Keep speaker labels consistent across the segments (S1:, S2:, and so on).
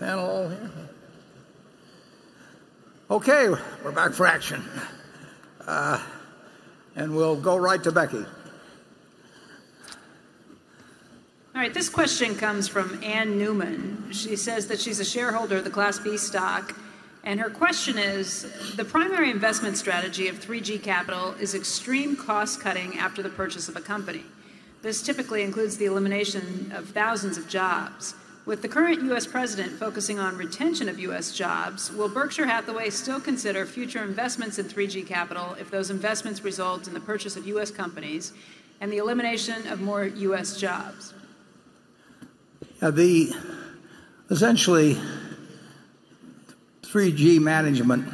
S1: Panel all here? Okay, we're back for action. We'll go right to Becky.
S2: All right, this question comes from Anne Newman. She says that she's a shareholder of the Class B stock, and her question is: "The primary investment strategy of 3G Capital is extreme cost-cutting after the purchase of a company. This typically includes the elimination of thousands of jobs. With the current U.S. president focusing on retention of U.S. jobs, will Berkshire Hathaway still consider future investments in 3G Capital if those investments result in the purchase of U.S. companies and the elimination of more U.S. jobs?
S1: Essentially, 3G management,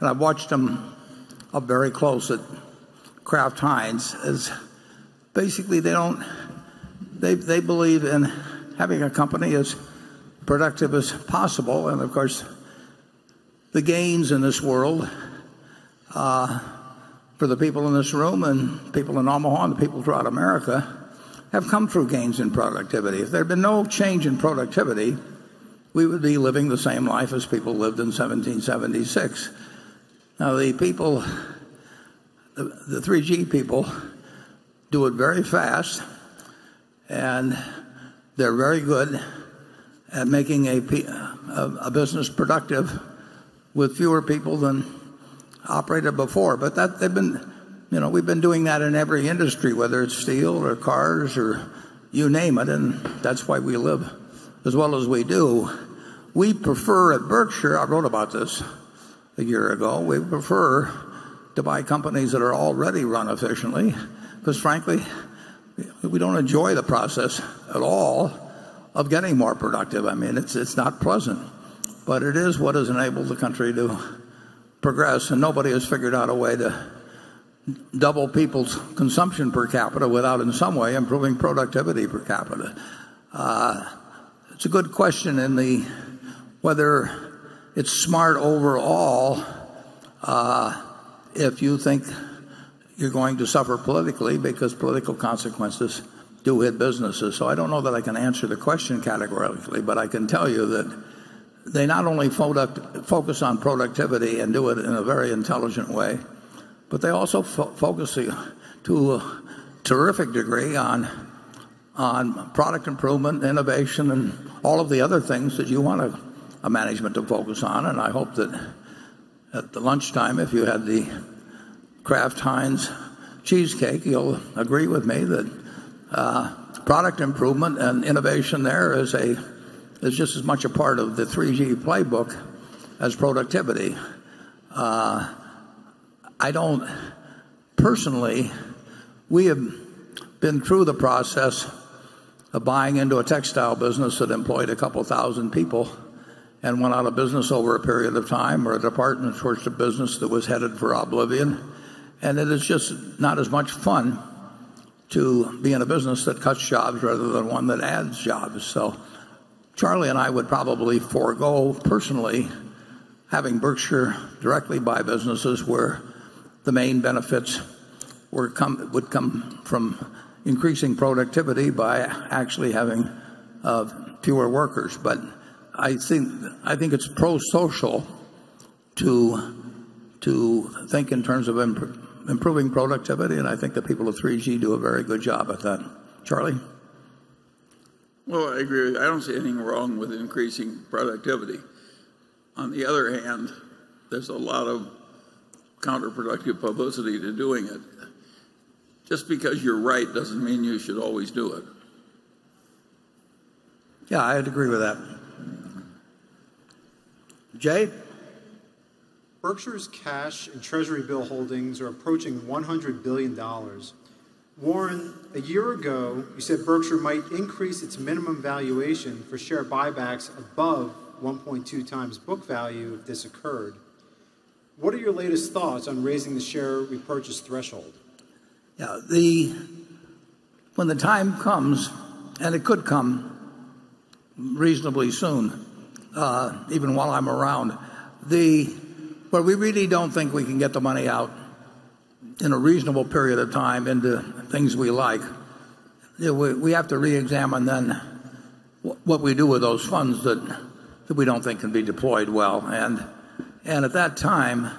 S1: I've watched them up very close at Kraft Heinz, basically they believe in having a company as productive as possible. Of course, the gains in this world, for the people in this room and people in Omaha and the people throughout America, have come through gains in productivity. If there had been no change in productivity, we would be living the same life as people lived in 1776. The 3G people do it very fast, and they're very good at making a business productive with fewer people than operated before. We've been doing that in every industry, whether it's steel or cars or you name it, and that's why we live as well as we do. We prefer at Berkshire, I wrote about this a year ago, we prefer to buy companies that are already run efficiently because frankly, we don't enjoy the process at all of getting more productive. It's not pleasant, but it is what has enabled the country to progress, and nobody has figured out a way to double people's consumption per capita without, in some way, improving productivity per capita. It's a good question in whether it's smart overall if you think you're going to suffer politically because political consequences do hit businesses. I don't know that I can answer the question categorically. I can tell you that they not only focus on productivity and do it in a very intelligent way, but they also focus to a terrific degree on product improvement, innovation, and all of the other things that you want a management to focus on. I hope that at the lunchtime, if you had the Kraft Heinz cheesecake, you'll agree with me that product improvement and innovation there is just as much a part of the 3G playbook as productivity. Personally, we have been through the process of buying into a textile business that employed a couple thousand people and went out of business over a period of time, or a department stores business that was headed for oblivion. It is just not as much fun to be in a business that cuts jobs rather than one that adds jobs. Charlie and I would probably forgo personally having Berkshire directly buy businesses where the main benefits would come from increasing productivity by actually having fewer workers. I think it's pro-social to think in terms of improving productivity, and I think the people of 3G do a very good job at that. Charlie?
S3: Well, I agree. I don't see anything wrong with increasing productivity. On the other hand, there's a lot of counterproductive publicity to doing it. Just because you're right doesn't mean you should always do it.
S1: Yeah, I'd agree with that. Jay?
S4: Berkshire's cash and treasury bill holdings are approaching $100 billion. Warren, a year ago, you said Berkshire might increase its minimum valuation for share buybacks above 1.2 times book value if this occurred. What are your latest thoughts on raising the share repurchase threshold?
S1: When the time comes, and it could come reasonably soon, even while I'm around, we really don't think we can get the money out in a reasonable period of time into things we like, we have to reexamine then what we do with those funds that we don't think can be deployed well. At that time,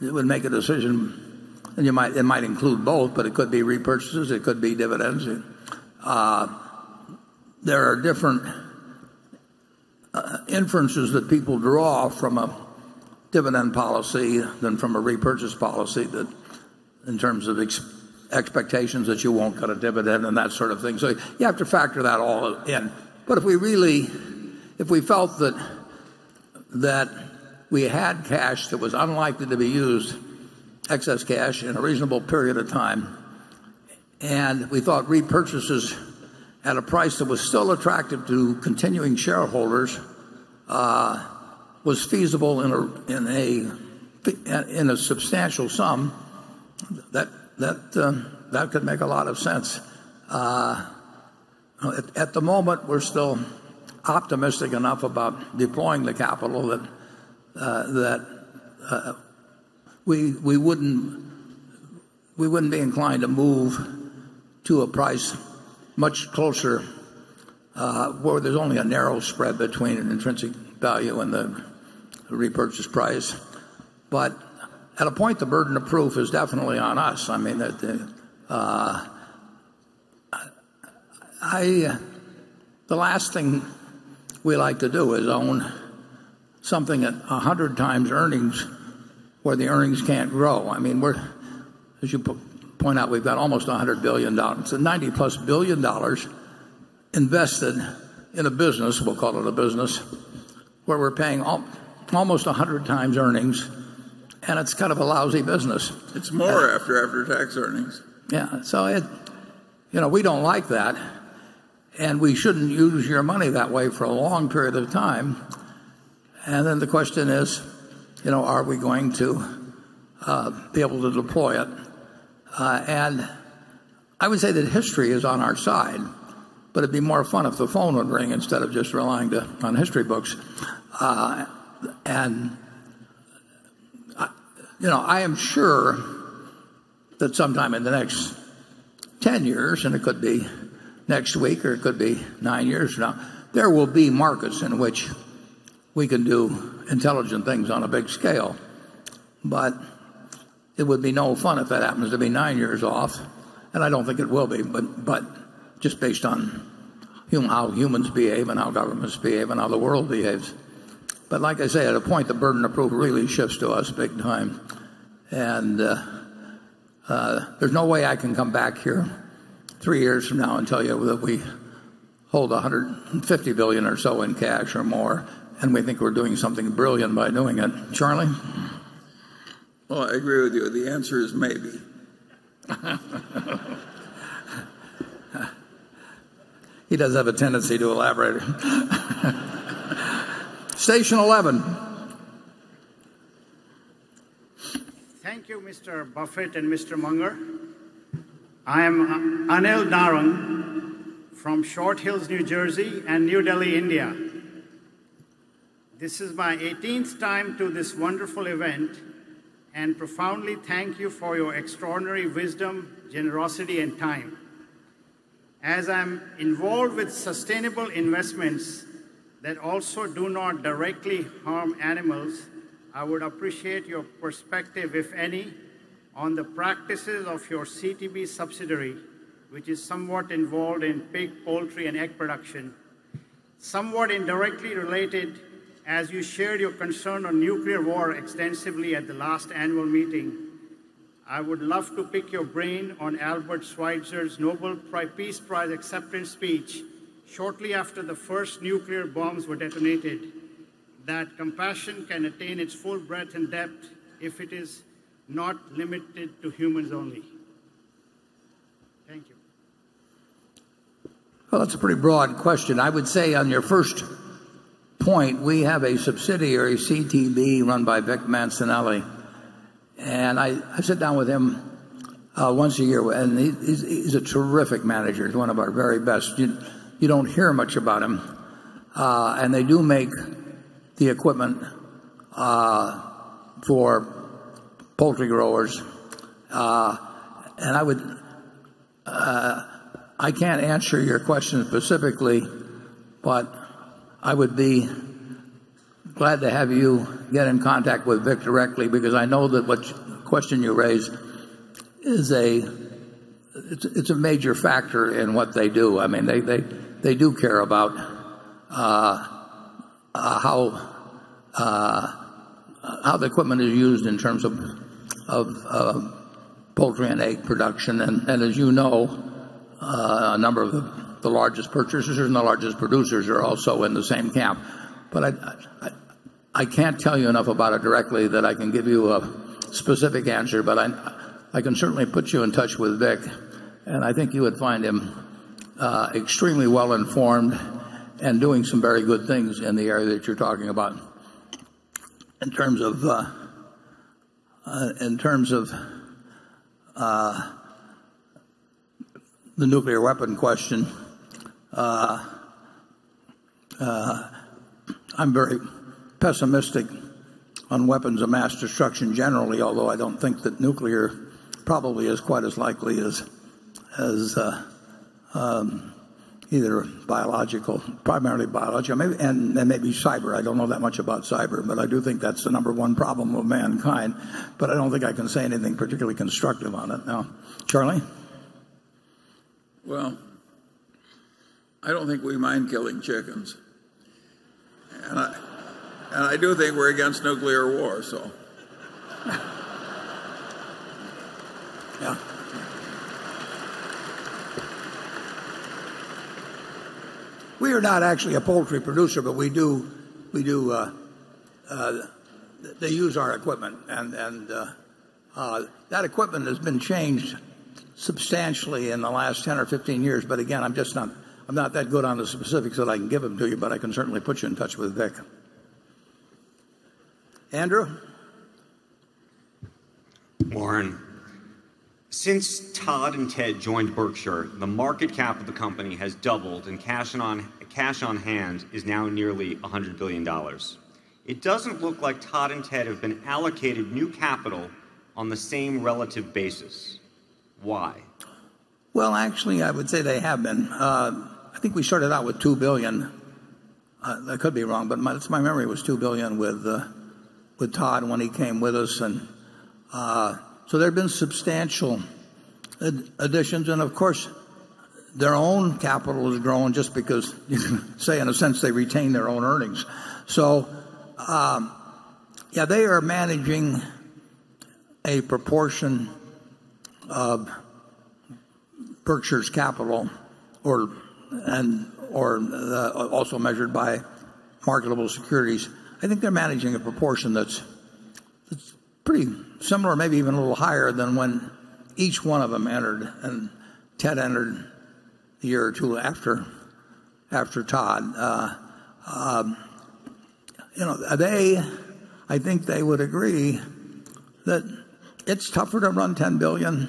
S1: we would make a decision, and it might include both, it could be repurchases, it could be dividends. There are different inferences that people draw from a dividend policy than from a repurchase policy in terms of expectations that you won't cut a dividend and that sort of thing. You have to factor that all in. If we felt that we had cash that was unlikely to be used, excess cash, in a reasonable period of time, and we thought repurchases at a price that was still attractive to continuing shareholders was feasible in a substantial sum, that could make a lot of sense. At the moment, we're still optimistic enough about deploying the capital that we wouldn't be inclined to move to a price much closer, where there's only a narrow spread between an intrinsic value and the repurchase price. At a point, the burden of proof is definitely on us. I mean, the last thing we like to do is own something at 100 times earnings where the earnings can't grow. As you point out, we've got almost $100 billion, $90-plus billion invested in a business, we'll call it a business, where we're paying almost 100 times earnings, and it's kind of a lousy business.
S3: It's more after-tax earnings.
S1: We don't like that, and we shouldn't use your money that way for a long period of time. The question is, are we going to be able to deploy it? I would say that history is on our side, but it'd be more fun if the phone would ring instead of just relying on history books. I am sure that sometime in the next 10 years, and it could be next week or it could be nine years from now, there will be markets in which we can do intelligent things on a big scale. It would be no fun if that happens to be nine years off, and I don't think it will be, but just based on how humans behave and how governments behave and how the world behaves. Like I say, at a point, the burden of proof really shifts to us big time. There's no way I can come back here three years from now and tell you that we hold $150 billion or so in cash or more, and we think we're doing something brilliant by doing it. Charlie?
S3: I agree with you. The answer is maybe.
S1: He does have a tendency to elaborate. Station 11.
S5: Thank you, Mr. Buffett and Mr. Munger. I am Anil Narang from Short Hills, New Jersey and New Delhi, India. This is my 18th time to this wonderful event, profoundly thank you for your extraordinary wisdom, generosity, and time. As I'm involved with sustainable investments that also do not directly harm animals, I would appreciate your perspective, if any, on the practices of your CTB subsidiary, which is somewhat involved in pig, poultry, and egg production. Somewhat indirectly related, as you shared your concern on nuclear war extensively at the last annual meeting, I would love to pick your brain on Albert Schweitzer's Nobel Peace Prize acceptance speech shortly after the first nuclear bombs were detonated, that compassion can attain its full breadth and depth if it is not limited to humans only. Thank you.
S1: Well, that's a pretty broad question. I would say on your first point, we have a subsidiary, CTB, run by Vic Mancinelli. I sit down with him once a year, and he's a terrific manager. He's one of our very best. You don't hear much about him. They do make the equipment for poultry growers. I can't answer your question specifically, but I would be glad to have you get in contact with Vic directly because I know that what question you raised it's a major factor in what they do. They do care about how the equipment is used in terms of poultry and egg production. As you know, a number of the largest purchasers and the largest producers are also in the same camp. I can't tell you enough about it directly that I can give you a specific answer, but I can certainly put you in touch with Vic, and I think you would find him extremely well-informed and doing some very good things in the area that you're talking about. In terms of the nuclear weapon question, I'm very pessimistic on weapons of mass destruction generally, although I don't think that nuclear probably is quite as likely as either biological, primarily biological, and maybe cyber. I don't know that much about cyber, but I do think that's the number one problem with mankind. I don't think I can say anything particularly constructive on it. Charlie?
S3: Well, I don't think we mind killing chickens. I do think we're against nuclear war.
S1: Yeah. We are not actually a poultry producer, but they use our equipment, and that equipment has been changed substantially in the last 10 or 15 years. Again, I'm not that good on the specifics that I can give them to you, but I can certainly put you in touch with Vic. Andrew?
S6: Warren, since Todd and Ted joined Berkshire, the market cap of the company has doubled and cash on hand is now nearly $100 billion. It doesn't look like Todd and Ted have been allocated new capital on the same relative basis. Why?
S1: Well, actually, I would say they have been. I think we started out with $2 billion. I could be wrong, but that's my memory, was $2 billion with Todd when he came with us, there have been substantial additions. Of course, their own capital has grown just because, you can say in a sense, they retain their own earnings. Yeah, they are managing a proportion of Berkshire's capital or also measured by marketable securities. I think they're managing a proportion that's pretty similar, maybe even a little higher than when each one of them entered, and Ted entered a year or two after Todd. I think they would agree that it's tougher to run $10 billion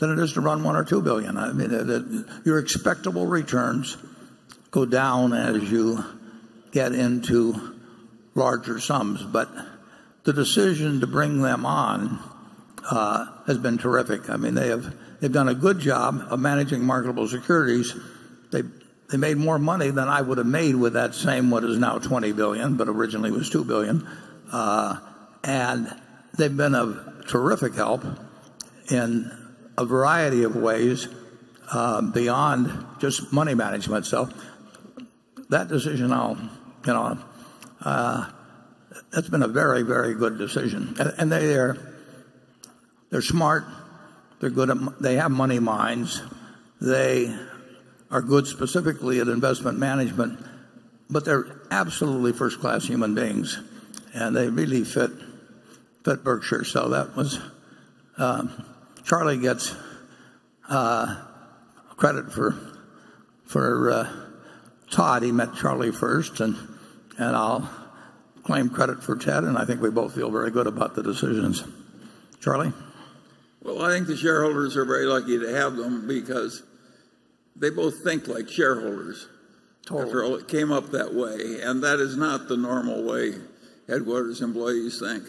S1: than it is to run $1 billion or $2 billion. Your expectable returns go down as you get into larger sums. The decision to bring them on has been terrific. They've done a good job of managing marketable securities. They made more money than I would have made with that same what is now $20 billion, but originally was $2 billion. They've been of terrific help in a variety of ways beyond just money management. That decision, that's been a very, very good decision. They're smart. They have money minds. They are good specifically at investment management, but they're absolutely first-class human beings, and they really fit Berkshire. Charlie gets credit for Todd. He met Charlie first, I'll claim credit for Ted, I think we both feel very good about the decisions. Charlie?
S3: Well, I think the shareholders are very lucky to have them because they both think like shareholders.
S1: Totally.
S3: They came up that way, That is not the normal way headquarters employees think.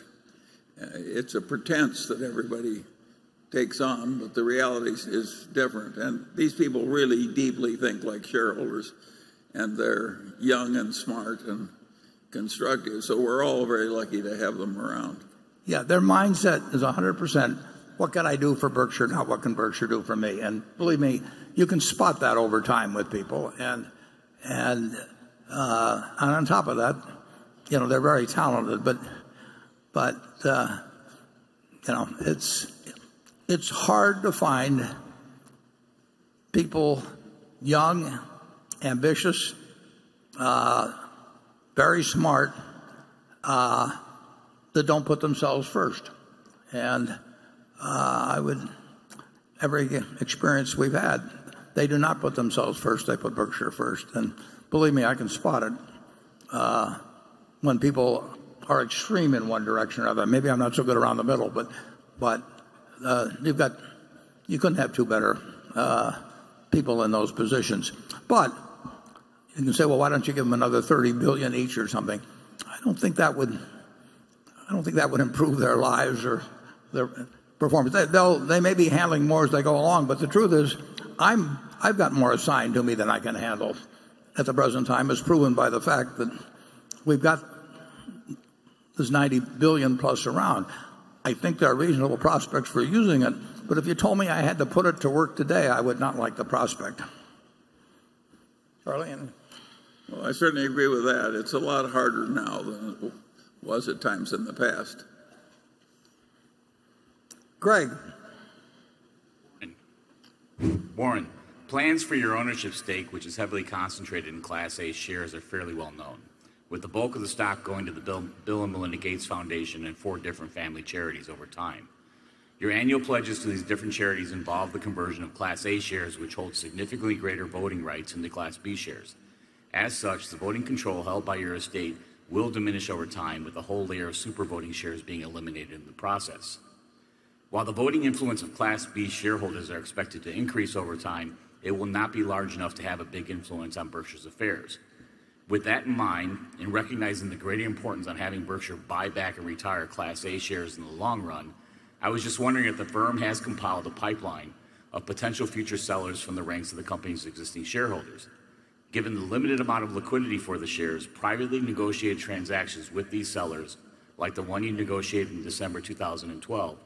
S3: It's a pretense that everybody takes on, but the reality is different. These people really deeply think like shareholders, and they're young and smart and constructive. We're all very lucky to have them around.
S1: Yeah, their mindset is 100%, what can I do for Berkshire? Not what can Berkshire do for me? Believe me, you can spot that over time with people. On top of that, they're very talented. It's hard to find people, young, ambitious, very smart, that don't put themselves first. Every experience we've had, they do not put themselves first. They put Berkshire first. Believe me, I can spot it when people are extreme in one direction or another. Maybe I'm not so good around the middle. You couldn't have two better people in those positions. You can say, "Well, why don't you give them another $30 billion each or something?" I don't think that would improve their lives or their performance. They may be handling more as they go along, the truth is, I've got more assigned to me than I can handle at the present time. It's proven by the fact that we've got this $90 billion plus around. I think there are reasonable prospects for using it. If you told me I had to put it to work today, I would not like the prospect. Charlie?
S3: Well, I certainly agree with that. It's a lot harder now than it was at times in the past.
S1: Greg.
S7: Warren, plans for your ownership stake, which is heavily concentrated in Class A shares, are fairly well known. With the bulk of the stock going to the Bill & Melinda Gates Foundation and four different family charities over time. Your annual pledges to these different charities involve the conversion of Class A shares, which hold significantly greater voting rights into Class B shares. As such, the voting control held by your estate will diminish over time, with a whole layer of super voting shares being eliminated in the process. While the voting influence of Class B shareholders are expected to increase over time, it will not be large enough to have a big influence on Berkshire's affairs. With that in mind, in recognizing the great importance on having Berkshire buy back and retire Class A shares in the long run, I was just wondering if the firm has compiled a pipeline of potential future sellers from the ranks of the company's existing shareholders. Given the limited amount of liquidity for the shares, privately negotiated transactions with these sellers, like the one you negotiated in December 2012,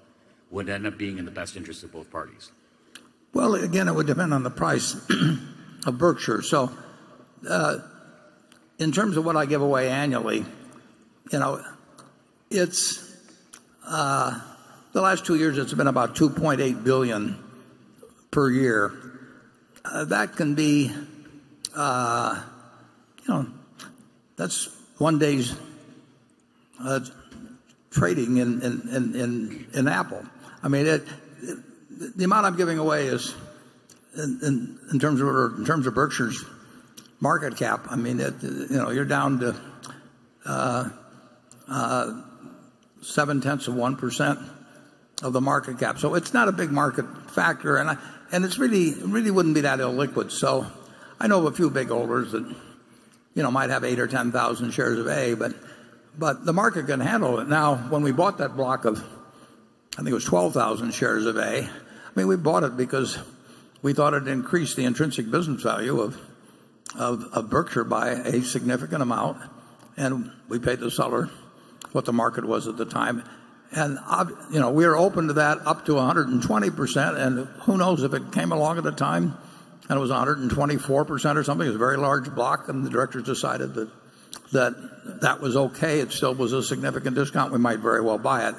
S7: would end up being in the best interest of both parties.
S1: Well, again, it would depend on the price of Berkshire. In terms of what I give away annually, the last two years, it's been about $2.8 billion per year. That's one day's trading in Apple. The amount I'm giving away in terms of Berkshire's market cap. You're down to seven-tenths of 1% of the market cap. It's not a big market factor, and it really wouldn't be that illiquid. I know of a few big holders that might have 8 or 10,000 shares of A, but the market can handle it. When we bought that block of, I think it was 12,000 shares of A, we bought it because we thought it increased the intrinsic business value of Berkshire by a significant amount, and we paid the seller what the market was at the time. We are open to that up to 120%, who knows, if it came along at the time and it was 124% or something, it was a very large block, the directors decided that that was okay, it still was a significant discount, we might very well buy it.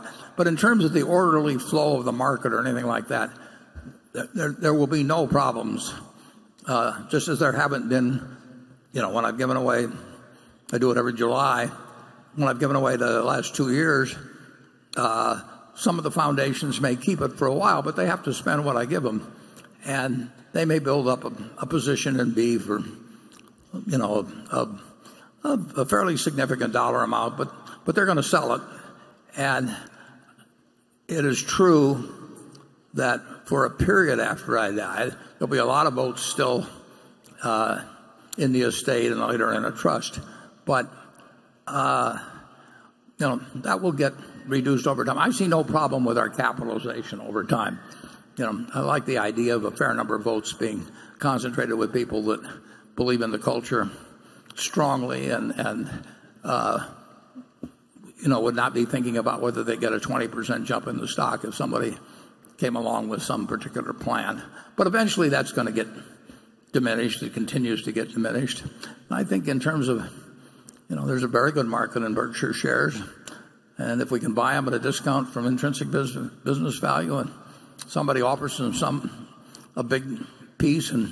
S1: In terms of the orderly flow of the market or anything like that, there will be no problems, just as there haven't been when I've given away I do it every July. When I've given away the last two years, some of the foundations may keep it for a while, but they have to spend what I give them, and they may build up a position in B for a fairly significant dollar amount, but they're going to sell it. It is true that for a period after I die, there'll be a lot of votes still in the estate and later in a trust, that will get reduced over time. I see no problem with our capitalization over time. I like the idea of a fair number of votes being concentrated with people that believe in the culture strongly and would not be thinking about whether they'd get a 20% jump in the stock if somebody came along with some particular plan. Eventually, that's going to get diminished. It continues to get diminished. I think in terms of, there's a very good market in Berkshire shares, if we can buy them at a discount from intrinsic business value, somebody offers them a big piece, the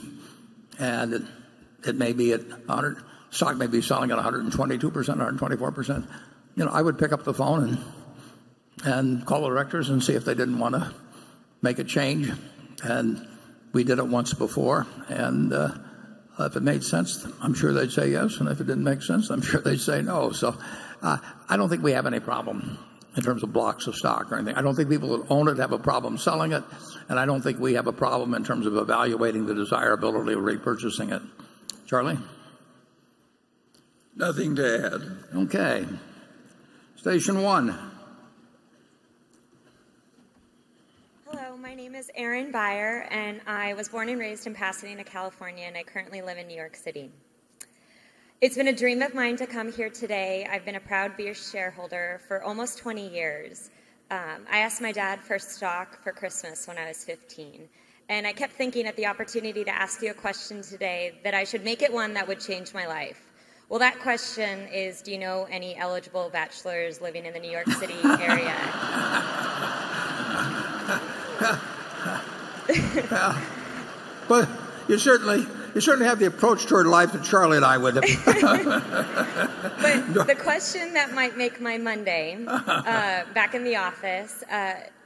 S1: stock may be selling at 122%, 124%, I would pick up the phone and call the directors and see if they didn't want to make a change. We did it once before, if it made sense, I'm sure they'd say yes. If it didn't make sense, I'm sure they'd say no. I don't think we have any problem in terms of blocks of stock or anything. I don't think people that own it have a problem selling it, and I don't think we have a problem in terms of evaluating the desirability of repurchasing it. Charlie?
S3: Nothing to add.
S1: Okay. Station one.
S8: Hello, my name is Erin Bayer. I was born and raised in Pasadena, California. I currently live in New York City. It's been a dream of mine to come here today. I've been a proud B shareholder for almost 20 years. I asked my dad for stock for Christmas when I was 15. I kept thinking at the opportunity to ask you a question today that I should make it one that would change my life. Well, that question is, do you know any eligible bachelors living in the New York City area?
S1: Well, you certainly have the approach toward life that Charlie and I would have.
S8: The question that might make my Monday- back in the office.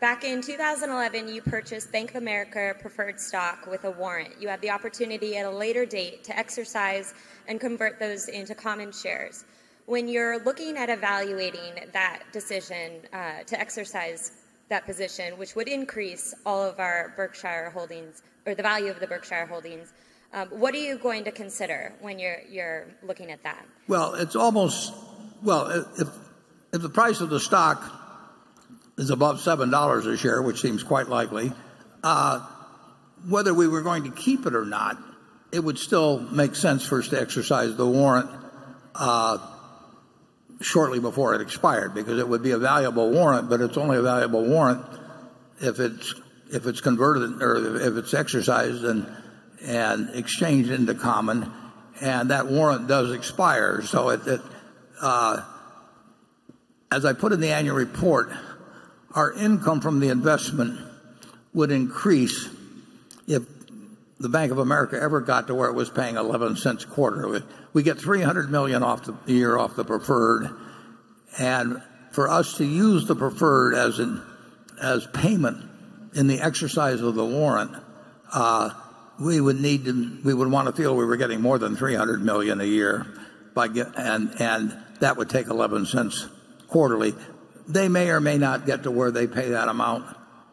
S8: Back in 2011, you purchased Bank of America preferred stock with a warrant. You have the opportunity at a later date to exercise and convert those into common shares. When you're looking at evaluating that decision to exercise that position, which would increase all of our Berkshire holdings or the value of the Berkshire holdings, what are you going to consider when you're looking at that?
S1: If the price of the stock is above $7 a share, which seems quite likely, whether we were going to keep it or not, it would still make sense for us to exercise the warrant shortly before it expired because it would be a valuable warrant, but it's only a valuable warrant if it's converted or if it's exercised and exchanged into common, and that warrant does expire. As I put in the annual report, our income from the investment would increase if the Bank of America ever got to where it was paying $0.11 a quarter. We'd get $300 million a year off the preferred. For us to use the preferred as payment in the exercise of the warrant, we would want to feel we were getting more than $300 million a year, and that would take $0.11 quarterly. They may or may not get to where they pay that amount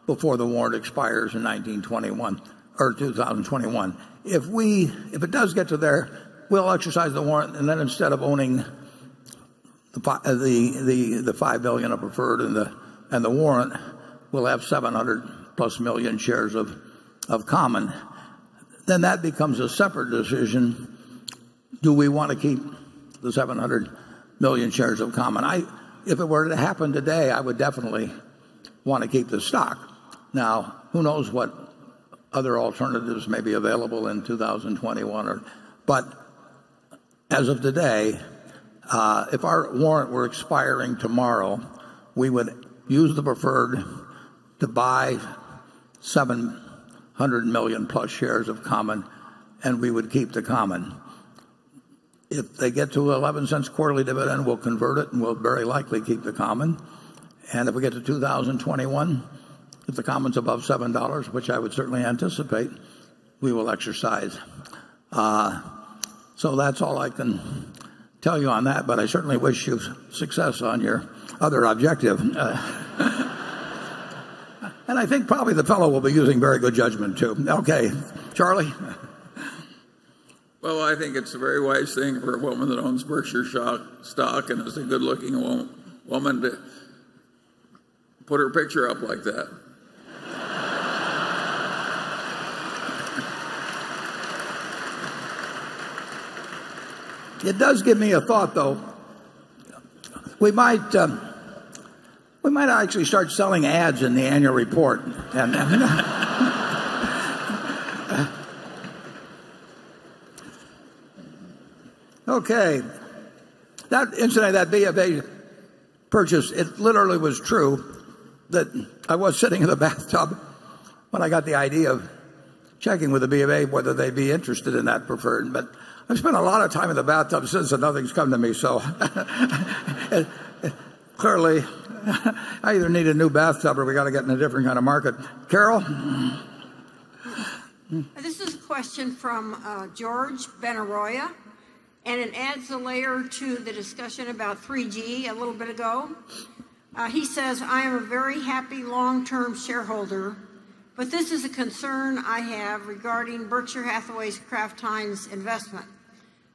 S1: before the warrant expires in 2021 or 2021. If it does get to there, we'll exercise the warrant, and instead of owning the $5 billion of preferred and the warrant, we'll have 700-plus million shares of common. That becomes a separate decision. Do we want to keep the 700 million shares of common? If it were to happen today, I would definitely want to keep the stock. Who knows what other alternatives may be available in 2021. As of today, if our warrant were expiring tomorrow, we would use the preferred to buy 700 million plus shares of common, and we would keep the common. If they get to $0.11 quarterly dividend, we'll convert it and we'll very likely keep the common. If we get to 2021 If the common's above $7, which I would certainly anticipate, we will exercise. That's all I can tell you on that, I certainly wish you success on your other objective. I think probably the fellow will be using very good judgment too. Okay. Charlie?
S3: I think it's a very wise thing for a woman that owns Berkshire stock and is a good-looking woman to put her picture up like that.
S1: It does give me a thought, though. We might actually start selling ads in the annual report. Okay. That incident, that B of A purchase, it literally was true that I was sitting in the bathtub when I got the idea of checking with the B of A whether they'd be interested in that preferred. I've spent a lot of time in the bathtub since, and nothing's come to me, clearly, I either need a new bathtub or we got to get in a different kind of market. Carol?
S9: This is a question from George Benaroya, it adds a layer to the discussion about 3G a little bit ago. He says, "I am a very happy long-term shareholder, this is a concern I have regarding Berkshire Hathaway's Kraft Heinz investment.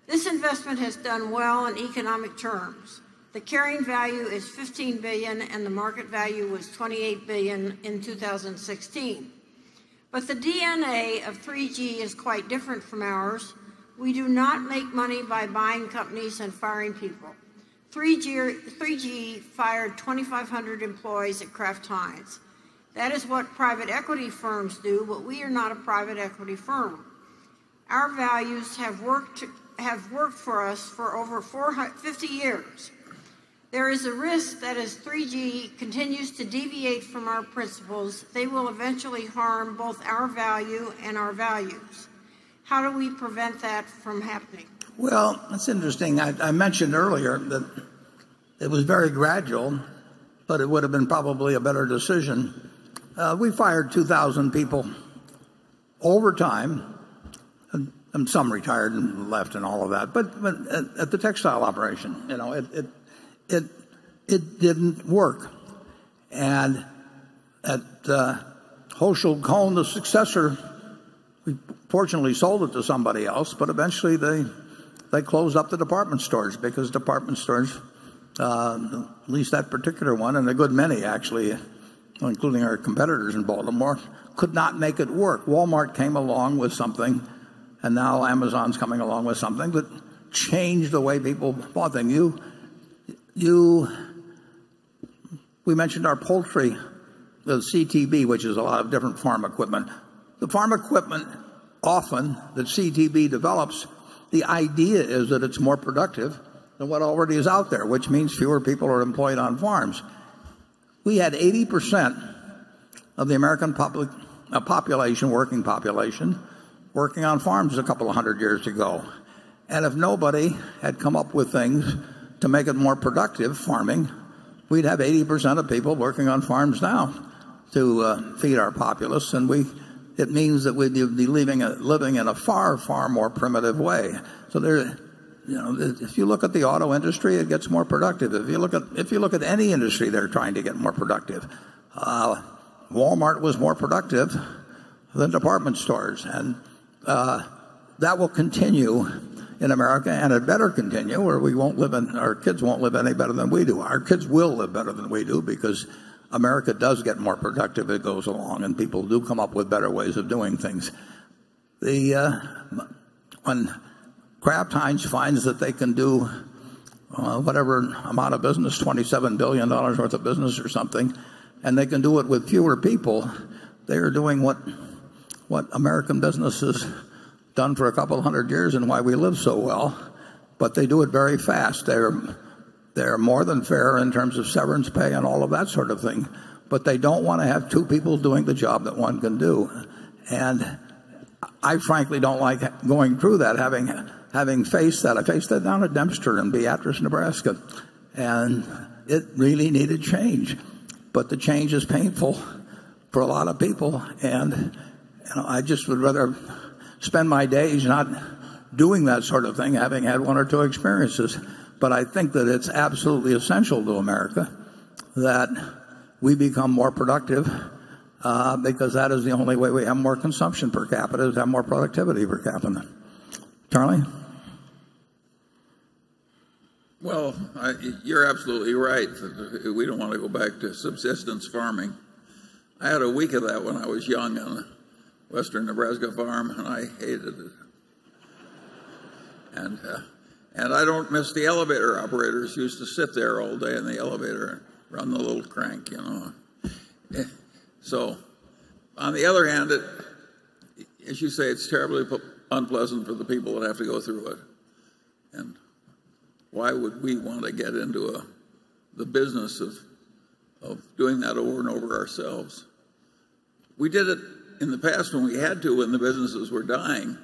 S9: This investment has done well in economic terms. The carrying value is $15 billion, and the market value was $28 billion in 2016. The DNA of 3G is quite different from ours. We do not make money by buying companies and firing people. 3G fired 2,500 employees at Kraft Heinz. That is what private equity firms do, we are not a private equity firm. Our values have worked for us for over 50 years. There is a risk that as 3G continues to deviate from our principles, they will eventually harm both our value and our values. How do we prevent that from happening?
S1: Well, that's interesting. I mentioned earlier that it was very gradual, it would've been probably a better decision. We fired 2,000 people over time, some retired and left and all of that. At the textile operation, it didn't work. At Hochschild-Kohn, the successor, we fortunately sold it to somebody else, eventually they closed up the department stores because department stores, at least that particular one and a good many actually, including our competitors in Baltimore, could not make it work. Walmart came along with something, now Amazon's coming along with something that changed the way people bought them. We mentioned our poultry, the CTB, which is a lot of different farm equipment. The farm equipment often that CTB develops, the idea is that it's more productive than what already is out there, which means fewer people are employed on farms. We had 80% of the American working population working on farms a couple of hundred years ago. If nobody had come up with things to make it more productive, farming, we'd have 80% of people working on farms now to feed our populace, it means that we'd be living in a far, far more primitive way. If you look at the auto industry, it gets more productive. If you look at any industry, they're trying to get more productive. Walmart was more productive than department stores, that will continue in America, it better continue, or our kids won't live any better than we do. Our kids will live better than we do because America does get more productive as it goes along, people do come up with better ways of doing things. When Kraft Heinz finds that they can do whatever amount of business, $27 billion worth of business or something, and they can do it with fewer people, they are doing what American business has done for a couple of hundred years and why we live so well. They do it very fast. They're more than fair in terms of severance pay and all of that sort of thing, but they don't want to have two people doing the job that one can do. I frankly don't like going through that, having faced that. I faced it down at Dempster in Beatrice, Nebraska, and it really needed change. The change is painful for a lot of people, and I just would rather spend my days not doing that sort of thing, having had one or two experiences. I think that it's absolutely essential to America that we become more productive, because that is the only way we have more consumption per capita, is have more productivity per capita. Charlie?
S3: Well, you're absolutely right. We don't want to go back to subsistence farming. I had a week of that when I was young on a western Nebraska farm, and I hated it.
S1: I don't miss the elevator operators who used to sit there all day in the elevator and run the little crank. On the other hand, as you say, it's terribly unpleasant for the people that have to go through it, and why would we want to get into the business of doing that over and over ourselves? We did it in the past when we had to, when the businesses were dying.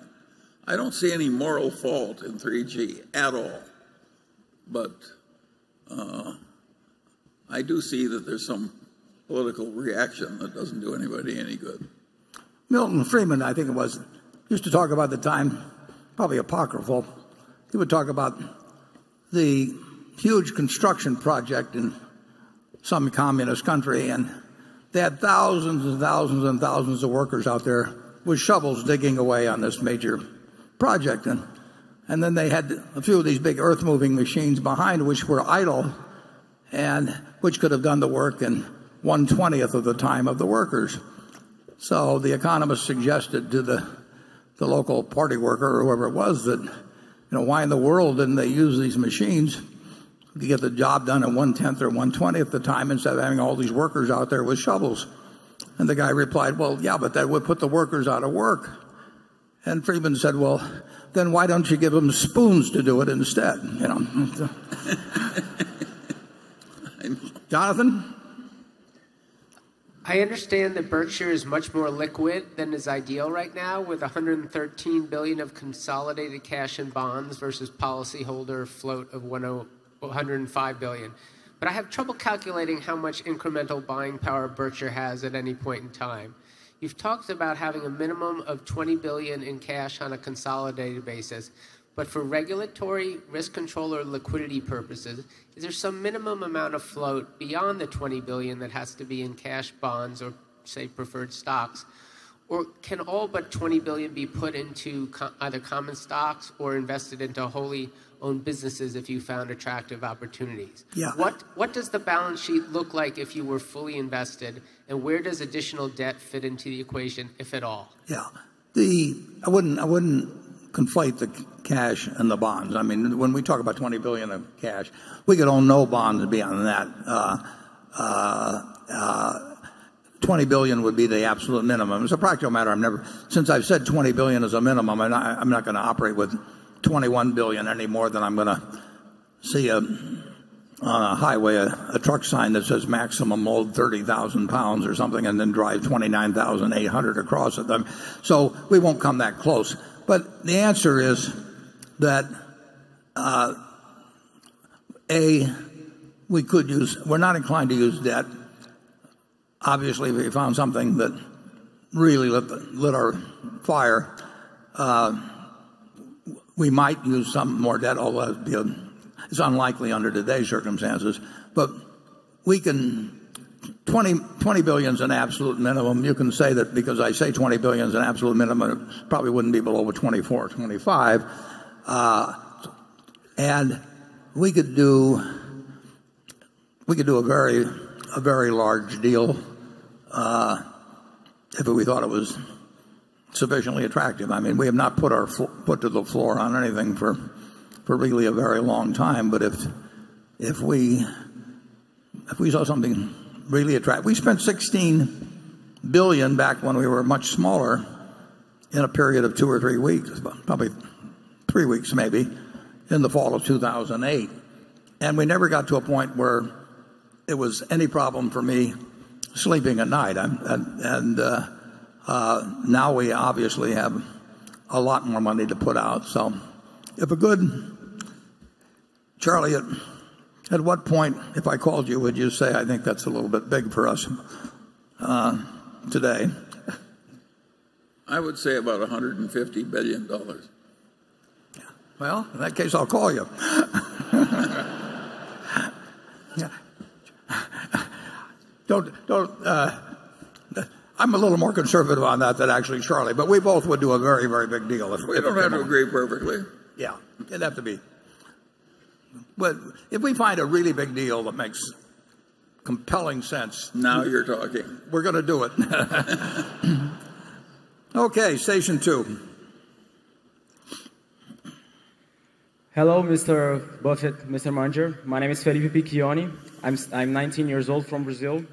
S1: I don't see any moral fault in 3G at all
S3: I do see that there's some political reaction that doesn't do anybody any good.
S1: Milton Friedman, I think it was, used to talk about the time, probably apocryphal, he would talk about the huge construction project in some communist country, they had thousands and thousands and thousands of workers out there with shovels digging away on this major project. Then they had a few of these big earth-moving machines behind, which were idle, and which could have done the work in 120th of the time of the workers. The economist suggested to the local party worker, or whoever it was, "Why in the world didn't they use these machines to get the job done in one-tenth or 120th the time, instead of having all these workers out there with shovels?" The guy replied, "Well, yeah, but that would put the workers out of work." Friedman said, "Well, then why don't you give them spoons to do it instead?" Jonathan?
S4: I understand that Berkshire is much more liquid than is ideal right now, with $113 billion of consolidated cash and bonds versus policyholder float of $105 billion. I have trouble calculating how much incremental buying power Berkshire has at any point in time. You've talked about having a minimum of $20 billion in cash on a consolidated basis, but for regulatory risk control or liquidity purposes, is there some minimum amount of float beyond the $20 billion that has to be in cash bonds or say, preferred stocks? Can all but $20 billion be put into either common stocks or invested into wholly owned businesses if you found attractive opportunities?
S1: Yeah.
S4: What does the balance sheet look like if you were fully invested, and where does additional debt fit into the equation, if at all?
S1: Yeah. I wouldn't conflate the cash and the bonds. When we talk about $20 billion of cash, we could own no bonds beyond that. $20 billion would be the absolute minimum. As a practical matter, since I've said $20 billion is a minimum, and I'm not going to operate with $21 billion any more than I'm going to see on a highway a truck sign that says maximum load 30,000 pounds or something and then drive 29,800 across it. We won't come that close. The answer is that, A, we're not inclined to use debt. Obviously, if we found something that really lit our fire, we might use some more debt, although it's unlikely under today's circumstances. $20 billion is an absolute minimum. You can say that because I say $20 billion is an absolute minimum, it probably wouldn't be below a $24 or $25. We could do a very large deal, if we thought it was sufficiently attractive. We have not put to the floor on anything for really a very long time. If we saw something really attractive. We spent $16 billion back when we were much smaller in a period of two or three weeks, probably three weeks maybe, in the fall of 2008, and we never got to a point where it was any problem for me sleeping at night. Now we obviously have a lot more money to put out. Charlie, at what point, if I called you, would you say, "I think that's a little bit big for us today?
S3: I would say about $150 billion.
S1: Yeah. Well, in that case, I'll call you. I'm a little more conservative on that than actually Charlie, we both would do a very, very big deal if we.
S3: We don't have to agree perfectly.
S1: Yeah. Didn't have to be. If we find a really big deal that makes compelling sense.
S3: Now you're talking.
S1: We're going to do it. Okay. Station two.
S10: Hello, Mr. Buffett, Mr. Munger. My name is Felipe Picchioni. I am 19 years old from Brazil.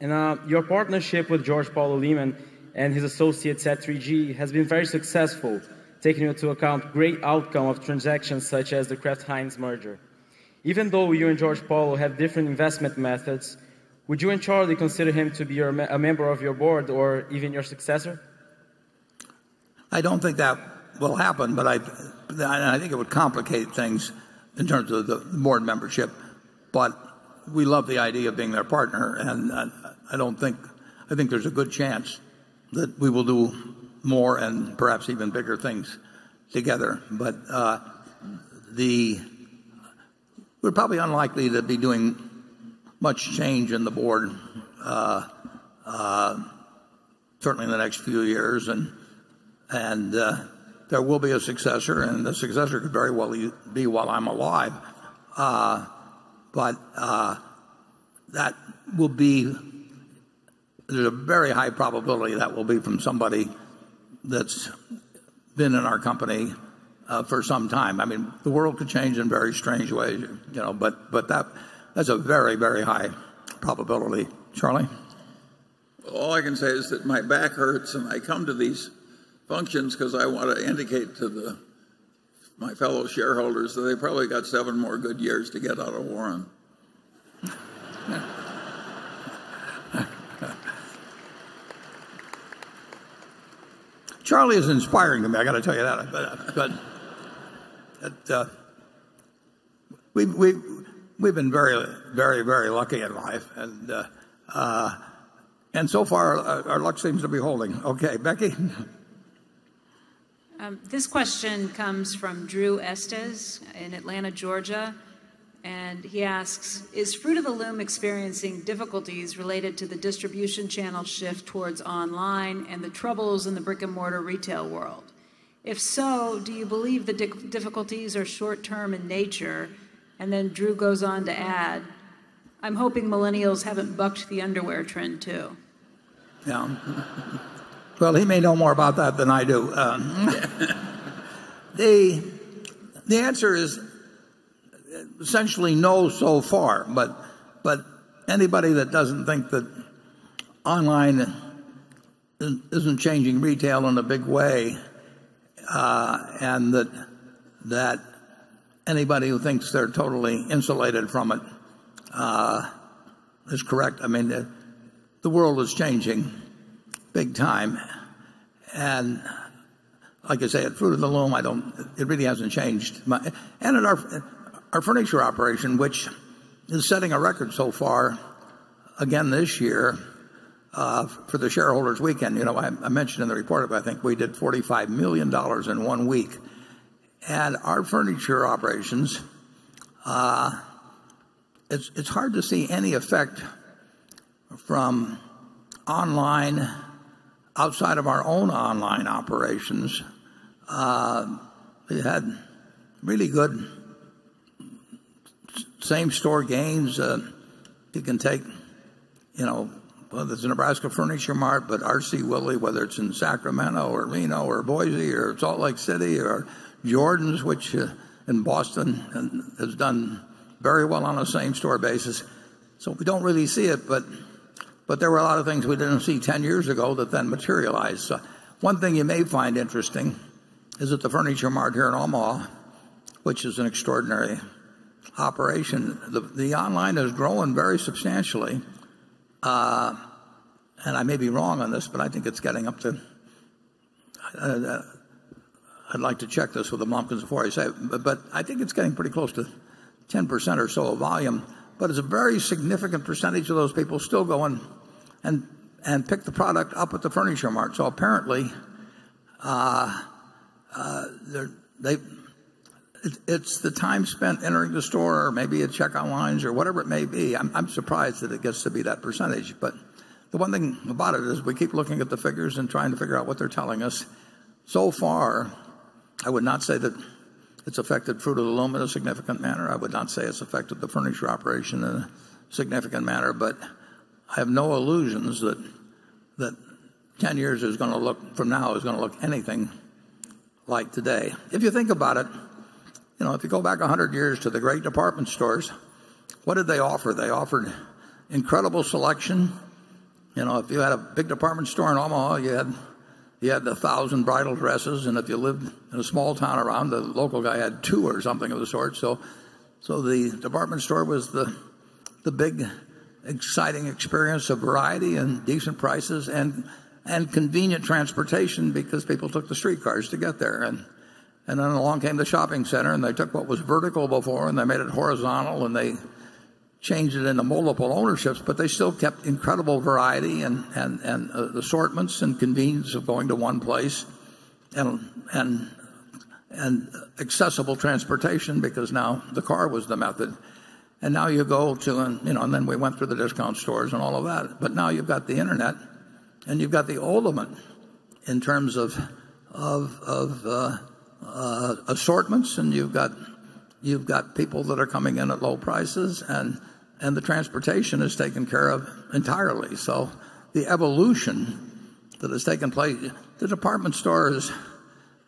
S10: Your partnership with Jorge Paulo Lemann and his associates at 3G has been very successful, taking into account great outcome of transactions such as the Kraft Heinz merger. Even though you and Jorge Paulo have different investment methods, would you and Charlie consider him to be a member of your board or even your successor?
S1: I don't think that will happen, and I think it would complicate things in terms of the board membership. We love the idea of being their partner, and I think there's a good chance that we will do more and perhaps even bigger things together. We're probably unlikely to be doing much change in the board, certainly in the next few years. There will be a successor, and the successor could very well be while I'm alive. There's a very high probability that will be from somebody that's been in our company for some time. The world could change in very strange ways, but that's a very, very high probability. Charlie?
S3: All I can say is that my back hurts and I come to these functions because I want to indicate to my fellow shareholders that they probably got seven more good years to get out of Warren.
S1: Charlie is inspiring to me, I got to tell you that. We've been very lucky in life, and so far, our luck seems to be holding. Okay, Becky?
S2: This question comes from Drew Estes in Atlanta, Georgia, he asks, "Is Fruit of the Loom experiencing difficulties related to the distribution channel shift towards online and the troubles in the brick-and-mortar retail world? If so, do you believe the difficulties are short-term in nature?" Then Drew goes on to add, "I'm hoping millennials haven't bucked the underwear trend, too.
S1: Yeah. Well, he may know more about that than I do. The answer is essentially no so far, anybody that doesn't think that online isn't changing retail in a big way, and that anybody who thinks they're totally insulated from it is correct. The world is changing big time. Like I say, at Fruit of the Loom, it really hasn't changed. At our furniture operation, which is setting a record so far again this year for the shareholders weekend, I mentioned in the report, I think we did $45 million in one week. At our furniture operations, it's hard to see any effect from online outside of our own online operations. We had really good same-store gains. You can take, whether it's the Nebraska Furniture Mart, RC Willey, whether it's in Sacramento or Reno or Boise or Salt Lake City, or Jordan's, which in Boston, has done very well on a same-store basis. We don't really see it, but there were a lot of things we didn't see 10 years ago that then materialized. One thing you may find interesting is that the Furniture Mart here in Omaha, which is an extraordinary operation, the online has grown very substantially. I may be wrong on this, but I think it's getting up to I'd like to check this with Munger before I say it, but I think it's getting pretty close to 10% or so of volume. It's a very significant percentage of those people still go and pick the product up at the Furniture Mart. Apparently, it's the time spent entering the store, maybe it's checkout lines or whatever it may be. I'm surprised that it gets to be that percentage. The one thing about it is we keep looking at the figures and trying to figure out what they're telling us. Far, I would not say that it's affected Fruit of the Loom in a significant manner. I would not say it's affected the furniture operation in a significant manner. I have no illusions that 10 years from now it's going to look anything like today. If you think about it, if you go back 100 years to the great department stores, what did they offer? They offered incredible selection. If you had a big department store in Omaha, you had the 1,000 bridal dresses, and if you lived in a small town around, the local guy had two or something of the sort. The department store was the big exciting experience of variety and decent prices and convenient transportation because people took the streetcars to get there. Along came the shopping center. They took what was vertical before. They made it horizontal. They changed it into multiple ownerships. They still kept incredible variety and assortments and convenience of going to one place, accessible transportation because now the car was the method. We went through the discount stores and all of that. Now you've got the internet. You've got the ultimate in terms of assortments. You've got people that are coming in at low prices. The transportation is taken care of entirely. The evolution that has taken place, the department store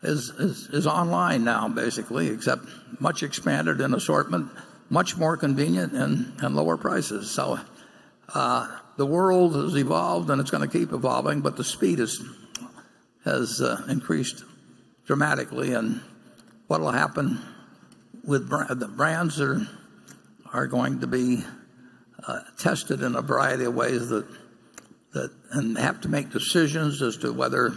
S1: is online now, basically, except much expanded in assortment, much more convenient, and lower prices. The world has evolved, and it's going to keep evolving, but the speed has increased dramatically. What will happen with the brands are going to be tested in a variety of ways that have to make decisions as to whether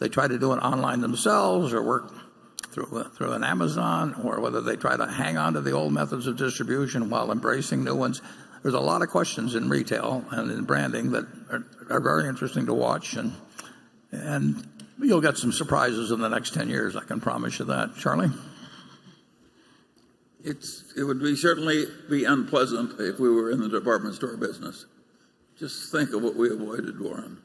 S1: they try to do it online themselves or work through an Amazon, or whether they try to hang on to the old methods of distribution while embracing new ones. There's a lot of questions in retail and in branding that are very interesting to watch, and you'll get some surprises in the next 10 years, I can promise you that. Charlie?
S3: It would certainly be unpleasant if we were in the department store business. Just think of what we avoided, Warren.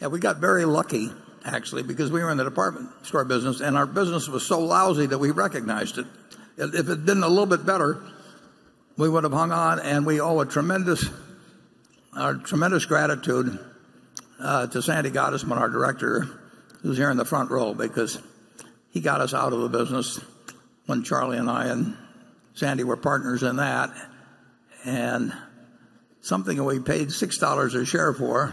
S1: Well, we got very lucky actually, because we were in the department store business, and our business was so lousy that we recognized it. If it had been a little bit better, we would have hung on, and we owe a tremendous gratitude to David Gottesman, our director, who's here in the front row because he got us out of the business when Charlie and I and Sandy were partners in that. Something we paid $6 a share for,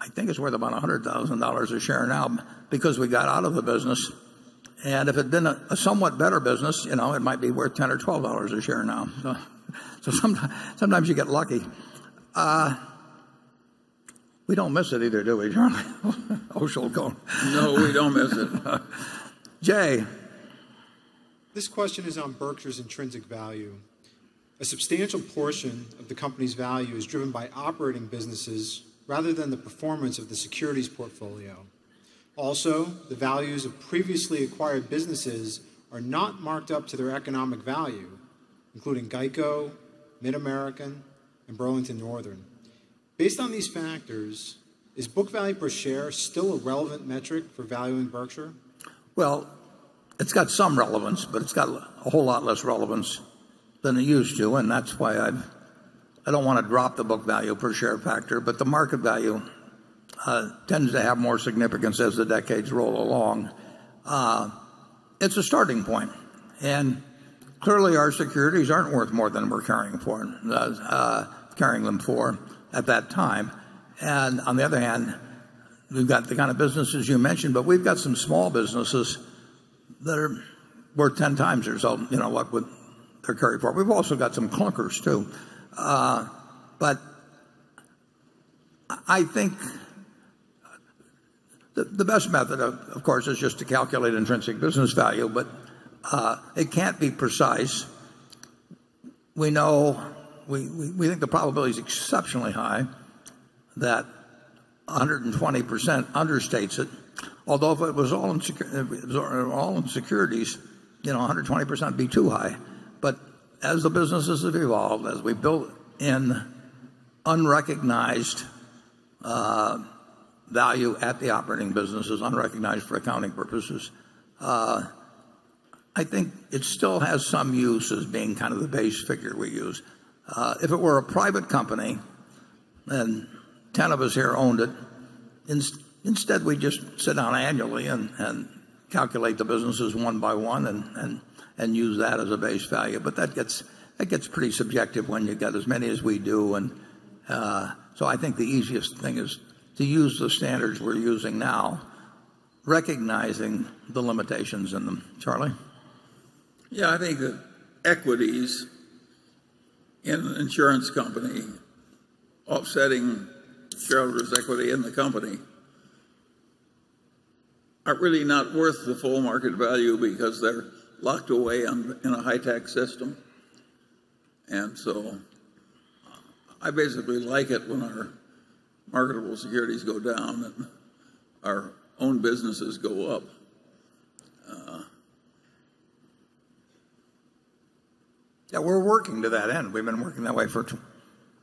S1: I think it's worth about $100,000 a share now because we got out of the business. If it had been a somewhat better business, it might be worth $10 or $12 a share now. Sometimes you get lucky. We don't miss it either, do we, Charlie? Och-Ziff.
S3: No, we don't miss it.
S1: Jay.
S4: This question is on Berkshire's intrinsic value. A substantial portion of the company's value is driven by operating businesses rather than the performance of the securities portfolio. Also, the values of previously acquired businesses are not marked up to their economic value, including GEICO, MidAmerican, and Burlington Northern. Based on these factors, is book value per share still a relevant metric for valuing Berkshire?
S1: Well, it's got some relevance, but it's got a whole lot less relevance than it used to, and that's why I don't want to drop the book value per share factor. The market value tends to have more significance as the decades roll along. It's a starting point, and clearly our securities aren't worth more than we're carrying them for at that time. On the other hand, we've got the kind of businesses you mentioned, but we've got some small businesses that are worth 10 times or so, what they're carried for. We've also got some clunkers, too. I think the best method, of course, is just to calculate intrinsic business value. It can't be precise. We think the probability is exceptionally high that 120% understates it, although if it was all in securities, 120% would be too high. As the businesses have evolved, as we built in unrecognized value at the operating businesses, unrecognized for accounting purposes, I think it still has some use as being the base figure we use. If it were a private company and 10 of us here owned it, instead we'd just sit down annually and calculate the businesses one by one and use that as a base value. That gets pretty subjective when you've got as many as we do. I think the easiest thing is to use the standards we're using now, recognizing the limitations in them. Charlie?
S3: Yeah, I think the equities in an insurance company offsetting shareholders' equity in the company are really not worth the full market value because they're locked away in a high-tax system. I basically like it when our marketable securities go down and our own businesses go up.
S1: Yeah, we're working to that end. We've been working that way for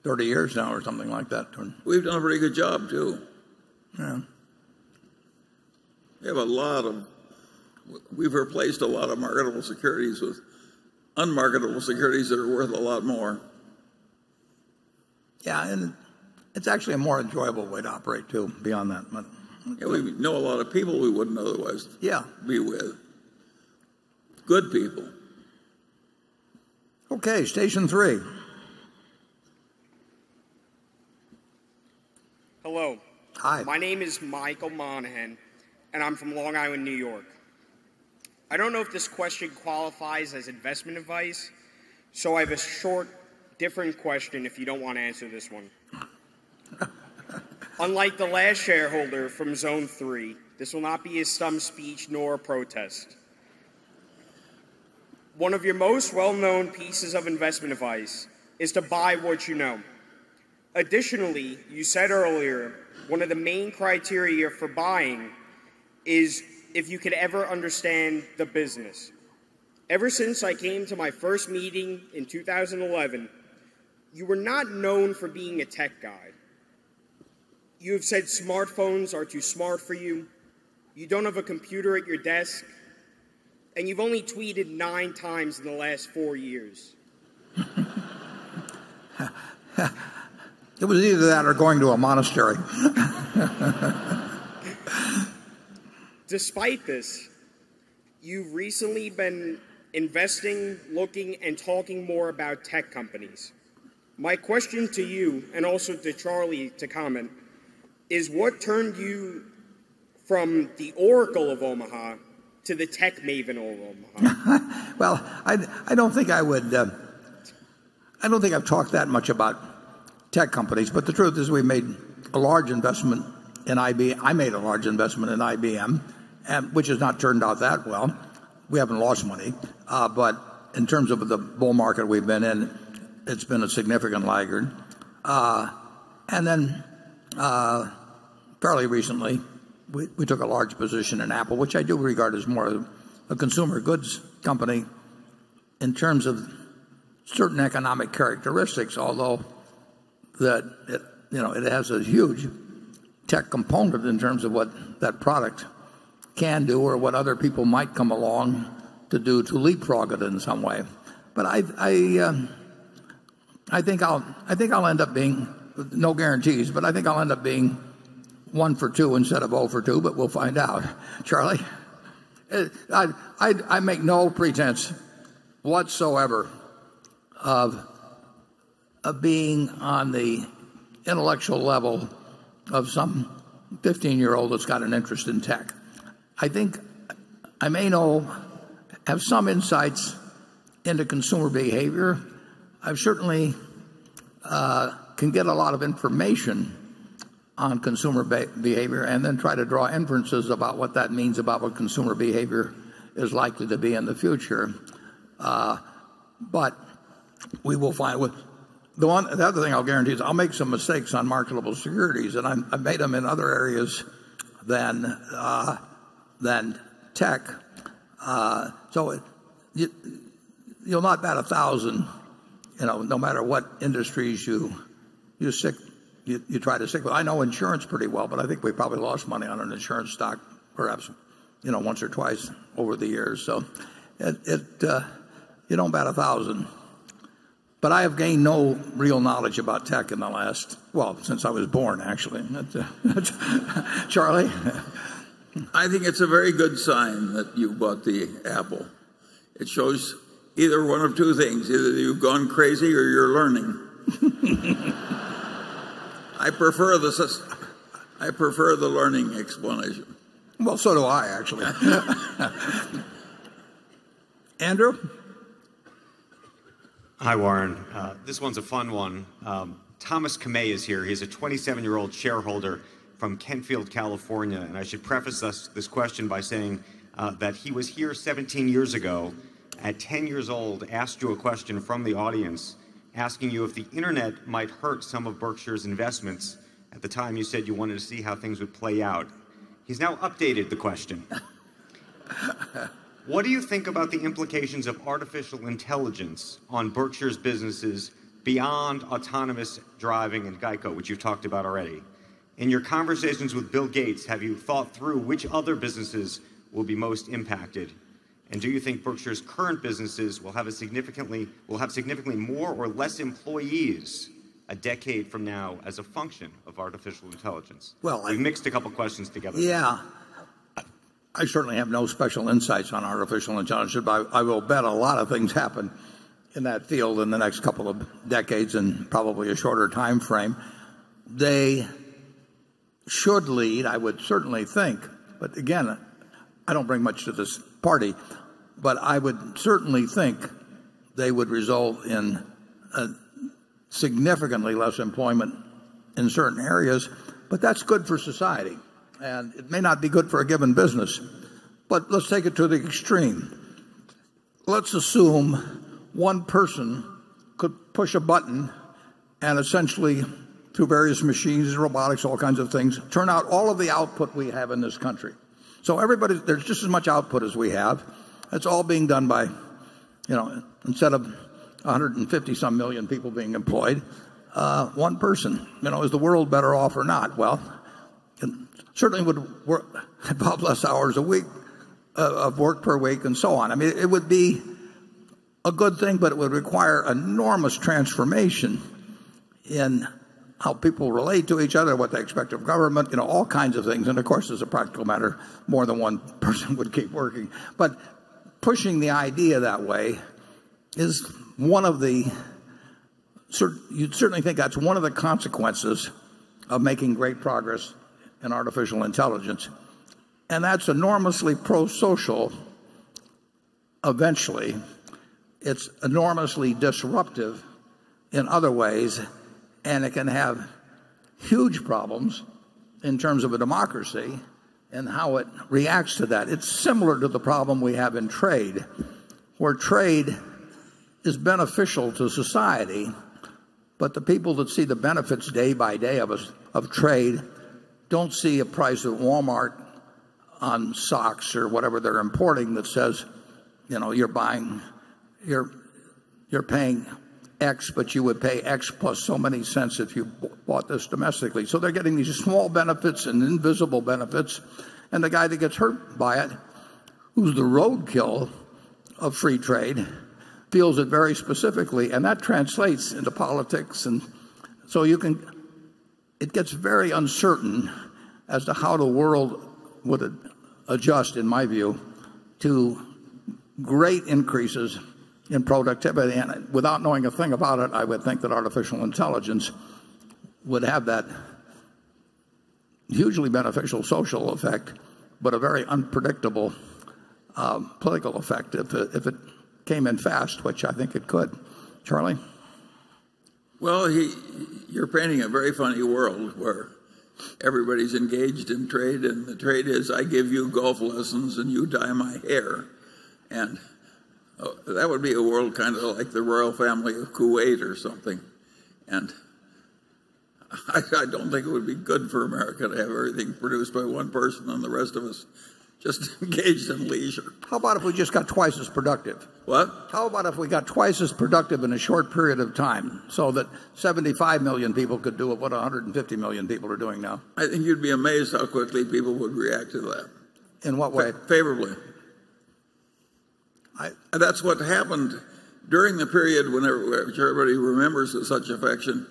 S1: 30 years now or something like that.
S3: We've done a pretty good job, too.
S1: Yeah.
S3: We've replaced a lot of marketable securities with unmarketable securities that are worth a lot more.
S1: Yeah, it's actually a more enjoyable way to operate, too, beyond that.
S3: Yeah, we know a lot of people we wouldn't otherwise-
S1: Yeah
S3: be with. Good people.
S1: Okay, station three.
S11: Hello.
S1: Hi.
S11: My name is Michael Monaghan, and I'm from Long Island, New York. I don't know if this question qualifies as investment advice, so I have a short, different question if you don't want to answer this one. Unlike the last shareholder from zone three, this will not be a stump speech nor a protest. One of your most well-known pieces of investment advice is to buy what you know. Additionally, you said earlier one of the main criteria for buying is if you could ever understand the business. Ever since I came to my first meeting in 2011, you were not known for being a tech guy. You have said smartphones are too smart for you don't have a computer at your desk, and you've only tweeted nine times in the last four years.
S1: It was either that or going to a monastery.
S11: Despite this, you've recently been investing, looking, and talking more about tech companies. My question to you, and also to Charlie to comment, is what turned you from the Oracle of Omaha to the tech maven Oracle of Omaha?
S1: Well, I don't think I've talked that much about tech companies. The truth is I made a large investment in IBM, which has not turned out that well. We haven't lost money, but in terms of the bull market we've been in, it's been a significant laggard. Fairly recently, we took a large position in Apple, which I do regard as more of a consumer goods company in terms of certain economic characteristics, although it has a huge tech component in terms of what that product can do or what other people might come along to do to leapfrog it in some way. I think I'll end up being, no guarantees, but I think I'll end up being one for two instead of oh for two, but we'll find out. Charlie? I make no pretense whatsoever of being on the intellectual level of some 15-year-old that's got an interest in tech. I think I may have some insights into consumer behavior. I certainly can get a lot of information on consumer behavior and then try to draw inferences about what that means about what consumer behavior is likely to be in the future. The other thing I'll guarantee is I'll make some mistakes on marketable securities, and I've made them in other areas than tech. You'll not bat 1,000 no matter what industries you try to stick with. I know insurance pretty well, but I think we probably lost money on an insurance stock perhaps once or twice over the years. You don't bat 1,000. I have gained no real knowledge about tech in the last well, since I was born, actually. Charlie?
S3: I think it's a very good sign that you bought the Apple. It shows either one of two things. Either you've gone crazy or you're learning. I prefer the learning explanation.
S1: Well, so do I, actually. Andrew?
S6: Hi, Warren. This one's a fun one. Thomas Kamei is here. He's a 27-year-old shareholder from Kentfield, California. I should preface this question by saying that he was here 17 years ago at 10 years old, asked you a question from the audience, asking you if the internet might hurt some of Berkshire's investments. At the time, you said you wanted to see how things would play out. He's now updated the question. What do you think about the implications of artificial intelligence on Berkshire's businesses beyond autonomous driving and GEICO, which you've talked about already? In your conversations with Bill Gates, have you thought through which other businesses will be most impacted? Do you think Berkshire's current businesses will have significantly more or less employees a decade from now as a function of artificial intelligence?
S1: Well.
S6: We've mixed a couple questions together.
S1: Yeah.
S6: I certainly have no special insights on artificial intelligence. I will bet a lot of things happen in that field in the next couple of decades and probably a shorter time frame. They should lead, I would certainly think. Again, I don't bring much to this party, but I would certainly think they would result in significantly less employment in certain areas. That's good for society, and it may not be good for a given business. Let's take it to the extreme. Let's assume one person could push a button and essentially, through various machines, robotics, all kinds of things, turn out all of the output we have in this country. There's just as much output as we have. It's all being done by, instead of 150 some million people being employed, one person. Is the world better off or not?
S1: It certainly would work a lot less hours a week, of work per week, and so on. It would be a good thing, but it would require enormous transformation in how people relate to each other, what they expect of government, all kinds of things. Of course, as a practical matter, more than one person would keep working. Pushing the idea that way is You'd certainly think that's one of the consequences of making great progress in artificial intelligence. That's enormously pro-social eventually. It's enormously disruptive in other ways, and it can have huge problems in terms of a democracy and how it reacts to that. It's similar to the problem we have in trade, where trade is beneficial to society, but the people that see the benefits day by day of trade don't see a price at Walmart on socks or whatever they're importing that says, "You're paying X, but you would pay X plus so many cents if you bought this domestically." They're getting these small benefits and invisible benefits, and the guy that gets hurt by it, who's the roadkill of free trade, feels it very specifically, and that translates into politics. It gets very uncertain as to how the world would adjust, in my view, to great increases in productivity. Without knowing a thing about it, I would think that artificial intelligence would have that hugely beneficial social effect, but a very unpredictable political effect if it came in fast, which I think it could. Charlie?
S3: You're painting a very funny world where everybody's engaged in trade, and the trade is I give you golf lessons, and you dye my hair. That would be a world kind of like the royal family of Kuwait or something. I don't think it would be good for America to have everything produced by one person and the rest of us just engaged in leisure.
S1: How about if we just got twice as productive?
S3: What?
S1: How about if we got twice as productive in a short period of time so that 75 million people could do what 150 million people are doing now?
S3: I think you'd be amazed how quickly people would react to that.
S1: In what way?
S3: Favorably. That's what happened during the period which everybody remembers with such affection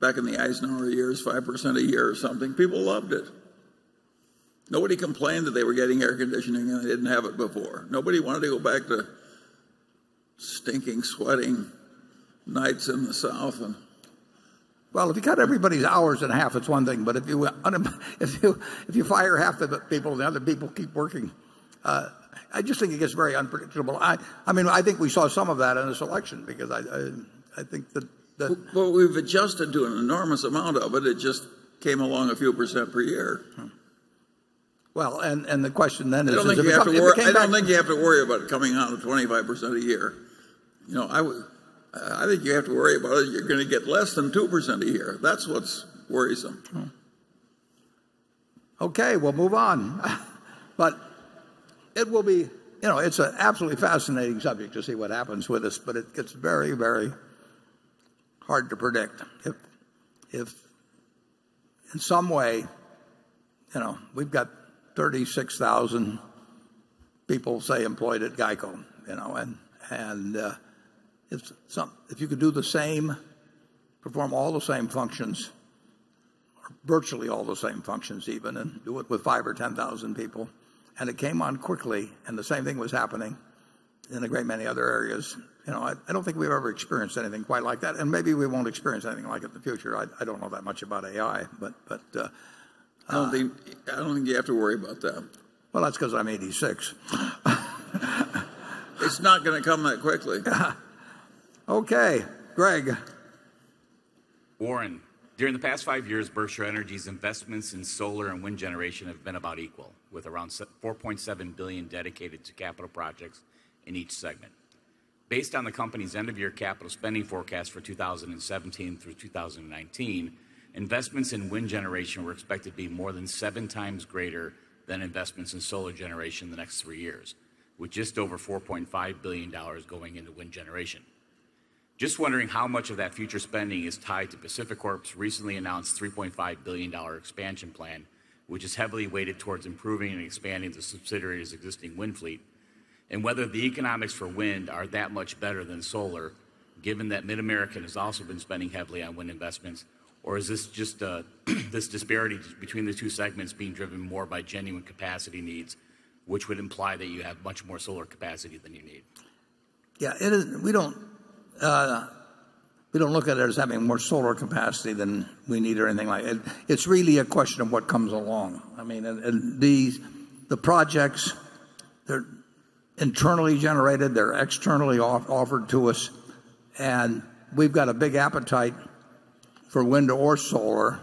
S3: back in the Eisenhower years, 5% a year or something. People loved it. Nobody complained that they were getting air conditioning and they didn't have it before. Nobody wanted to go back to stinking, sweating nights in the South.
S1: Well, if you cut everybody's hours in half, it's one thing, if you fire half the people and the other people keep working, I just think it gets very unpredictable. I think we saw some of that in this election because I think that the-
S3: Well, we've adjusted to an enormous amount of it. It just came along a few % per year.
S1: Well, the question is if it came back-
S3: I don't think you have to worry about it coming on at 25% a year. I think you have to worry about it, you're going to get less than 2% a year. That's what's worrisome.
S1: We'll move on. It's an absolutely fascinating subject to see what happens with this, but it's very hard to predict. If in some way, we've got 36,000 people, say, employed at GEICO, and if you could do the same, perform all the same functions, or virtually all the same functions even, and do it with 5,000 or 10,000 people, and it came on quickly, and the same thing was happening in a great many other areas. I don't think we've ever experienced anything quite like that, and maybe we won't experience anything like it in the future. I don't know that much about AI.
S3: I don't think you have to worry about that.
S1: Well, that's because I'm 86.
S3: It's not going to come that quickly.
S1: Okay. Greg.
S7: Warren, during the past five years, Berkshire Energy's investments in solar and wind generation have been about equal, with around $4.7 billion dedicated to capital projects in each segment. Based on the company's end-of-year capital spending forecast for 2017 through 2019, investments in wind generation were expected to be more than seven times greater than investments in solar generation in the next three years, with just over $4.5 billion going into wind generation. Just wondering how much of that future spending is tied to PacifiCorp's recently announced $3.5 billion expansion plan, which is heavily weighted towards improving and expanding the subsidiary's existing wind fleet, and whether the economics for wind are that much better than solar, given that MidAmerican has also been spending heavily on wind investments, or is this just this disparity between the two segments being driven more by genuine capacity needs, which would imply that you have much more solar capacity than you need?
S1: Yeah. We don't look at it as having more solar capacity than we need or anything like it. It's really a question of what comes along. The projects, they're internally generated. They're externally offered to us, and we've got a big appetite for wind or solar.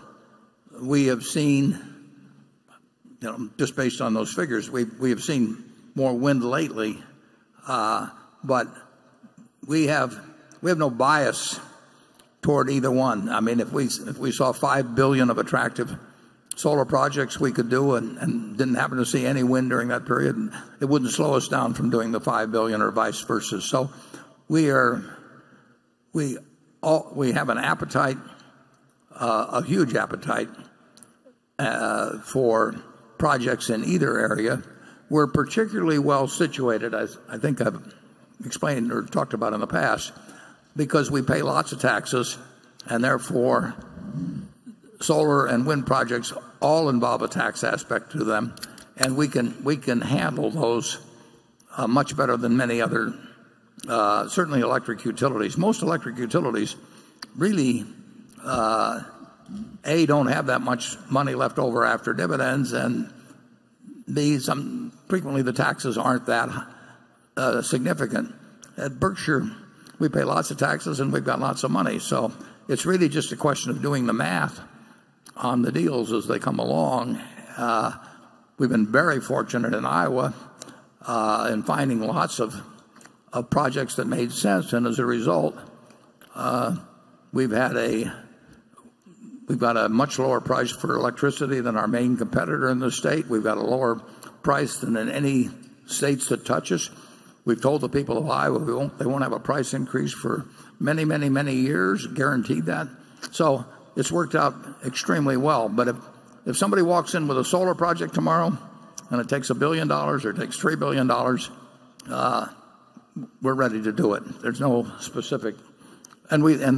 S1: Just based on those figures, we have seen more wind lately. We have no bias toward either one. If we saw $5 billion of attractive solar projects we could do and didn't happen to see any wind during that period, it wouldn't slow us down from doing the $5 billion or vice versa. We have an appetite, a huge appetite, for projects in either area. We're particularly well-situated, as I think I've explained or talked about in the past, because we pay lots of taxes. Therefore, solar and wind projects all involve a tax aspect to them, and we can handle those much better than many other certainly electric utilities. Most electric utilities really, A, don't have that much money left over after dividends, and B, frequently the taxes aren't that significant. At Berkshire, we pay lots of taxes, and we've got lots of money. It's really just a question of doing the math on the deals as they come along. We've been very fortunate in Iowa in finding lots of projects that made sense. As a result, we've got a much lower price for electricity than our main competitor in the state. We've got a lower price than in any states that touch us. We've told the people of Iowa they won't have a price increase for many years, guaranteed that. It's worked out extremely well. If somebody walks in with a solar project tomorrow and it takes $1 billion or it takes $3 billion, we're ready to do it. The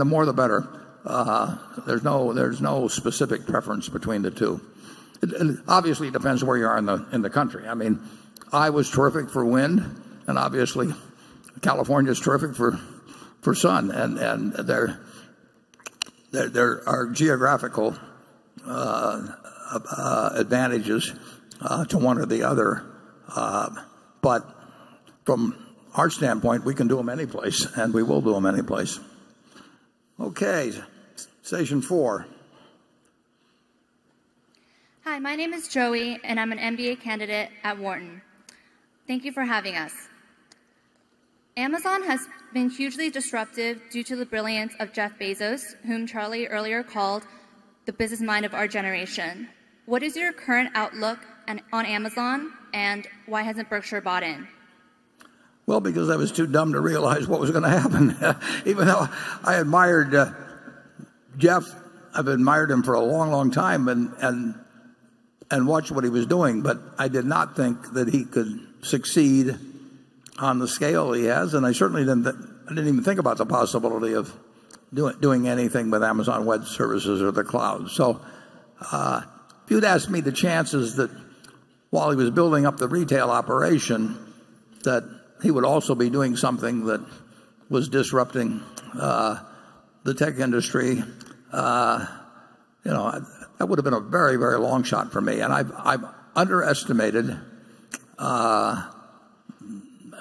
S1: more, the better. There's no specific preference between the two. Obviously, it depends where you are in the country. Iowa's terrific for wind, and obviously California is terrific for sun, and there are geographical advantages to one or the other. From our standpoint, we can do them any place, and we will do them any place. Okay, station four. Hi, my name is Joey, I'm an MBA candidate at Wharton. Thank you for having us. Amazon has been hugely disruptive due to the brilliance of Jeff Bezos, whom Charlie earlier called the business mind of our generation. What is your current outlook on Amazon? Why hasn't Berkshire bought in? Because I was too dumb to realize what was going to happen. Even though I admired Jeff, I've admired him for a long time and watched what he was doing, I did not think that he could succeed on the scale he has. I certainly didn't even think about the possibility of doing anything with Amazon Web Services or the cloud. If you'd asked me the chances that while he was building up the retail operation, that he would also be doing something that was disrupting the tech industry, that would've been a very long shot for me.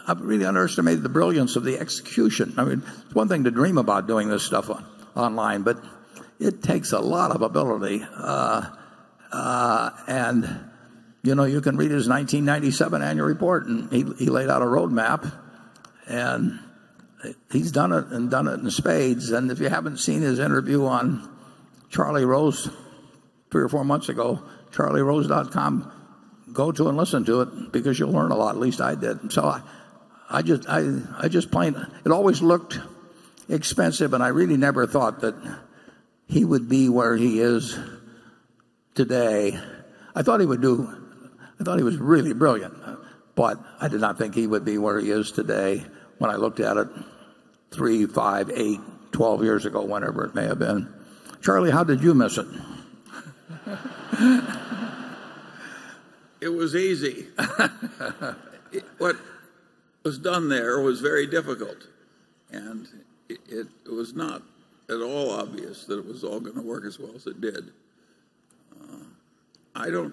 S1: I've really underestimated the brilliance of the execution. It's one thing to dream about doing this stuff online, it takes a lot of ability. You can read his 1997 annual report, he laid out a roadmap, he's done it, and done it in spades. If you haven't seen his interview on Charlie Rose three or four months ago, charlierose.com, go to it and listen to it because you'll learn a lot, at least I did. It always looked expensive, I really never thought that he would be where he is today. I thought he was really brilliant, but I did not think he would be where he is today when I looked at it three, five, eight, 12 years ago, whenever it may have been. Charlie, how did you miss it?
S3: It was easy. What was done there was very difficult, and it was not at all obvious that it was all going to work as well as it did. I don't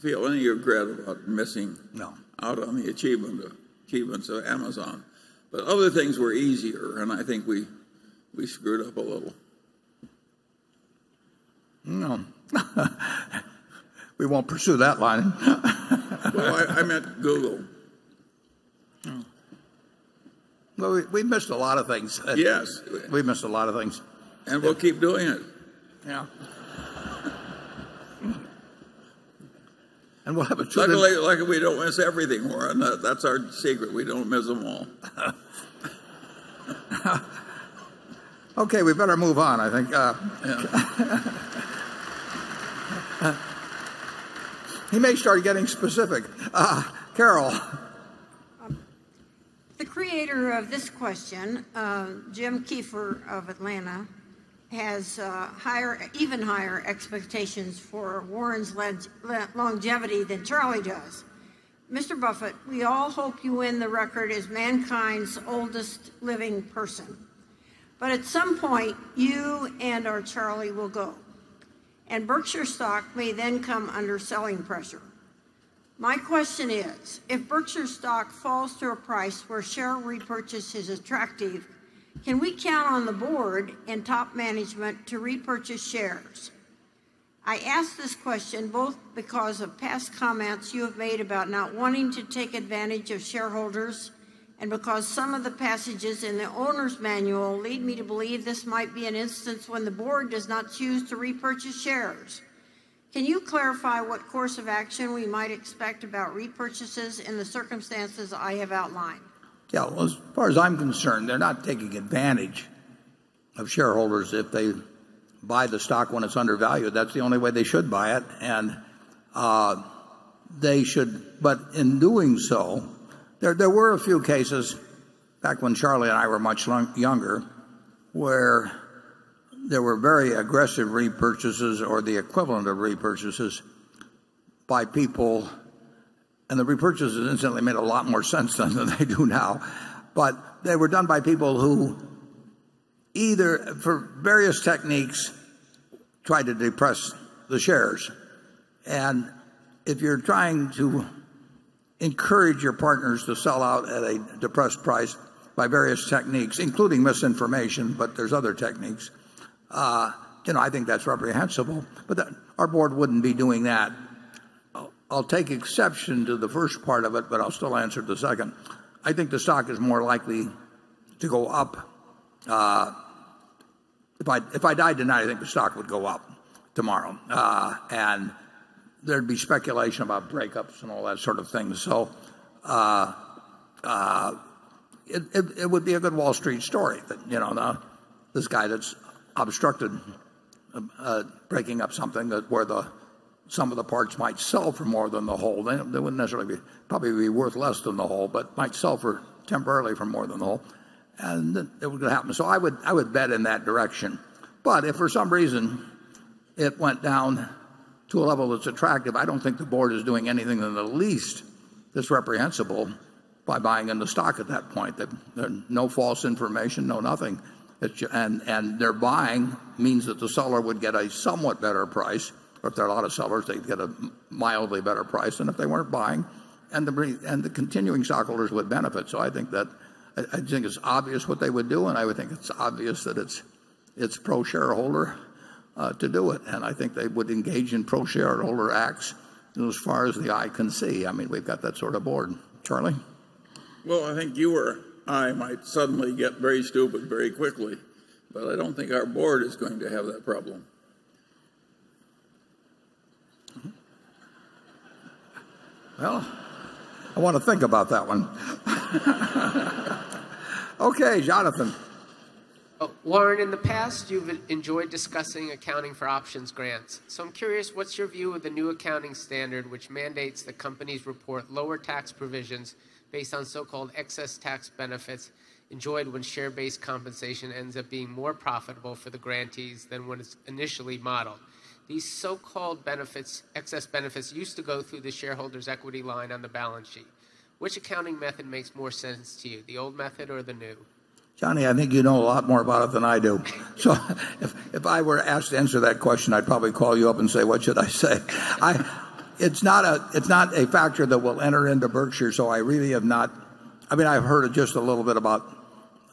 S3: feel any regret about missing out on the achievements of Amazon. Other things were easier, I think we screwed up a little.
S1: No. We won't pursue that line.
S3: Well, I meant Google.
S1: Oh. Well, we missed a lot of things.
S3: Yes.
S1: We missed a lot of things.
S3: We'll keep doing it.
S1: Yeah.
S3: Luckily, we don't miss everything, Warren. That's our secret. We don't miss them all.
S1: We better move on, I think. He may start getting specific. Carol.
S9: The creator of this question, Jim Kiefert of Atlanta, has even higher expectations for Warren's longevity than Charlie does. Mr. Buffett, we all hope you win the record as mankind's oldest living person. At some point, you and/or Charlie will go, and Berkshire stock may then come under selling pressure. My question is, if Berkshire stock falls to a price where share repurchase is attractive, can we count on the board and top management to repurchase shares? I ask this question both because of past comments you have made about not wanting to take advantage of shareholders and because some of the passages in the owner's manual lead me to believe this might be an instance when the board does not choose to repurchase shares. Can you clarify what course of action we might expect about repurchases in the circumstances I have outlined?
S1: As far as I'm concerned, they're not taking advantage of shareholders if they buy the stock when it's undervalued. That's the only way they should buy it. In doing so, there were a few cases back when Charlie and I were much younger, where there were very aggressive repurchases or the equivalent of repurchases by people, and the repurchases instantly made a lot more sense than they do now. They were done by people who, for various techniques, tried to depress the shares. If you're trying to encourage your partners to sell out at a depressed price by various techniques, including misinformation, there's other techniques, I think that's reprehensible. Our board wouldn't be doing that. I'll take exception to the first part of it, I'll still answer the second. I think the stock is more likely to go up. If I died tonight, I think the stock would go up tomorrow. There'd be speculation about breakups and all that sort of thing. It would be a good Wall Street story that this guy that's obstructed breaking up something where some of the parts might sell for more than the whole. They would probably be worth less than the whole, might sell temporarily for more than the whole, it would happen. I would bet in that direction. If for some reason it went down to a level that's attractive, I don't think the board is doing anything in the least that's reprehensible by buying into stock at that point. No false information, no nothing. Their buying means that the seller would get a somewhat better price, or if there are a lot of sellers, they'd get a mildly better price than if they weren't buying. The continuing stockholders would benefit. I think it's obvious what they would do, and I would think it's obvious that it's pro-shareholder to do it, and I think they would engage in pro-shareholder acts as far as the eye can see. We've got that sort of board. Charlie?
S3: Well, I think you or I might suddenly get very stupid very quickly, but I don't think our board is going to have that problem.
S1: Well, I want to think about that one. Okay, Jonathan.
S4: Warren, in the past, you've enjoyed discussing accounting for options grants. I'm curious, what's your view of the new accounting standard which mandates that companies report lower tax provisions based on so-called excess tax benefits enjoyed when share-based compensation ends up being more profitable for the grantees than when it's initially modeled? These so-called excess benefits used to go through the shareholders' equity line on the balance sheet. Which accounting method makes more sense to you, the old method or the new?
S1: Johnny, I think you know a lot more about it than I do. If I were asked to answer that question, I'd probably call you up and say, "What should I say?" It's not a factor that will enter into Berkshire, I've heard it just a little bit about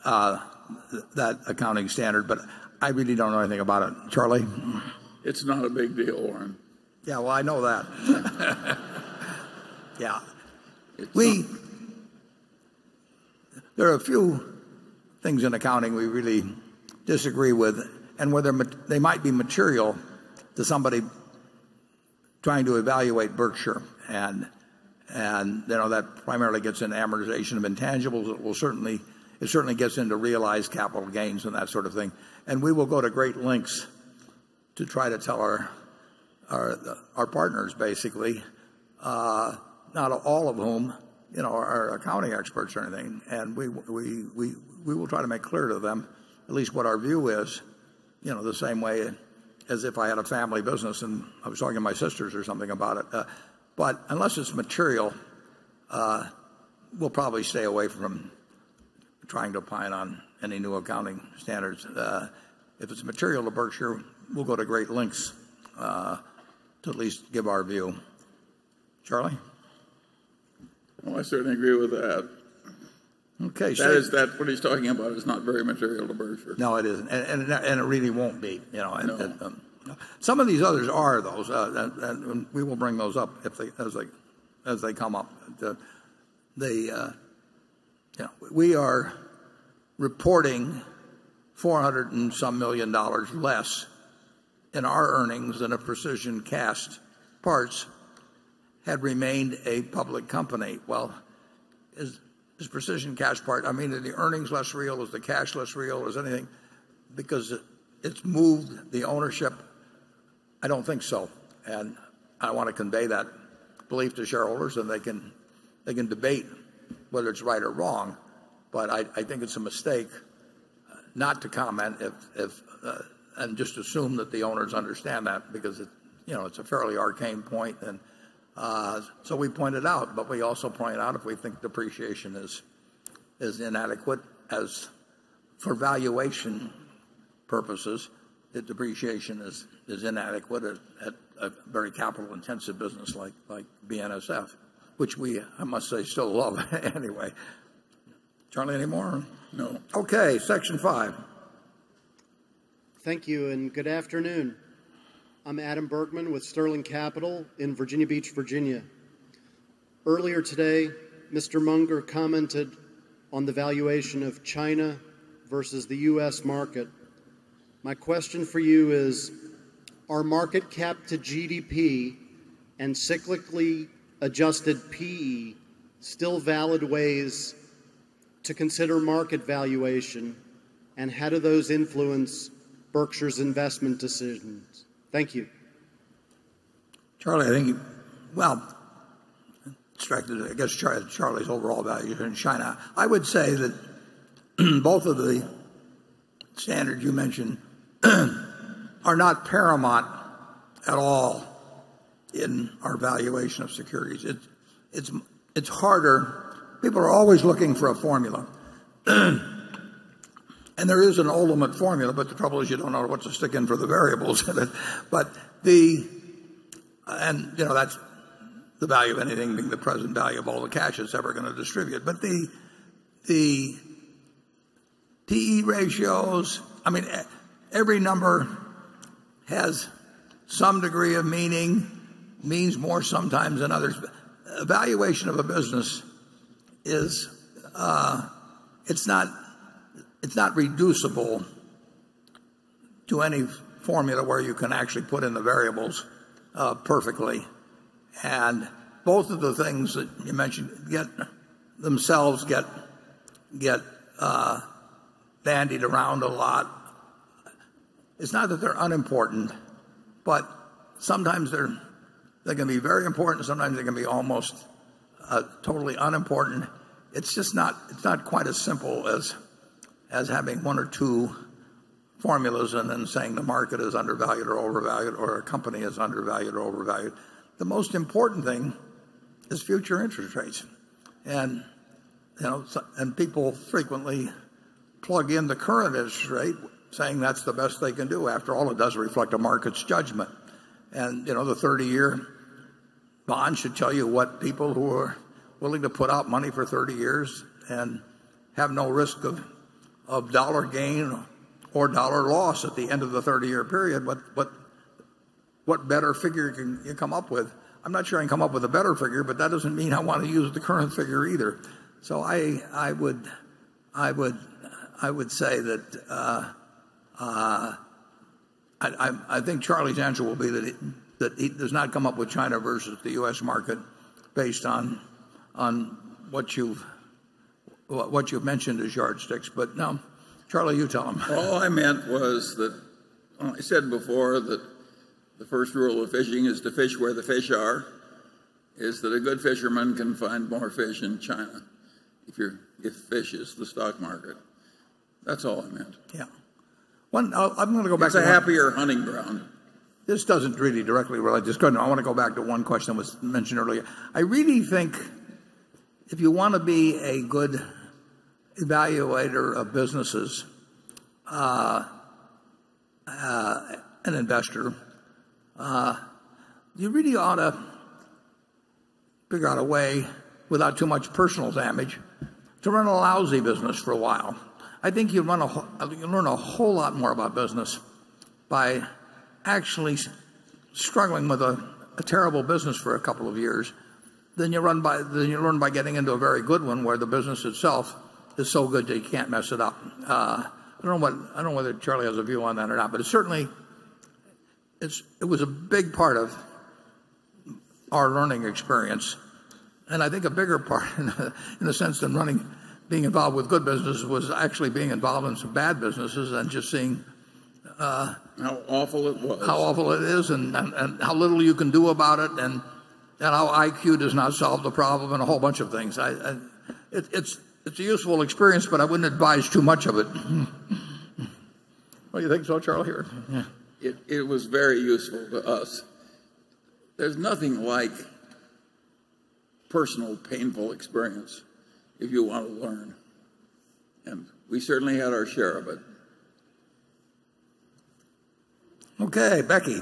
S1: that accounting standard, but I really don't know anything about it. Charlie?
S3: It's not a big deal, Warren.
S1: Yeah. Well, I know that. Yeah. There are a few things in accounting we really disagree with and where they might be material to somebody trying to evaluate Berkshire, that primarily gets into amortization of intangibles. It certainly gets into realized capital gains and that sort of thing. We will go to great lengths to try to tell our partners, basically, not all of whom are accounting experts or anything, and we will try to make clear to them at least what our view is, the same way as if I had a family business and I was talking to my sisters or something about it. Unless it's material, we'll probably stay away from trying to opine on any new accounting standards. If it's material to Berkshire, we'll go to great lengths to at least give our view. Charlie?
S3: Well, I certainly agree with that.
S1: Okay.
S3: What he's talking about is not very material to Berkshire.
S1: No, it isn't. It really won't be.
S3: No.
S1: Some of these others are, though, and we will bring those up as they come up. We are reporting $400 and some million less in our earnings than if Precision Castparts had remained a public company. Are the earnings less real? Is the cash less real? Is anything because it's moved the ownership? I don't think so, and I want to convey that belief to shareholders, and they can debate whether it's right or wrong, but I think it's a mistake not to comment and just assume that the owners understand that because it's a fairly arcane point. We point it out, but we also point out if we think depreciation is inadequate as for valuation purposes, that depreciation is inadequate at a very capital-intensive business like BNSF, which we, I must say, still love anyway. Charlie, any more?
S3: No.
S1: Okay. Section 5.
S12: Thank you, and good afternoon. I'm Adam Bergman with Sterling Capital in Virginia Beach, Virginia. Earlier today, Mr. Munger commented on the valuation of China versus the U.S. market. My question for you is, are market cap to GDP and cyclically adjusted PE still valid ways to consider market valuation? How do those influence Berkshire's investment decisions? Thank you.
S1: Charlie, I think Well, I guess Charlie's overall value in China. I would say that both of the standards you mentioned are not paramount at all in our valuation of securities. It's harder. People are always looking for a formula. There is an ultimate formula, the trouble is you don't know what to stick in for the variables in it. That's the value of anything being the present value of all the cash it's ever going to distribute. The PE ratios, every number has some degree of meaning, means more sometimes than others. Valuation of a business, it's not reducible to any formula where you can actually put in the variables perfectly. Both of the things that you mentioned themselves get bandied around a lot. It's not that they're unimportant, sometimes they can be very important, sometimes they can be almost totally unimportant. It's not quite as simple as having one or two formulas and then saying the market is undervalued or overvalued, or a company is undervalued or overvalued. The most important thing is future interest rates. People frequently plug in the current interest rate, saying that's the best they can do. After all, it does reflect a market's judgment. The 30-year bond should tell you what people who are willing to put out money for 30 years and have no risk of dollar gain or dollar loss at the end of the 30-year period, what better figure can you come up with? I'm not sure I can come up with a better figure, that doesn't mean I want to use the current figure either. I would say that I think Charlie's answer will be that he does not come up with China versus the U.S. market based on what you've mentioned as yardsticks. No, Charlie, you tell them.
S3: All I meant was that I said before that the first rule of fishing is to fish where the fish are, is that a good fisherman can find more fish in China if the fish is the stock market. That's all I meant.
S1: Yeah. One, I'm going to go back to-
S3: It's a happier hunting ground.
S1: This doesn't really directly relate. Just go on. I want to go back to one question that was mentioned earlier. I really think if you want to be a good evaluator of businesses, an investor, you really ought to figure out a way, without too much personal damage, to run a lousy business for a while. I think you learn a whole lot more about business by actually struggling with a terrible business for a couple of years than you learn by getting into a very good one where the business itself is so good that you can't mess it up. I don't know whether Charlie has a view on that or not, but it certainly was a big part of our learning experience, and I think a bigger part in the sense than being involved with good businesses was actually being involved in some bad businesses and just seeing.
S3: How awful it was.
S1: How awful it is and how little you can do about it, and how IQ does not solve the problem, and a whole bunch of things. It's a useful experience, but I wouldn't advise too much of it. What do you think, Charlie Munger?
S3: Yeah. It was very useful to us. There's nothing like personal, painful experience if you want to learn, and we certainly had our share of it.
S1: Okay, Becky.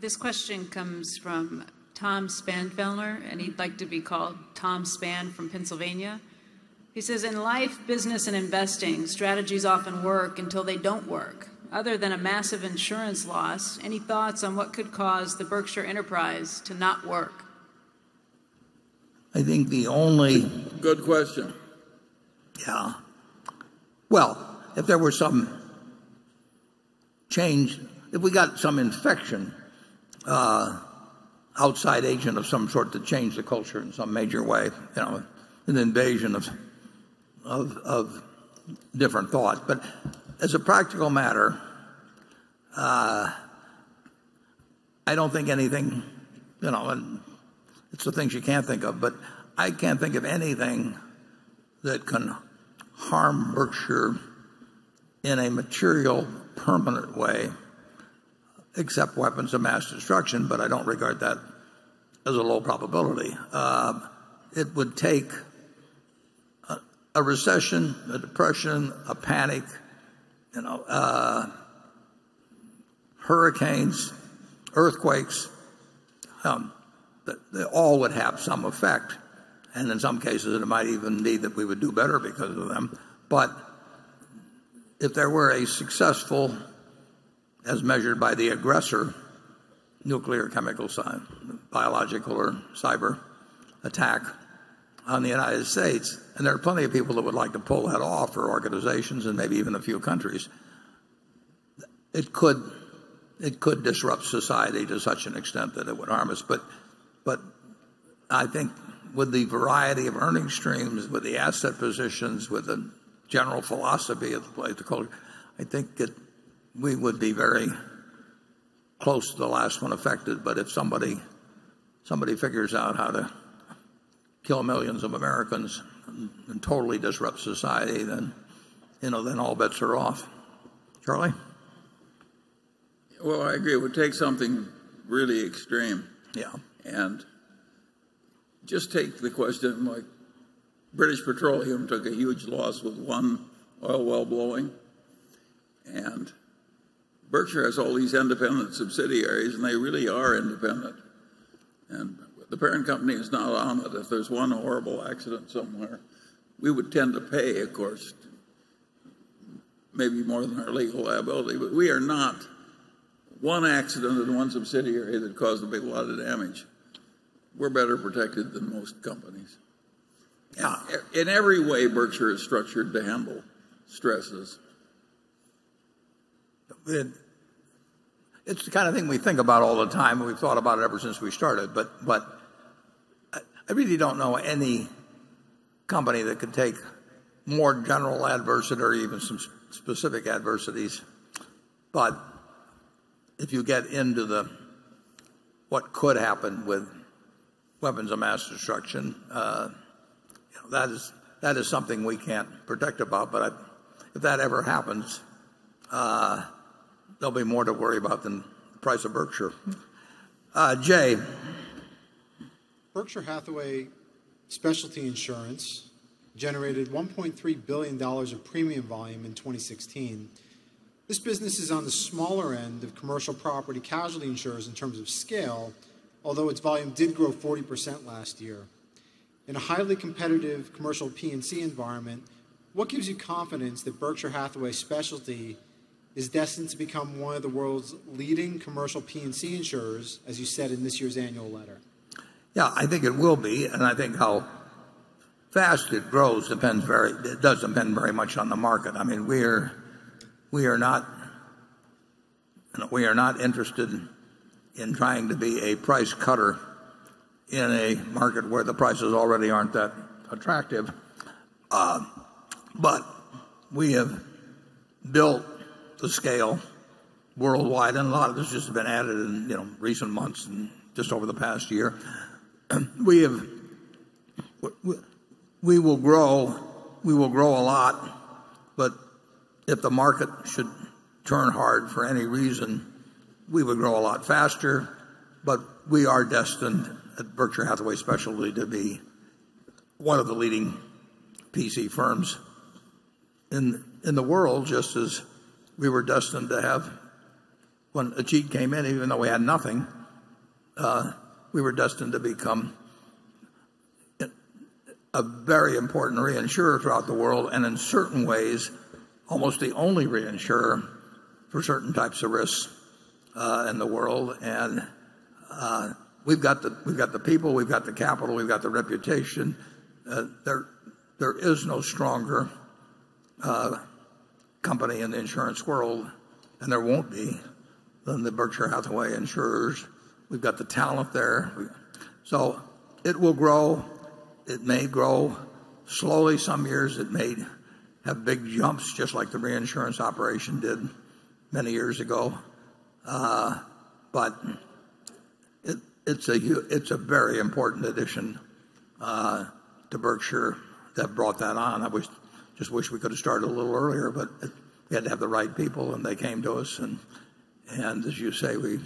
S2: This question comes from Tom Spanfelner, and he'd like to be called Tom Spanfelner from Pennsylvania. He says, "In life, business, and investing, strategies often work until they don't work. Other than a massive insurance loss, any thoughts on what could cause the Berkshire Hathaway enterprise to not work?
S1: I think the only-
S3: Good question.
S1: Yeah. Well, if there were some change, if we got some infection, outside agent of some sort to change the culture in some major way, an invasion of different thought. As a practical matter, I don't think anything, and it's the things you can't think of, but I can't think of anything that can harm Berkshire in a material, permanent way except weapons of mass destruction, but I don't regard that as a low probability. It would take a recession, a depression, a panic, hurricanes, earthquakes. They all would have some effect, and in some cases, it might even be that we would do better because of them. If there were a successful, as measured by the aggressor, nuclear, chemical, biological, or cyber attack on the U.S., there are plenty of people that would like to pull that off, organizations and maybe even a few countries, it could disrupt society to such an extent that it would harm us. I think with the variety of earning streams, with the asset positions, with the general philosophy of the place, the culture, I think we would be very close to the last one affected. If somebody figures out how to kill millions of Americans and totally disrupt society, all bets are off. Charlie?
S3: Well, I agree. It would take something really extreme.
S1: Yeah.
S3: Just take the question, like British Petroleum took a huge loss with one oil well blowing, Berkshire has all these independent subsidiaries, they really are independent. The parent company is not on it. If there's one horrible accident somewhere, we would tend to pay, of course, maybe more than our legal liability, but we are not one accident in one subsidiary that caused a big lot of damage. We're better protected than most companies.
S1: Yeah.
S3: In every way, Berkshire is structured to handle stresses.
S1: It's the kind of thing we think about all the time, and we've thought about it ever since we started. I really don't know any company that could take more general adversity or even some specific adversities. If you get into the what could happen with weapons of mass destruction, that is something we can't protect about. If that ever happens, there'll be more to worry about than the price of Berkshire. Jon.
S4: Berkshire Hathaway Specialty Insurance generated $1.3 billion of premium volume in 2016. This business is on the smaller end of commercial property casualty insurers in terms of scale, although its volume did grow 40% last year. In a highly competitive commercial P&C environment, what gives you confidence that Berkshire Hathaway Specialty is destined to become one of the world's leading commercial P&C insurers, as you said in this year's annual letter?
S1: Yeah, I think it will be, and I think How fast it grows does depend very much on the market. We are not interested in trying to be a price cutter in a market where the prices already aren't that attractive. We have built the scale worldwide, and a lot of this just has been added in recent months and just over the past year. We will grow a lot, but if the market should turn hard for any reason, we would grow a lot faster. We are destined, at Berkshire Hathaway Specialty, to be one of the leading P&C firms in the world, just as we were destined to have when Ajit came in, even though we had nothing, we were destined to become a very important reinsurer throughout the world, and in certain ways, almost the only reinsurer for certain types of risks in the world. We've got the people, we've got the capital, we've got the reputation. There is no stronger company in the insurance world, and there won't be, than the Berkshire Hathaway insurers. We've got the talent there. It will grow. It may grow slowly some years. It may have big jumps just like the reinsurance operation did many years ago. It's a very important addition to Berkshire that brought that on. I just wish we could have started a little earlier, we had to have the right people, they came to us, as you say, we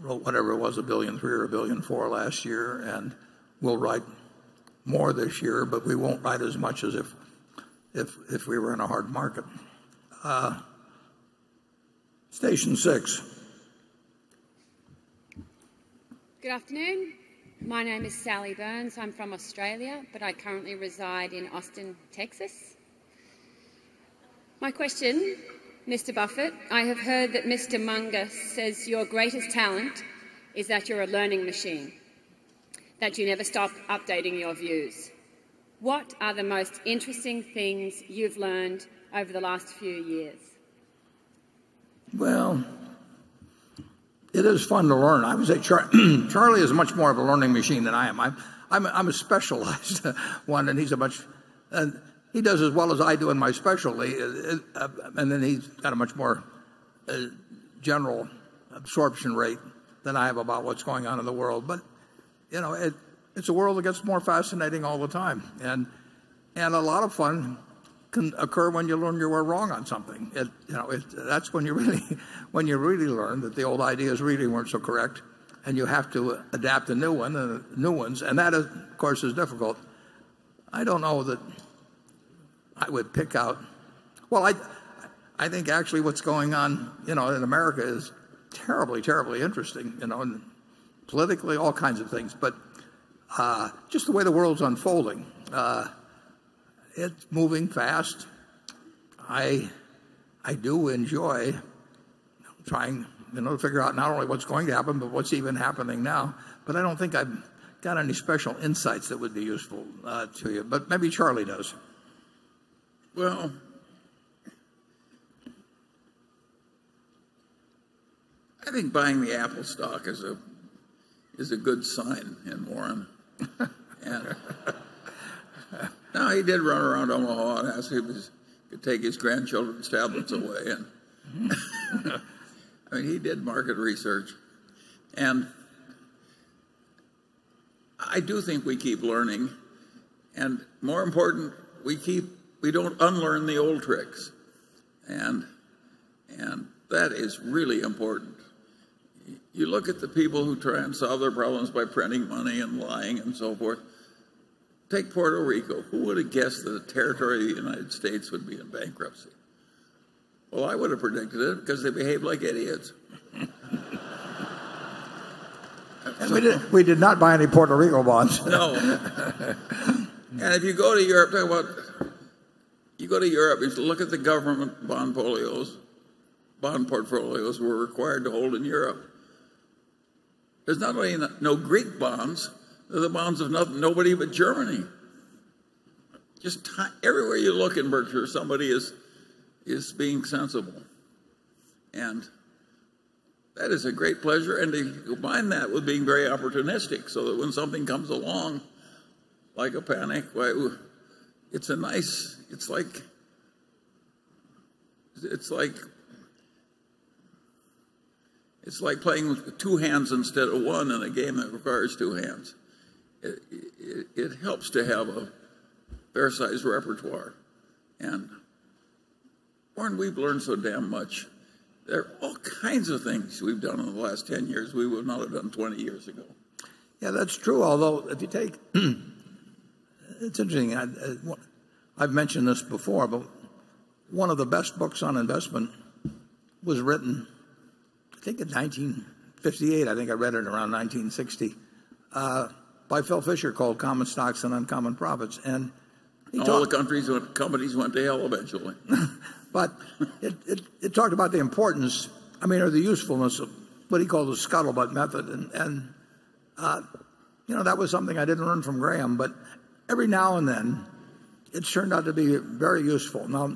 S1: wrote whatever it was, $1.3 billion or $1.4 billion last year, we'll write more this year, we won't write as much as if we were in a hard market. Station 6.
S13: Good afternoon. My name is Sally Burns. I'm from Australia, I currently reside in Austin, Texas. My question, Mr. Buffett, I have heard that Mr. Munger says your greatest talent is that you're a learning machine, that you never stop updating your views. What are the most interesting things you've learned over the last few years?
S1: It is fun to learn. I would say Charlie is much more of a learning machine than I am. I'm a specialized one, he does as well as I do in my specialty, he's got a much more general absorption rate than I have about what's going on in the world. It's a world that gets more fascinating all the time, a lot of fun can occur when you learn you were wrong on something. That's when you really learn that the old ideas really weren't so correct you have to adapt a new one, new ones, that, of course, is difficult. I don't know that I would pick out I think actually what's going on in America is terribly interesting, politically, all kinds of things. Just the way the world's unfolding. It's moving fast. I do enjoy trying to figure out not only what's going to happen, but what's even happening now. I don't think I've got any special insights that would be useful to you, maybe Charlie does.
S3: Well, I think buying the Apple stock is a good sign in Warren. No, he did run around Omaha asking who he could take his grandchildren's tablets away and he did market research. I do think we keep learning, more important, we don't unlearn the old tricks, that is really important. You look at the people who try and solve their problems by printing money and lying and so forth. Take Puerto Rico. Who would have guessed that a territory of the United States would be in bankruptcy? Well, I would have predicted it because they behave like idiots.
S1: We did not buy any Puerto Rico bonds.
S3: No. If you go to Europe and look at the government bond portfolios we're required to hold in Europe, there's not only no Greek bonds, there are the bonds of nobody but Germany. Just everywhere you look in Berkshire, somebody is being sensible, that is a great pleasure. You combine that with being very opportunistic, so that when something comes along like a panic, it's like playing with two hands instead of one in a game that requires two hands. It helps to have a fair-sized repertoire. Warren, we've learned so damn much. There are all kinds of things we've done in the last 10 years we would not have done 20 years ago.
S1: Yeah, that's true. It's interesting. I've mentioned this before, one of the best books on investment was written, I think in 1958, I think I read it around 1960, by Philip Fisher called "Common Stocks and Uncommon Profits".
S3: All the companies went to hell eventually.
S1: It talked about the importance or the usefulness of what he called the scuttlebutt method. That was something I didn't learn from Graham, every now and then it's turned out to be very useful. Now,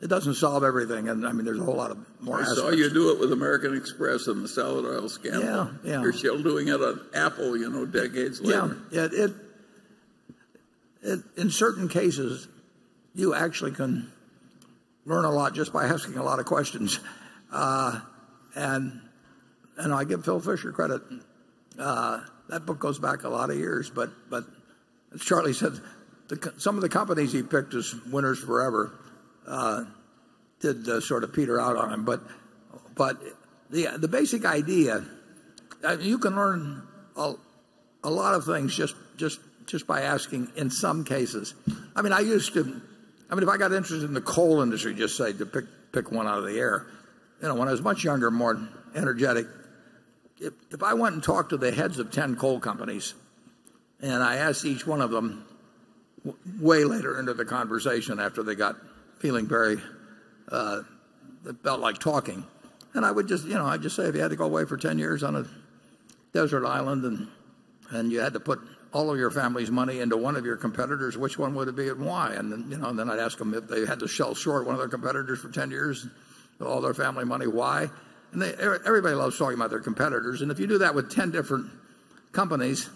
S1: it doesn't solve everything, there's a whole lot of more aspects.
S3: I saw you do it with American Express and the salad oil scandal.
S1: Yeah.
S3: You're still doing it on Apple, decades later.
S1: Yeah. In certain cases, you actually can learn a lot just by asking a lot of questions. I give Philip Fisher credit. That book goes back a lot of years. As Charlie said, some of the companies he picked as winners forever did sort of peter out on him. The basic idea, you can learn a lot of things just by asking in some cases. If I got interested in the coal industry, just say to pick one out of the air. When I was much younger, more energetic, if I went and talked to the heads of 10 coal companies, I asked each one of them way later into the conversation after they got feeling very felt like talking. I'd just say, "If you had to go away for 10 years on a desert island, you had to put all of your family's money into one of your competitors, which one would it be, and why?" Then, I'd ask them if they had to sell short one of their competitors for 10 years, all their family money, why? Everybody loves talking about their competitors. If you do that with 10 different companies,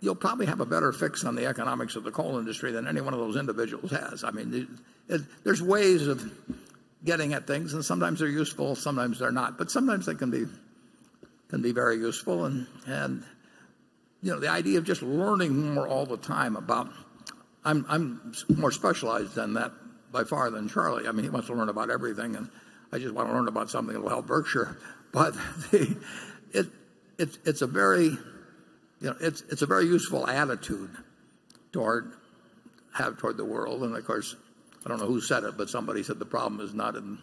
S1: you'll probably have a better fix on the economics of the coal industry than any one of those individuals has. There's ways of getting at things, and sometimes they're useful, sometimes they're not. Sometimes they can be very useful, and the idea of just learning more all the time about I'm more specialized than that by far than Charlie. He wants to learn about everything, and I just want to learn about something that will help Berkshire. It's a very useful attitude to have toward the world. Of course, I don't know who said it, but somebody said the problem is not in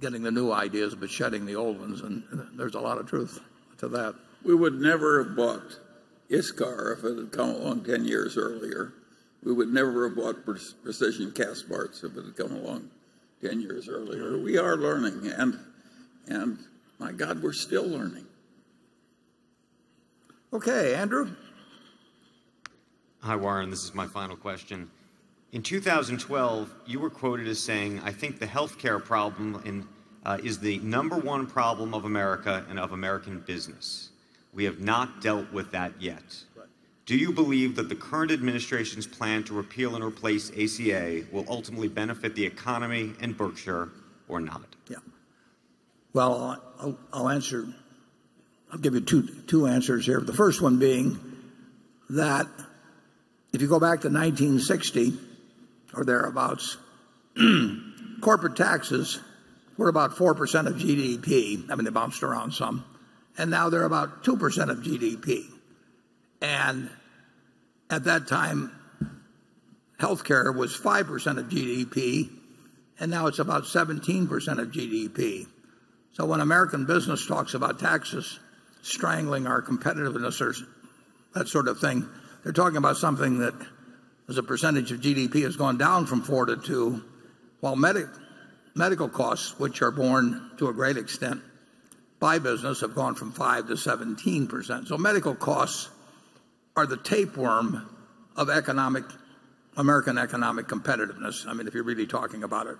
S1: getting the new ideas but shedding the old ones, and there's a lot of truth to that.
S3: We would never have bought ISCAR if it had come along 10 years earlier. We would never have bought Precision Castparts if it had come along 10 years earlier. We are learning, and my God, we're still learning.
S1: Okay, Andrew?
S6: Hi, Warren. This is my final question. In 2012, you were quoted as saying, "I think the healthcare problem is the number one problem of America and of American business. We have not dealt with that yet.
S1: Right.
S6: Do you believe that the current administration's plan to repeal and replace ACA will ultimately benefit the economy and Berkshire or not?
S1: Well, I'll give you two answers here. The first one being that if you go back to 1960 or thereabouts, corporate taxes were about 4% of GDP. I mean, they bounced around some. Now they're about 2% of GDP. At that time, healthcare was 5% of GDP, and now it's about 17% of GDP. When American business talks about taxes strangling our competitiveness or that sort of thing, they're talking about something that, as a percentage of GDP, has gone down from 4 to 2, while medical costs, which are borne to a great extent by business, have gone from 5 to 17%. Medical costs are the tapeworm of American economic competitiveness, if you're really talking about it.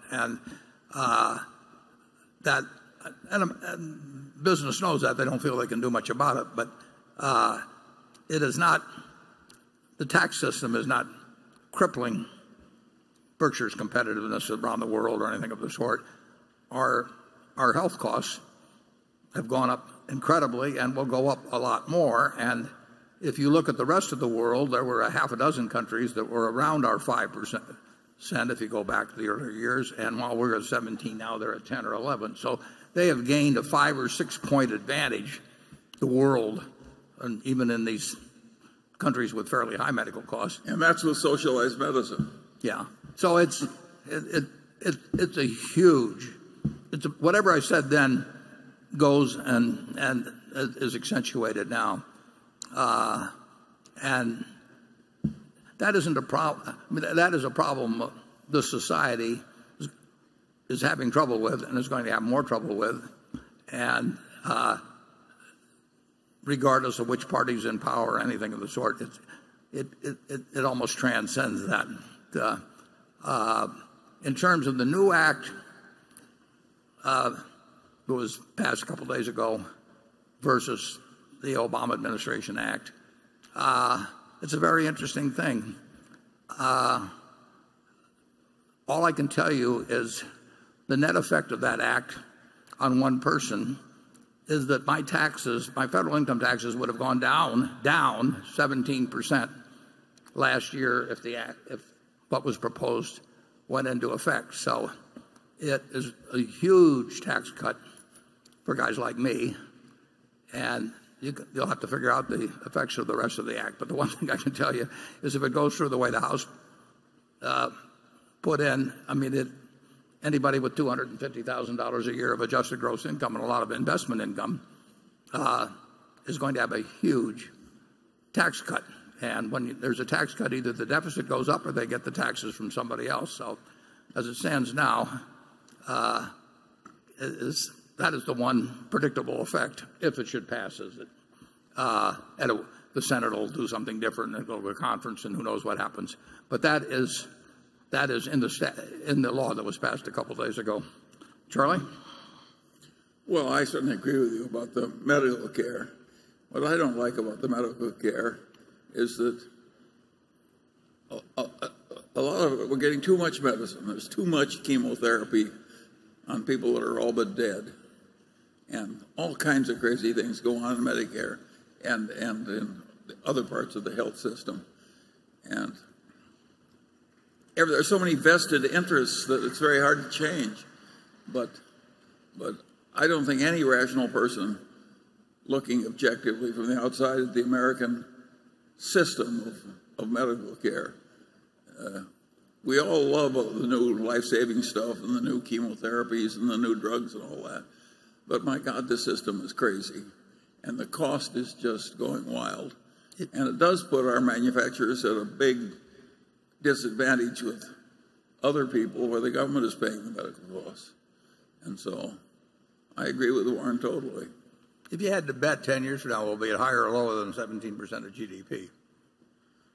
S1: Business knows that. They don't feel they can do much about it. The tax system is not crippling Berkshire's competitiveness around the world or anything of the sort. Our health costs have gone up incredibly and will go up a lot more. If you look at the rest of the world, there were a half a dozen countries that were around our 5%, if you go back to the earlier years. While we're at 17 now, they're at 10 or 11. They have gained a 5 or 6 point advantage, the world, even in these countries with fairly high medical costs.
S3: That's with socialized medicine.
S1: It's a huge Whatever I said then goes and is accentuated now. That is a problem the society is having trouble with and is going to have more trouble with, and regardless of which party's in power or anything of the sort, it almost transcends that. In terms of the new act that was passed a couple of days ago versus the Obama administration act, it's a very interesting thing. All I can tell you is the net effect of that act on one person is that my federal income taxes would have gone down 17% last year if what was proposed went into effect. It is a huge tax cut for guys like me, and you'll have to figure out the effects of the rest of the act. The one thing I can tell you is if it goes through the way the House put in. Anybody with $250,000 a year of adjusted gross income and a lot of investment income, is going to have a huge tax cut. When there's a tax cut, either the deficit goes up or they get the taxes from somebody else. As it stands now, that is the one predictable effect, if it should pass. The Senate will do something different and then go to a conference and who knows what happens. That is in the law that was passed a couple of days ago. Charlie?
S3: Well, I certainly agree with you about the medical care. What I don't like about the medical care is that we're getting too much medicine. There's too much chemotherapy on people that are all but dead, and all kinds of crazy things go on in Medicare and in other parts of the health system. There are so many vested interests that it's very hard to change. I don't think any rational person looking objectively from the outside at the American system of medical care. We all love all the new life-saving stuff and the new chemotherapies and the new drugs and all that, but my God, the system is crazy. The cost is just going wild. It does put our manufacturers at a big disadvantage with other people where the government is paying the medical costs. So I agree with Warren totally.
S1: If you had to bet 10 years from now, will it be higher or lower than 17% of GDP?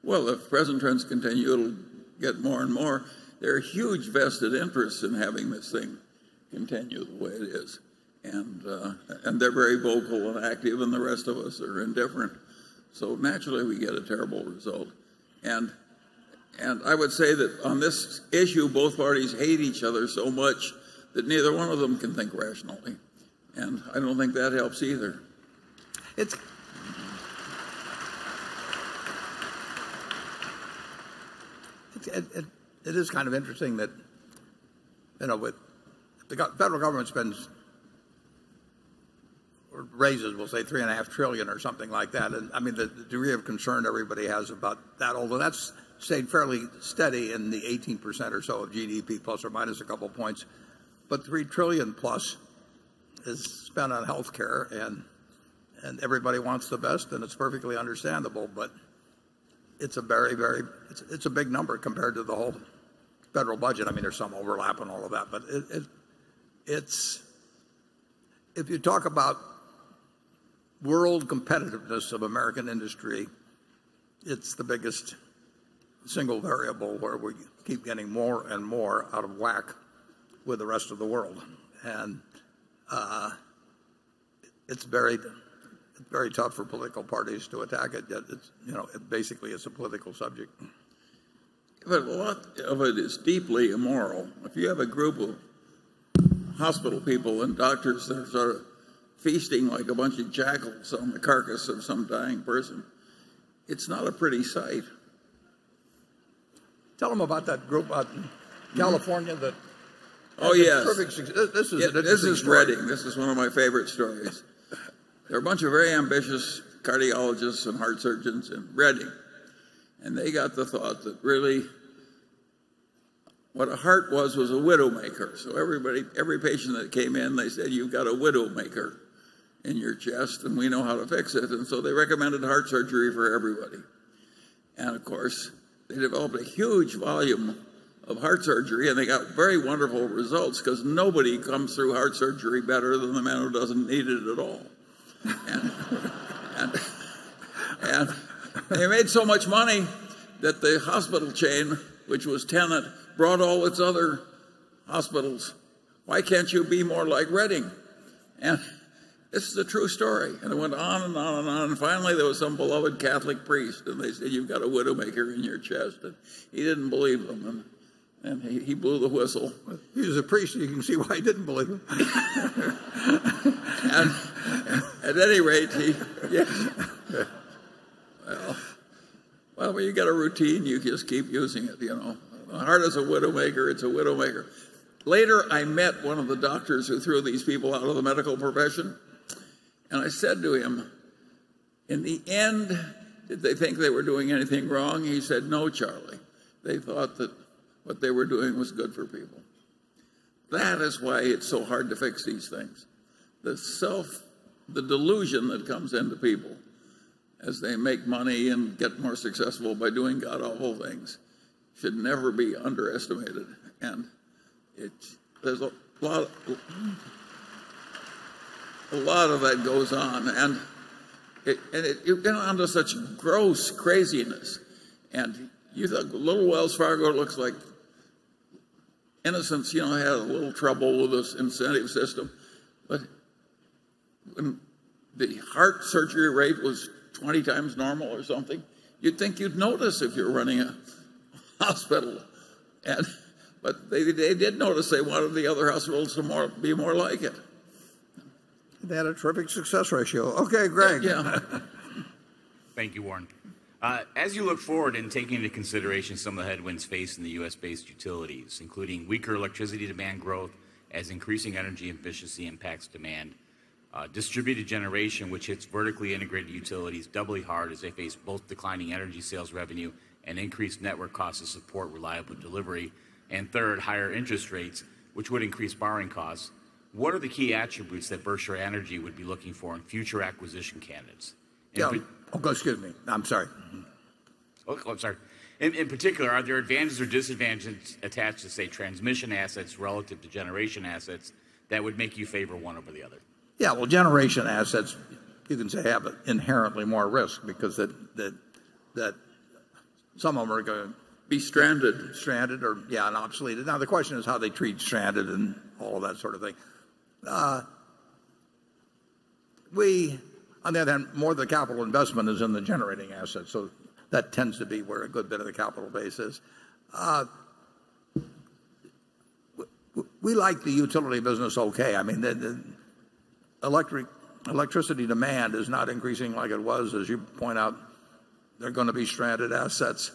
S3: Well, if present trends continue, it'll get more and more. There are huge vested interests in having this thing continue the way it is. They're very vocal and active, and the rest of us are indifferent. Naturally, we get a terrible result. I would say that on this issue, both parties hate each other so much that neither one of them can think rationally. I don't think that helps either.
S1: It is kind of interesting that the federal government spends or raises, we'll say $3.5 trillion or something like that, and the degree of concern everybody has about that, although that's stayed fairly steady in the 18% or so of GDP, plus or minus a couple of points. $3 trillion plus is spent on healthcare and everybody wants the best, and it's perfectly understandable, but it's a big number compared to the whole federal budget. There's some overlap and all of that. If you talk about world competitiveness of American industry, it's the biggest single variable where we keep getting more and more out of whack with the rest of the world. It's very tough for political parties to attack it. Basically, it's a political subject.
S3: A lot of it is deeply immoral. If you have a group of hospital people and doctors that are feasting like a bunch of jackals on the carcass of some dying person, it's not a pretty sight.
S1: Tell them about that group out in California that.
S3: Oh, yes.
S1: had terrific success. This is an interesting story.
S3: This is Redding. This is one of my favorite stories. There are a bunch of very ambitious cardiologists and heart surgeons in Redding, they got the thought that really what a heart was a widow-maker. Every patient that came in, they said, "You've got a widow-maker in your chest, and we know how to fix it." They recommended heart surgery for everybody. Of course, they developed a huge volume of heart surgery, they got very wonderful results because nobody comes through heart surgery better than the man who doesn't need it at all. They made so much money that the hospital chain, which was Tenet, brought all its other hospitals. "Why can't you be more like Redding?" This is a true story. It went on and on and on. Finally, there was some beloved Catholic priest, they said, "You've got a widow-maker in your chest." He didn't believe them, he blew the whistle.
S1: He was a priest, you can see why he didn't believe them.
S3: Well, when you got a routine, you just keep using it. A heart is a widow-maker, it's a widow-maker. Later, I met one of the doctors who threw these people out of the medical profession, and I said to him, "In the end, did they think they were doing anything wrong?" He said, "No, Charlie. They thought that what they were doing was good for people." That is why it's so hard to fix these things. The delusion that comes into people as they make money and get more successful by doing God-awful things should never be underestimated. A lot of that goes on, and you get onto such gross craziness. You thought little Wells Fargo looks like innocents had a little trouble with this incentive system. When the heart surgery rate was 20 times normal or something, you'd think you'd notice if you're running a hospital but they did notice. They wanted the other hospitals to be more like it.
S1: They had a terrific success ratio. Okay, Greg.
S3: Yeah.
S7: Thank you, Warren. As you look forward in taking into consideration some of the headwinds facing the U.S.-based utilities, including weaker electricity demand growth as increasing energy efficiency impacts demand distributed generation, which hits vertically integrated utilities doubly hard as they face both declining energy sales revenue and increased network costs to support reliable delivery, and third, higher interest rates, which would increase borrowing costs. What are the key attributes that Berkshire Energy would be looking for in future acquisition candidates?
S1: Yeah. Oh, excuse me. I'm sorry.
S7: Oh, I'm sorry. In particular, are there advantages or disadvantages attached to, say, transmission assets relative to generation assets that would make you favor one over the other?
S1: Yeah. Well, generation assets you can say have inherently more risk because some of them are going to-
S3: Be stranded
S1: stranded or obsoleted. The question is how they treat stranded and all that sort of thing. On the other hand, more of the capital investment is in the generating assets, so that tends to be where a good bit of the capital base is. We like the utility business, okay. Electricity demand is not increasing like it was. As you point out, they're going to be stranded assets.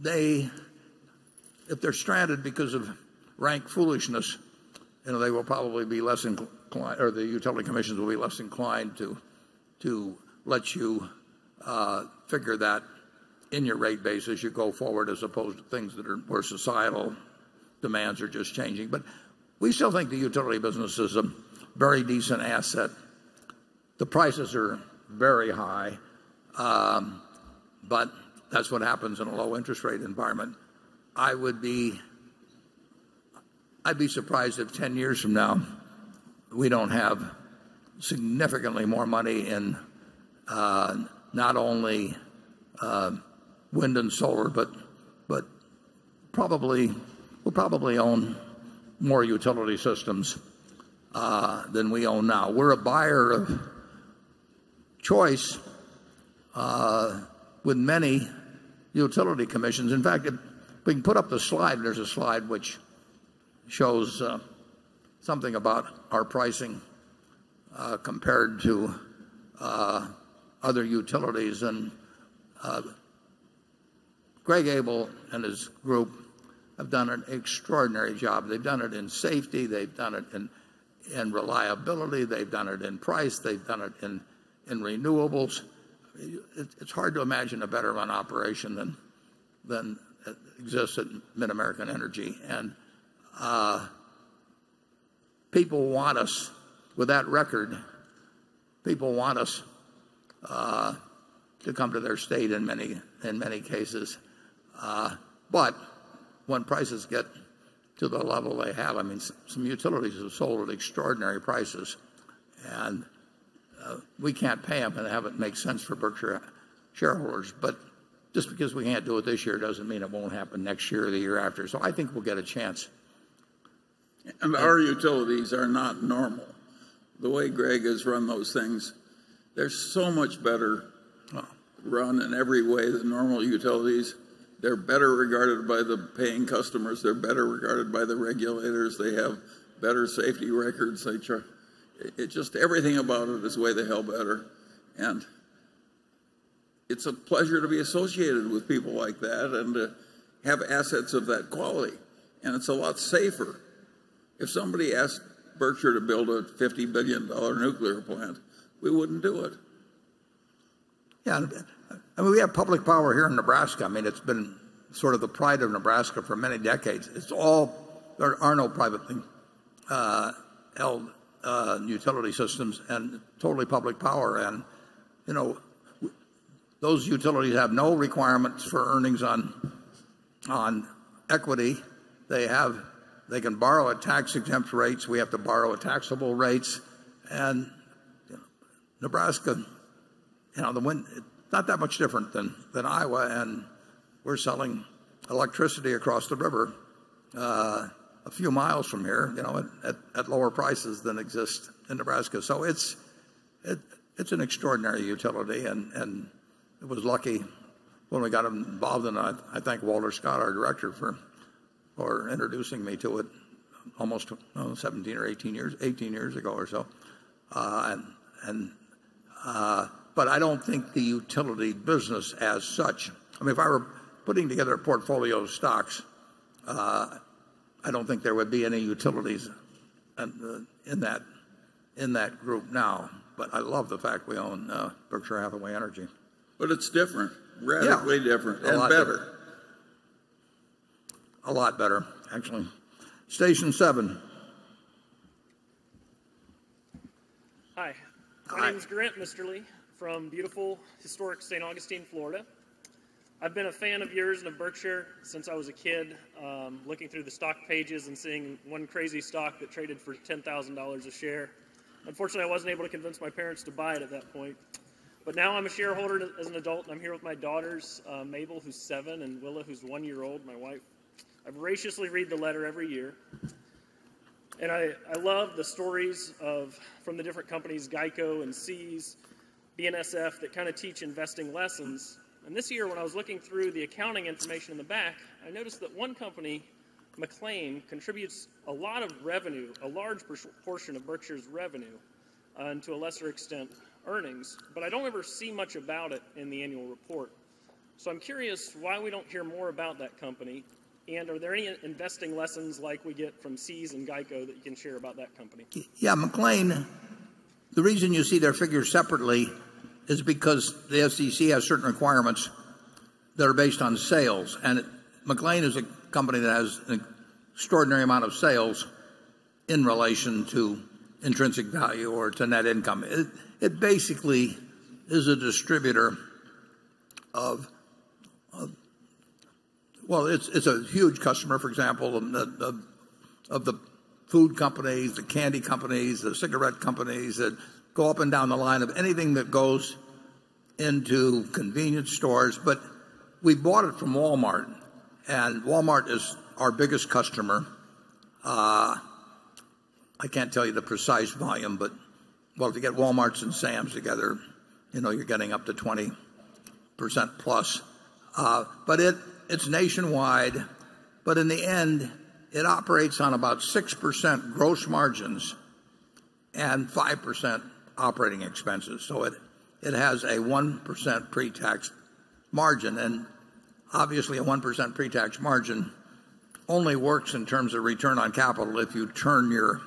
S1: If they're stranded because of rank foolishness, the utility commissions will be less inclined to let you figure that in your rate base as you go forward as opposed to things that are more societal demands are just changing. We still think the utility business is a very decent asset. The prices are very high, but that's what happens in a low interest rate environment. I'd be surprised if 10 years from now we don't have significantly more money in not only wind and solar, but we'll probably own more utility systems than we own now. We're a buyer of choice with many utility commissions. In fact, we can put up the slide. There's a slide which shows something about our pricing compared to other utilities. Greg Abel and his group have done an extraordinary job. They've done it in safety, they've done it in reliability, they've done it in price, they've done it in renewables. It's hard to imagine a better run operation than exists at MidAmerican Energy. With that record, people want us to come to their state in many cases. When prices get to the level they have, some utilities have sold at extraordinary prices, and we can't pay them and have it make sense for Berkshire shareholders. Just because we can't do it this year doesn't mean it won't happen next year or the year after. I think we'll get a chance.
S3: Our utilities are not normal. The way Greg has run those things, they're so much better run in every way than normal utilities. They're better regarded by the paying customers. They're better regarded by the regulators. They have better safety records, et cetera. It's just everything about it is way the hell better, and it's a pleasure to be associated with people like that and to have assets of that quality. It's a lot safer. If somebody asked Berkshire to build a $50 billion nuclear plant, we wouldn't do it.
S1: Yeah. We have public power here in Nebraska. It's been sort of the pride of Nebraska for many decades. There are no privately held utility systems and totally public power, and those utilities have no requirements for earnings on equity. They can borrow at tax-exempt rates. We have to borrow at taxable rates. Nebraska, the wind, it's not that much different than Iowa, and we're selling electricity across the river a few miles from here at lower prices than exist in Nebraska. So it's an extraordinary utility, and it was lucky when we got involved. I thank Walter Scott, our director, for introducing me to it almost 17 or 18 years ago or so. If I were putting together a portfolio of stocks, I don't think there would be any utilities in that group now, but I love the fact we own Berkshire Hathaway Energy.
S3: It's different.
S1: Yeah.
S3: Radically different and better.
S1: A lot different. A lot better, actually. Station seven.
S14: Hi.
S1: Hi.
S14: My name's Grant Misterly from beautiful, historic St. Augustine, Florida. I've been a fan of yours and of Berkshire since I was a kid, looking through the stock pages and seeing one crazy stock that traded for $10,000 a share. Unfortunately, I wasn't able to convince my parents to buy it at that point, but now I'm a shareholder as an adult, and I'm here with my daughters, Mabel, who's seven, and Willa, who's one year old, my wife. I voraciously read the letter every year. I love the stories from the different companies, GEICO and See's, BNSF, that kind of teach investing lessons. This year, when I was looking through the accounting information in the back, I noticed that one company, McLane, contributes a lot of revenue, a large portion of Berkshire's revenue, and to a lesser extent, earnings. I don't ever see much about it in the annual report. I'm curious why we don't hear more about that company, and are there any investing lessons like we get from See's and GEICO that you can share about that company?
S1: Yeah, McLane, the reason you see their figures separately is because the SEC has certain requirements that are based on sales. McLane is a company that has an extraordinary amount of sales in relation to intrinsic value or to net income. It basically is a distributor of Well, it's a huge customer, for example, of the food companies, the candy companies, the cigarette companies that go up and down the line of anything that goes into convenience stores. We bought it from Walmart, and Walmart is our biggest customer. I can't tell you the precise volume, but, well, to get Walmart's and Sam's together, you're getting up to 20% plus. It's nationwide. In the end, it operates on about 6% gross margins and 5% operating expenses. It has a 1% pre-tax margin, and obviously a 1% pre-tax margin only works in terms of return on capital if you turn your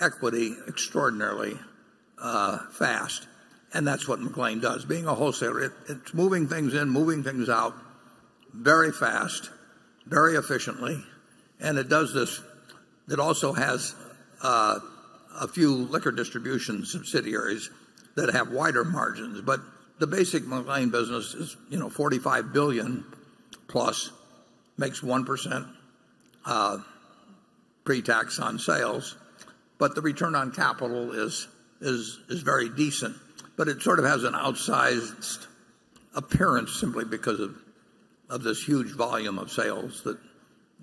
S1: equity extraordinarily fast, and that's what McLane does. Being a wholesaler, it's moving things in, moving things out very fast, very efficiently, and it does this. It also has a few liquor distribution subsidiaries that have wider margins. The basic McLane business is $45 billion plus, makes 1% pre-tax on sales, but the return on capital is very decent. It sort of has an outsized appearance simply because of this huge volume of sales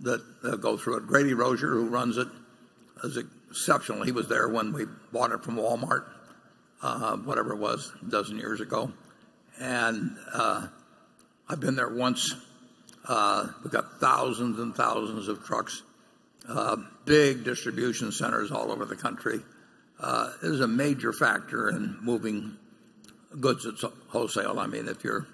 S1: that go through it. Grady Rosier, who runs it, is exceptional. He was there when we bought it from Walmart, whatever it was, a dozen years ago. I've been there once. They got thousands and thousands of trucks, big distribution centers all over the country. It is a major factor in moving goods at wholesale. If you're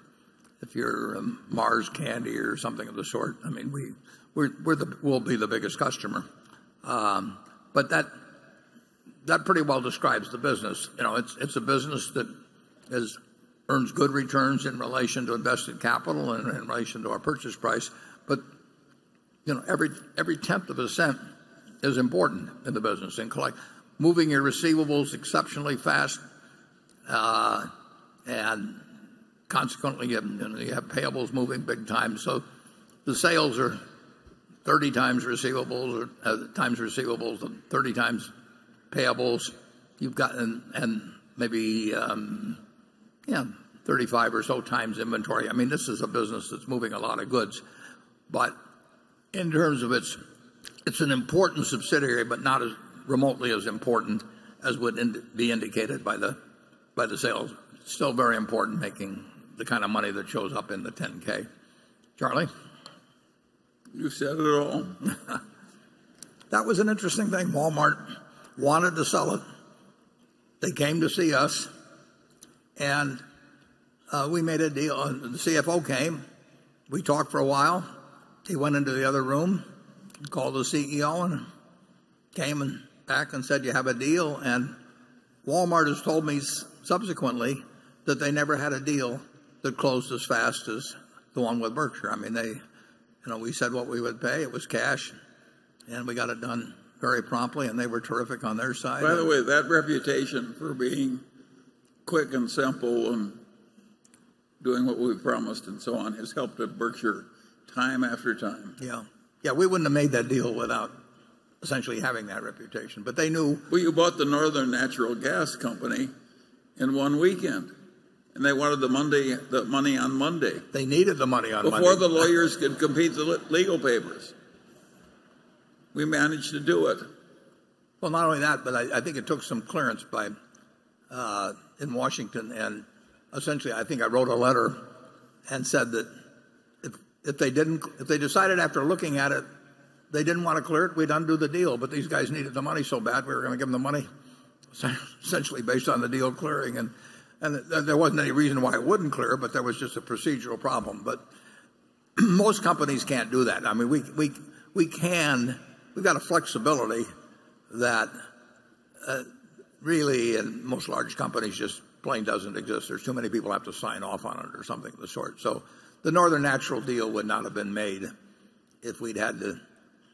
S1: Mars Candy or something of the sort, we'll be the biggest customer. That pretty well describes the business. It's a business that earns good returns in relation to invested capital and in relation to our purchase price. Every $0.001 is important in the business, in moving your receivables exceptionally fast, and consequently, you have payables moving big time. The sales are 30 times receivables, or 30 times payables. You've got maybe, yeah, 35 or so times inventory. This is a business that's moving a lot of goods. It's an important subsidiary, but not as remotely as important as would be indicated by the sales. Still very important, making the kind of money that shows up in the 10-K. Charlie?
S3: You said it all.
S1: That was an interesting thing. Walmart wanted to sell it. They came to see us, we made a deal. The CFO came. We talked for a while. He went into the other room, called the CEO, came back and said, "You have a deal." Walmart has told me subsequently that they never had a deal that closed as fast as the one with Berkshire. We said what we would pay, it was cash, we got it done very promptly, they were terrific on their side.
S3: By the way, that reputation for being quick and simple and doing what we promised and so on, has helped at Berkshire time after time.
S1: Yeah. Yeah, we wouldn't have made that deal without essentially having that reputation.
S3: You bought the Northern Natural Gas Company in one weekend, they wanted the money on Monday.
S1: They needed the money on Monday.
S3: Before the lawyers could complete the legal papers, we managed to do it.
S1: Not only that, but I think it took some clearance in Washington, essentially, I think I wrote a letter and said that if they decided after looking at it they didn't want to clear it, we'd undo the deal, but these guys needed the money so bad, we were going to give them the money essentially based on the deal clearing. There wasn't any reason why it wouldn't clear, but there was just a procedural problem. Most companies can't do that. We've got a flexibility that really in most large companies just plain doesn't exist. There's too many people who have to sign off on it or something of the sort. The Northern Natural deal would not have been made if we'd had to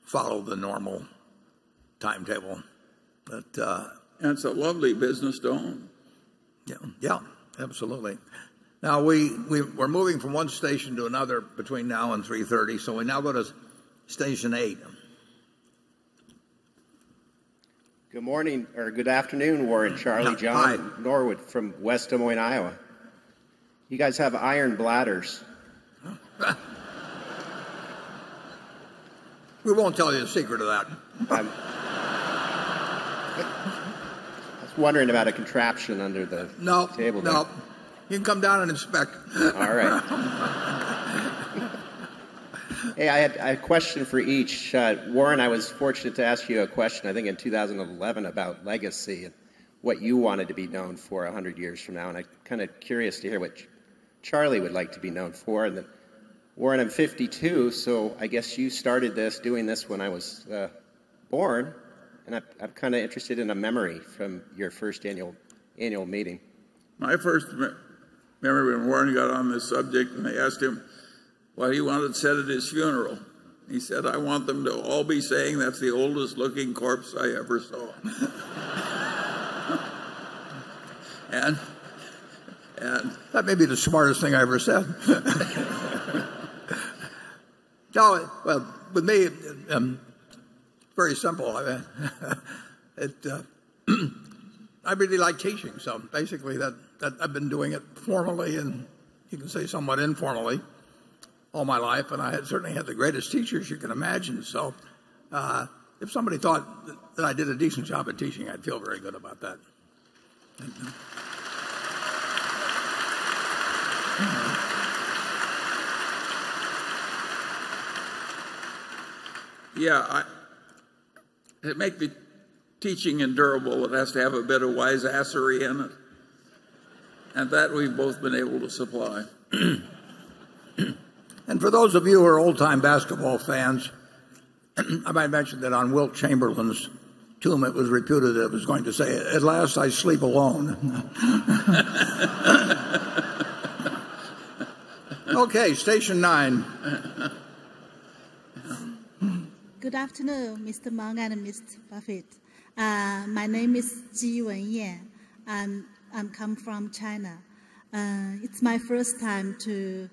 S1: follow the normal timetable.
S3: It's a lovely business to own.
S1: Yeah. Absolutely. Now we're moving from one station to another between now and 3:30 P.M. We now go to station 8.
S15: Good morning or good afternoon, Warren, Charlie, John.
S1: Hi.
S15: Norwood from West Des Moines, Iowa. You guys have iron bladders.
S1: We won't tell you the secret to that.
S15: I was wondering about a contraption under.
S1: No
S15: table there.
S1: No. You can come down and inspect.
S15: All right. Hey, I have a question for each. Warren, I was fortunate to ask you a question, I think in 2011, about legacy and what you wanted to be known for 100 years from now, I'm kind of curious to hear what Charlie would like to be known for. Warren, I'm 52, I guess you started doing this when I was born, I'm kind of interested in a memory from your first annual meeting.
S1: My first memory when Warren got on this subject I asked him what he wanted said at his funeral, he said, "I want them to all be saying that's the oldest looking corpse I ever saw." That may be the smartest thing I ever said. Charlie? Well, with me, it's very simple. I really like teaching, basically I've been doing it formally, you can say somewhat informally, all my life, I certainly had the greatest teachers you can imagine. If somebody thought that I did a decent job at teaching, I'd feel very good about that. Yeah. To make the teaching endurable, it has to have a bit of wiseassery in it, that we've both been able to supply. For those of you who are old-time basketball fans, I might mention that on Wilt Chamberlain's tomb, it was reputed it was going to say, "At last I sleep alone." Okay, station nine.
S16: Good afternoon, Mr. Munger and Mr. Buffett. My name is Ji Wenye. I come from China. It's my first time to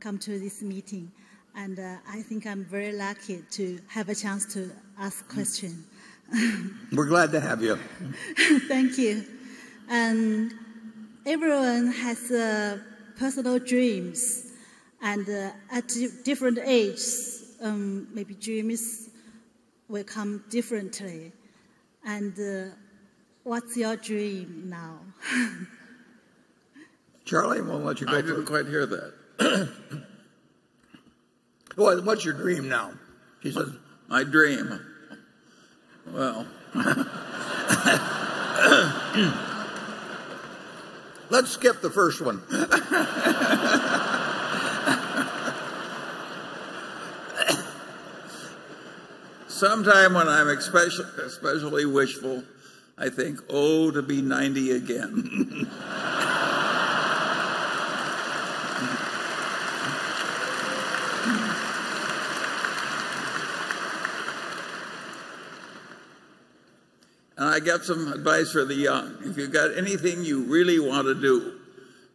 S16: come to this meeting, I think I'm very lucky to have a chance to ask question.
S1: We're glad to have you.
S16: Thank you. Everyone has personal dreams, at different ages, maybe dreams will come differently. What's your dream now?
S1: Charlie, why don't you go? I didn't quite hear that. Well, what's your dream now? She says. My dream. Well Let's skip the first one. Sometime when I'm especially wishful, I think, "Oh, to be 90 again." I got some advice for the young. If you've got anything you really want to do,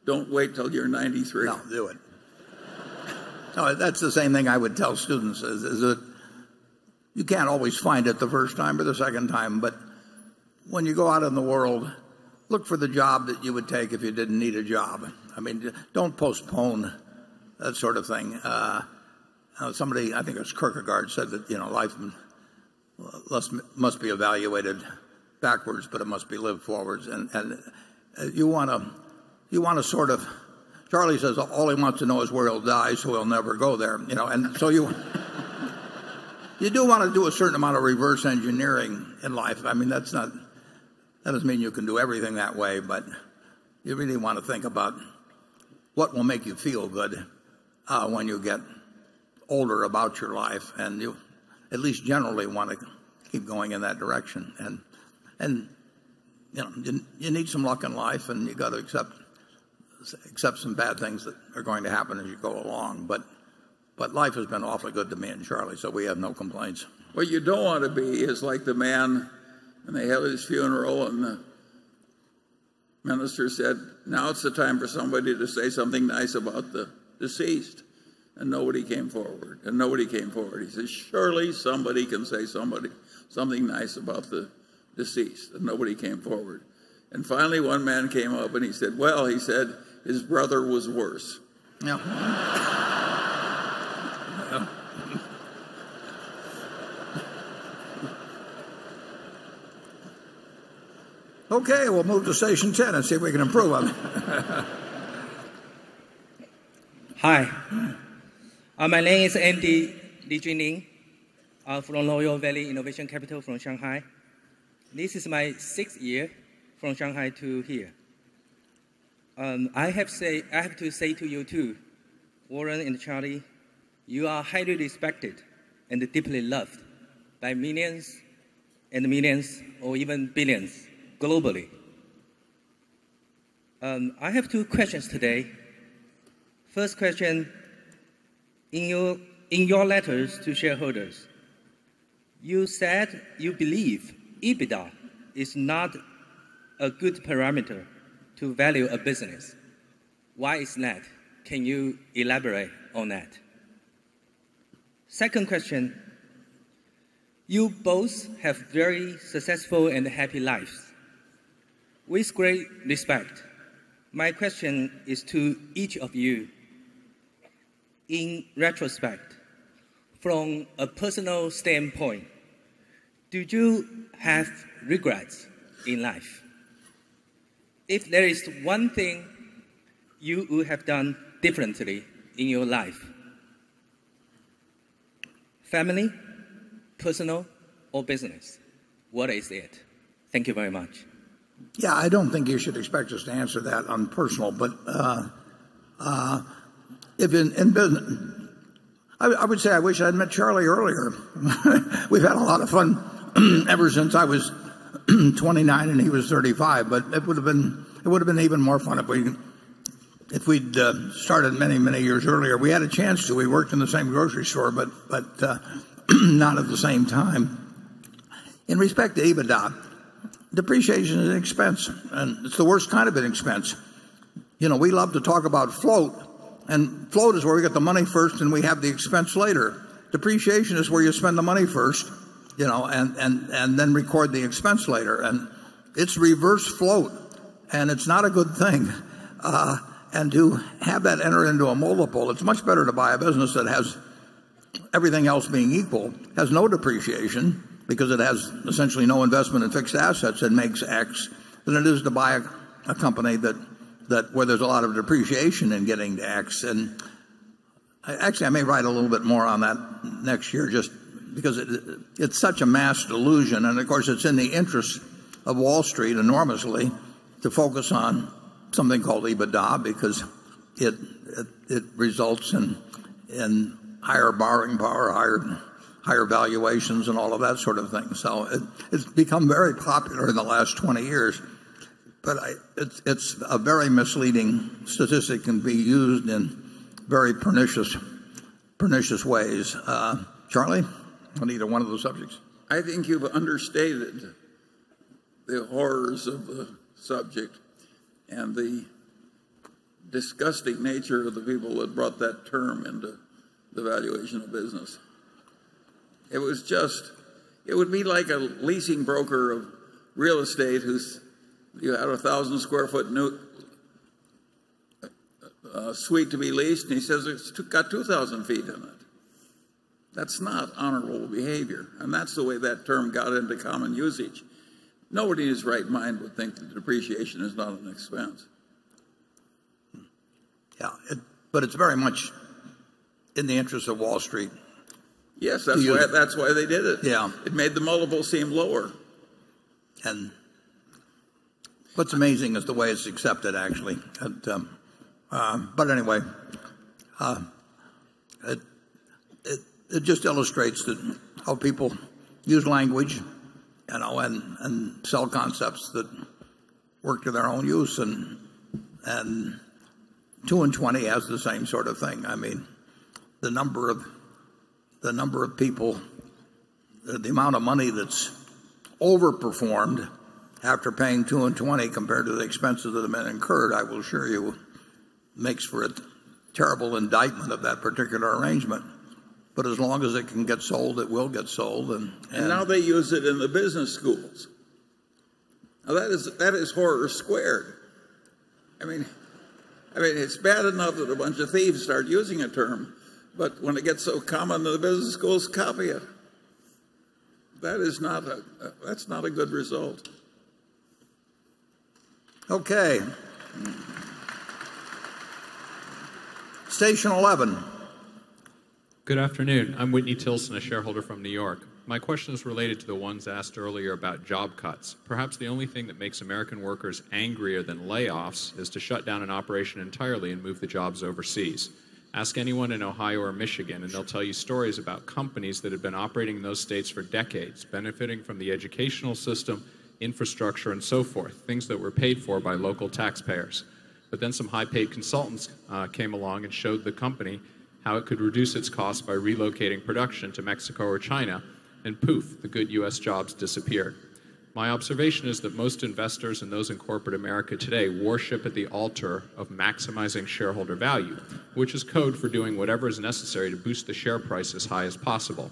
S1: don't wait till you're 93. No, do it. No, that's the same thing I would tell students, is that you can't always find it the first time or the second time, but when you go out in the world, look for the job that you would take if you didn't need a job. Don't postpone that sort of thing. Somebody, I think it was Kierkegaard, said that life must be evaluated backwards, but it must be lived forwards. Charlie says all he wants to know is where he'll die, so he'll never go there. You do want to do a certain amount of reverse engineering in life. That doesn't mean you can do everything that way, but you really want to think about what will make you feel good when you get older about your life, and you at least generally want to keep going in that direction. You need some luck in life, and you got to accept some bad things that are going to happen as you go along. Life has been awfully good to me and Charlie, so we have no complaints. What you don't want to be is like the man when they held his funeral and the minister said, "Now is the time for somebody to say something nice about the deceased," nobody came forward. Nobody came forward. He said, "Surely somebody can say something nice about the deceased," nobody came forward. Finally one man came up and he said, "Well," he said, "His brother was worse." Yeah. Okay, we'll move to station 10 and see if we can improve on that.
S17: Hi. My name is Andy Lijunling. I'm from Loyal Valley Innovation Capital from Shanghai. This is my sixth year from Shanghai to here. I have to say to you two, Warren and Charlie, you are highly respected and deeply loved by millions and millions or even billions globally. I have two questions today. First question, in your letters to shareholders, you said you believe EBITDA is not a good parameter to value a business. Why is that? Can you elaborate on that? Second question, you both have very successful and happy lives. With great respect, my question is to each of you, in retrospect, from a personal standpoint, do you have regrets in life? If there is one thing you would have done differently in your life, family, personal, or business, what is it? Thank you very much.
S1: Yeah, I don't think you should expect us to answer that on personal. If in business, I would say I wish I'd met Charlie earlier. We've had a lot of fun ever since I was 29 and he was 35, but it would've been even more fun if we'd started many, many years earlier. We had a chance to. We worked in the same grocery store, but not at the same time. In respect to EBITDA, depreciation is an expense, and it's the worst kind of an expense. We love to talk about float, and float is where we get the money first, and we have the expense later. Depreciation is where you spend the money first, then record the expense later. It's reverse float, and it's not a good thing. To have that enter into a multiple, it's much better to buy a business that has everything else being equal, has no depreciation because it has essentially no investment in fixed assets and makes X, than it is to buy a company where there's a lot of depreciation in getting to X. Actually, I may write a little bit more on that next year just because it's such a mass delusion, and of course, it's in the interest of Wall Street enormously to focus on something called EBITDA because it results in higher borrowing power, higher valuations, and all of that sort of thing. It's become very popular in the last 20 years, but it's a very misleading statistic and can be used in very pernicious ways. Charlie, on either one of those subjects?
S3: I think you've understated the horrors of the subject and the disgusting nature of the people that brought that term into the valuation of business. It would be like a leasing broker of real estate who had 1,000 sq ft new suite to be leased, and he says it's got 2,000 feet in it. That's not honorable behavior. That's the way that term got into common usage. Nobody in his right mind would think that depreciation is not an expense.
S1: Yeah. It's very much in the interest of Wall Street.
S3: Yes. That's why they did it.
S1: Yeah.
S3: It made the multiple seem lower.
S1: What's amazing is the way it's accepted, actually. Anyway, it just illustrates how people use language and sell concepts that work to their own use, and two and 20 has the same sort of thing. I mean, the number of people, the amount of money that's overperformed after paying two and 20 compared to the expenses that have been incurred, I will assure you, makes for a terrible indictment of that particular arrangement. As long as it can get sold, it will get sold.
S3: Now they use it in the business schools. Now that is horror squared. I mean, it's bad enough that a bunch of thieves start using a term, but when it gets so common that the business schools copy it, that's not a good result.
S1: Okay. Station 11.
S18: Good afternoon. I'm Whitney Tilson, a shareholder from New York. My question is related to the ones asked earlier about job cuts. Perhaps the only thing that makes American workers angrier than layoffs is to shut down an operation entirely and move the jobs overseas. Ask anyone in Ohio or Michigan, and they'll tell you stories about companies that have been operating in those states for decades, benefiting from the educational system, infrastructure, and so forth, things that were paid for by local taxpayers. Some high-paid consultants came along and showed the company how it could reduce its cost by relocating production to Mexico or China, and poof, the good U.S. jobs disappeared. My observation is that most investors and those in corporate America today worship at the altar of maximizing shareholder value, which is code for doing whatever is necessary to boost the share price as high as possible.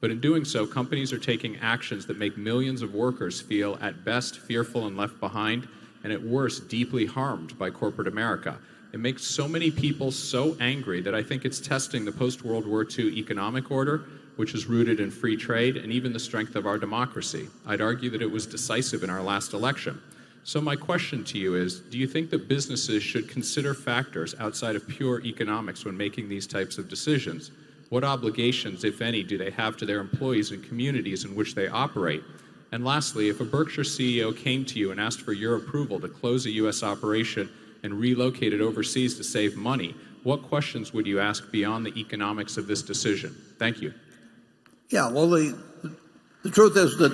S18: In doing so, companies are taking actions that make millions of workers feel at best fearful and left behind, and at worst, deeply harmed by corporate America. It makes so many people so angry that I think it's testing the post-World War II economic order, which is rooted in free trade and even the strength of our democracy. I'd argue that it was decisive in our last election. My question to you is, do you think that businesses should consider factors outside of pure economics when making these types of decisions? What obligations, if any, do they have to their employees and communities in which they operate? Lastly, if a Berkshire CEO came to you and asked for your approval to close a U.S. operation and relocate it overseas to save money, what questions would you ask beyond the economics of this decision? Thank you.
S1: Well, the truth is that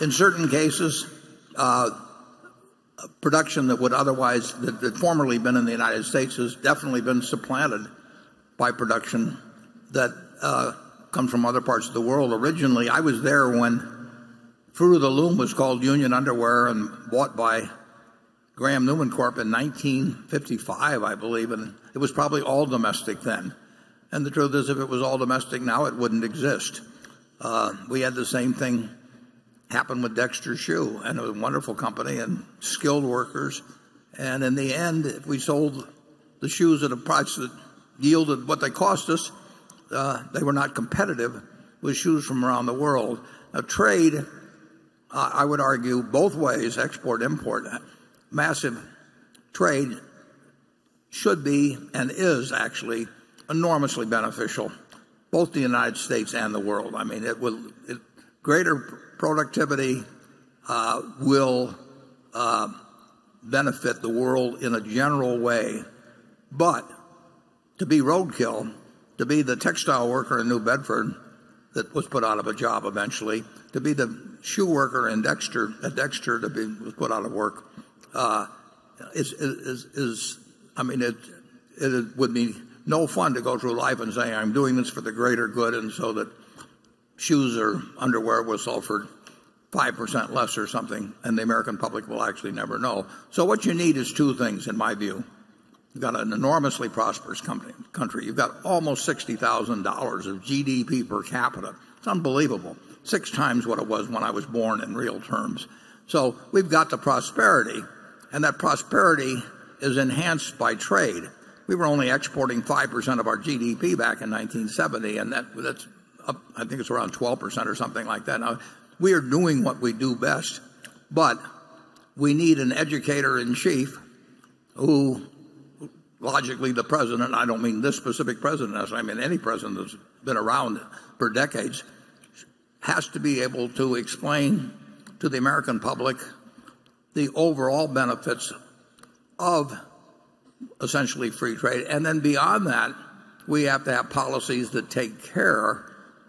S1: in certain cases, production that had formerly been in the United States has definitely been supplanted by production that comes from other parts of the world originally. I was there when Fruit of the Loom was called Union Underwear and bought by Graham-Newman Corp. in 1955, I believe, and it was probably all domestic then. The truth is, if it was all domestic now, it wouldn't exist. We had the same thing happen with Dexter Shoe and a wonderful company and skilled workers, and in the end, we sold the shoes at a price that yielded what they cost us. They were not competitive with shoes from around the world. Trade, I would argue both ways, export, import, massive trade should be and is actually enormously beneficial, both to the United States and the world. Greater productivity will benefit the world in a general way. To be roadkill, to be the textile worker in New Bedford that was put out of a job eventually, to be the shoe worker in Dexter that was put out of work, it would be no fun to go through life and say, "I'm doing this for the greater good," and so that shoes or underwear was sold for 5% less or something, and the American public will actually never know. What you need is two things, in my view. You've got an enormously prosperous country. You've got almost $60,000 of GDP per capita. It's unbelievable. Six times what it was when I was born in real terms. We've got the prosperity, and that prosperity is enhanced by trade. We were only exporting 5% of our GDP back in 1970, that's up, I think it's around 12% or something like that now. We are doing what we do best, we need an educator in chief who, logically the president, I don't mean this specific president, as I mean any president that's been around for decades, has to be able to explain to the American public the overall benefits of essentially free trade. Beyond that, we have to have policies that take care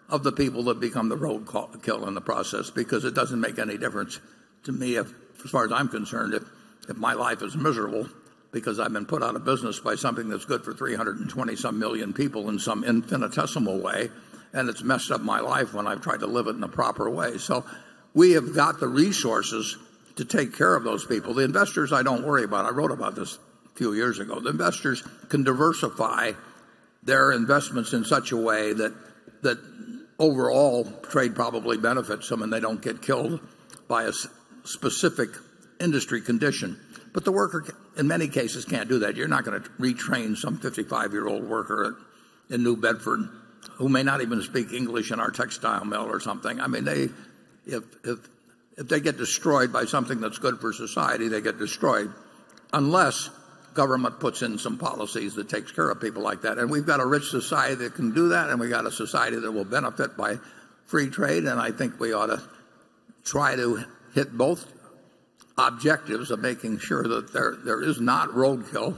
S1: of the people that become the roadkill in the process, because it doesn't make any difference to me as far as I'm concerned if my life is miserable because I've been put out of business by something that's good for 320 some million people in some infinitesimal way, it's messed up my life when I've tried to live it in the proper way. We have got the resources to take care of those people. The investors I don't worry about. I wrote about this a few years ago. The investors can diversify their investments in such a way that overall trade probably benefits them, they don't get killed by a specific industry condition. The worker, in many cases, can't do that. You're not going to retrain some 55-year-old worker in New Bedford who may not even speak English in our textile mill or something. If they get destroyed by something that's good for society, they get destroyed, unless government puts in some policies that takes care of people like that. We've got a rich society that can do that, and we've got a society that will benefit by free trade, and I think we ought to try to hit both objectives of making sure that there is not roadkill,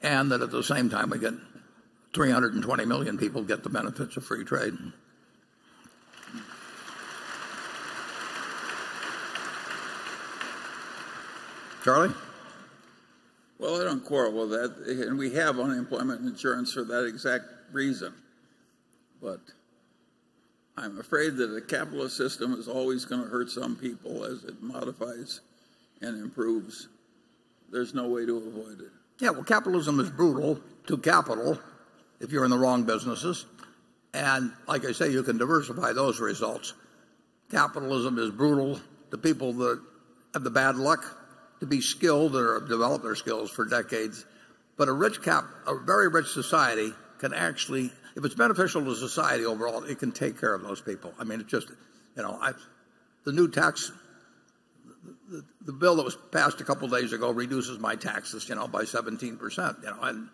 S1: and that at the same time, we get 320 million people get the benefits of free trade. Charlie?
S3: Well, I don't quarrel with that. We have unemployment insurance for that exact reason, but I'm afraid that the capitalist system is always going to hurt some people as it modifies and improves. There's no way to avoid it.
S1: Yeah. Well, capitalism is brutal to capital if you're in the wrong businesses. Like I say, you can diversify those results. Capitalism is brutal to people that have the bad luck to be skilled or have developed their skills for decades. A very rich society can actually, if it's beneficial to society overall, it can take care of those people. The new tax, the bill that was passed a couple of days ago reduces my taxes by 17%.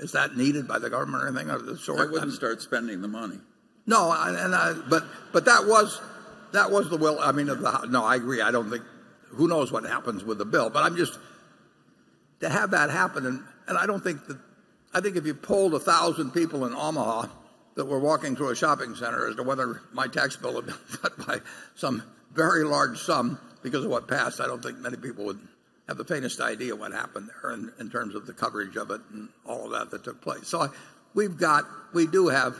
S1: Is that needed by the government or anything of the sort?
S3: I wouldn't start spending the money.
S1: No. That was the will of the-- No, I agree. Who knows what happens with the bill? To have that happen, and I think if you polled 1,000 people in Omaha that were walking through a shopping center as to whether my tax bill had been cut by some very large sum because of what passed, I don't think many people would have the faintest idea what happened there in terms of the coverage of it and all of that that took place. We do have,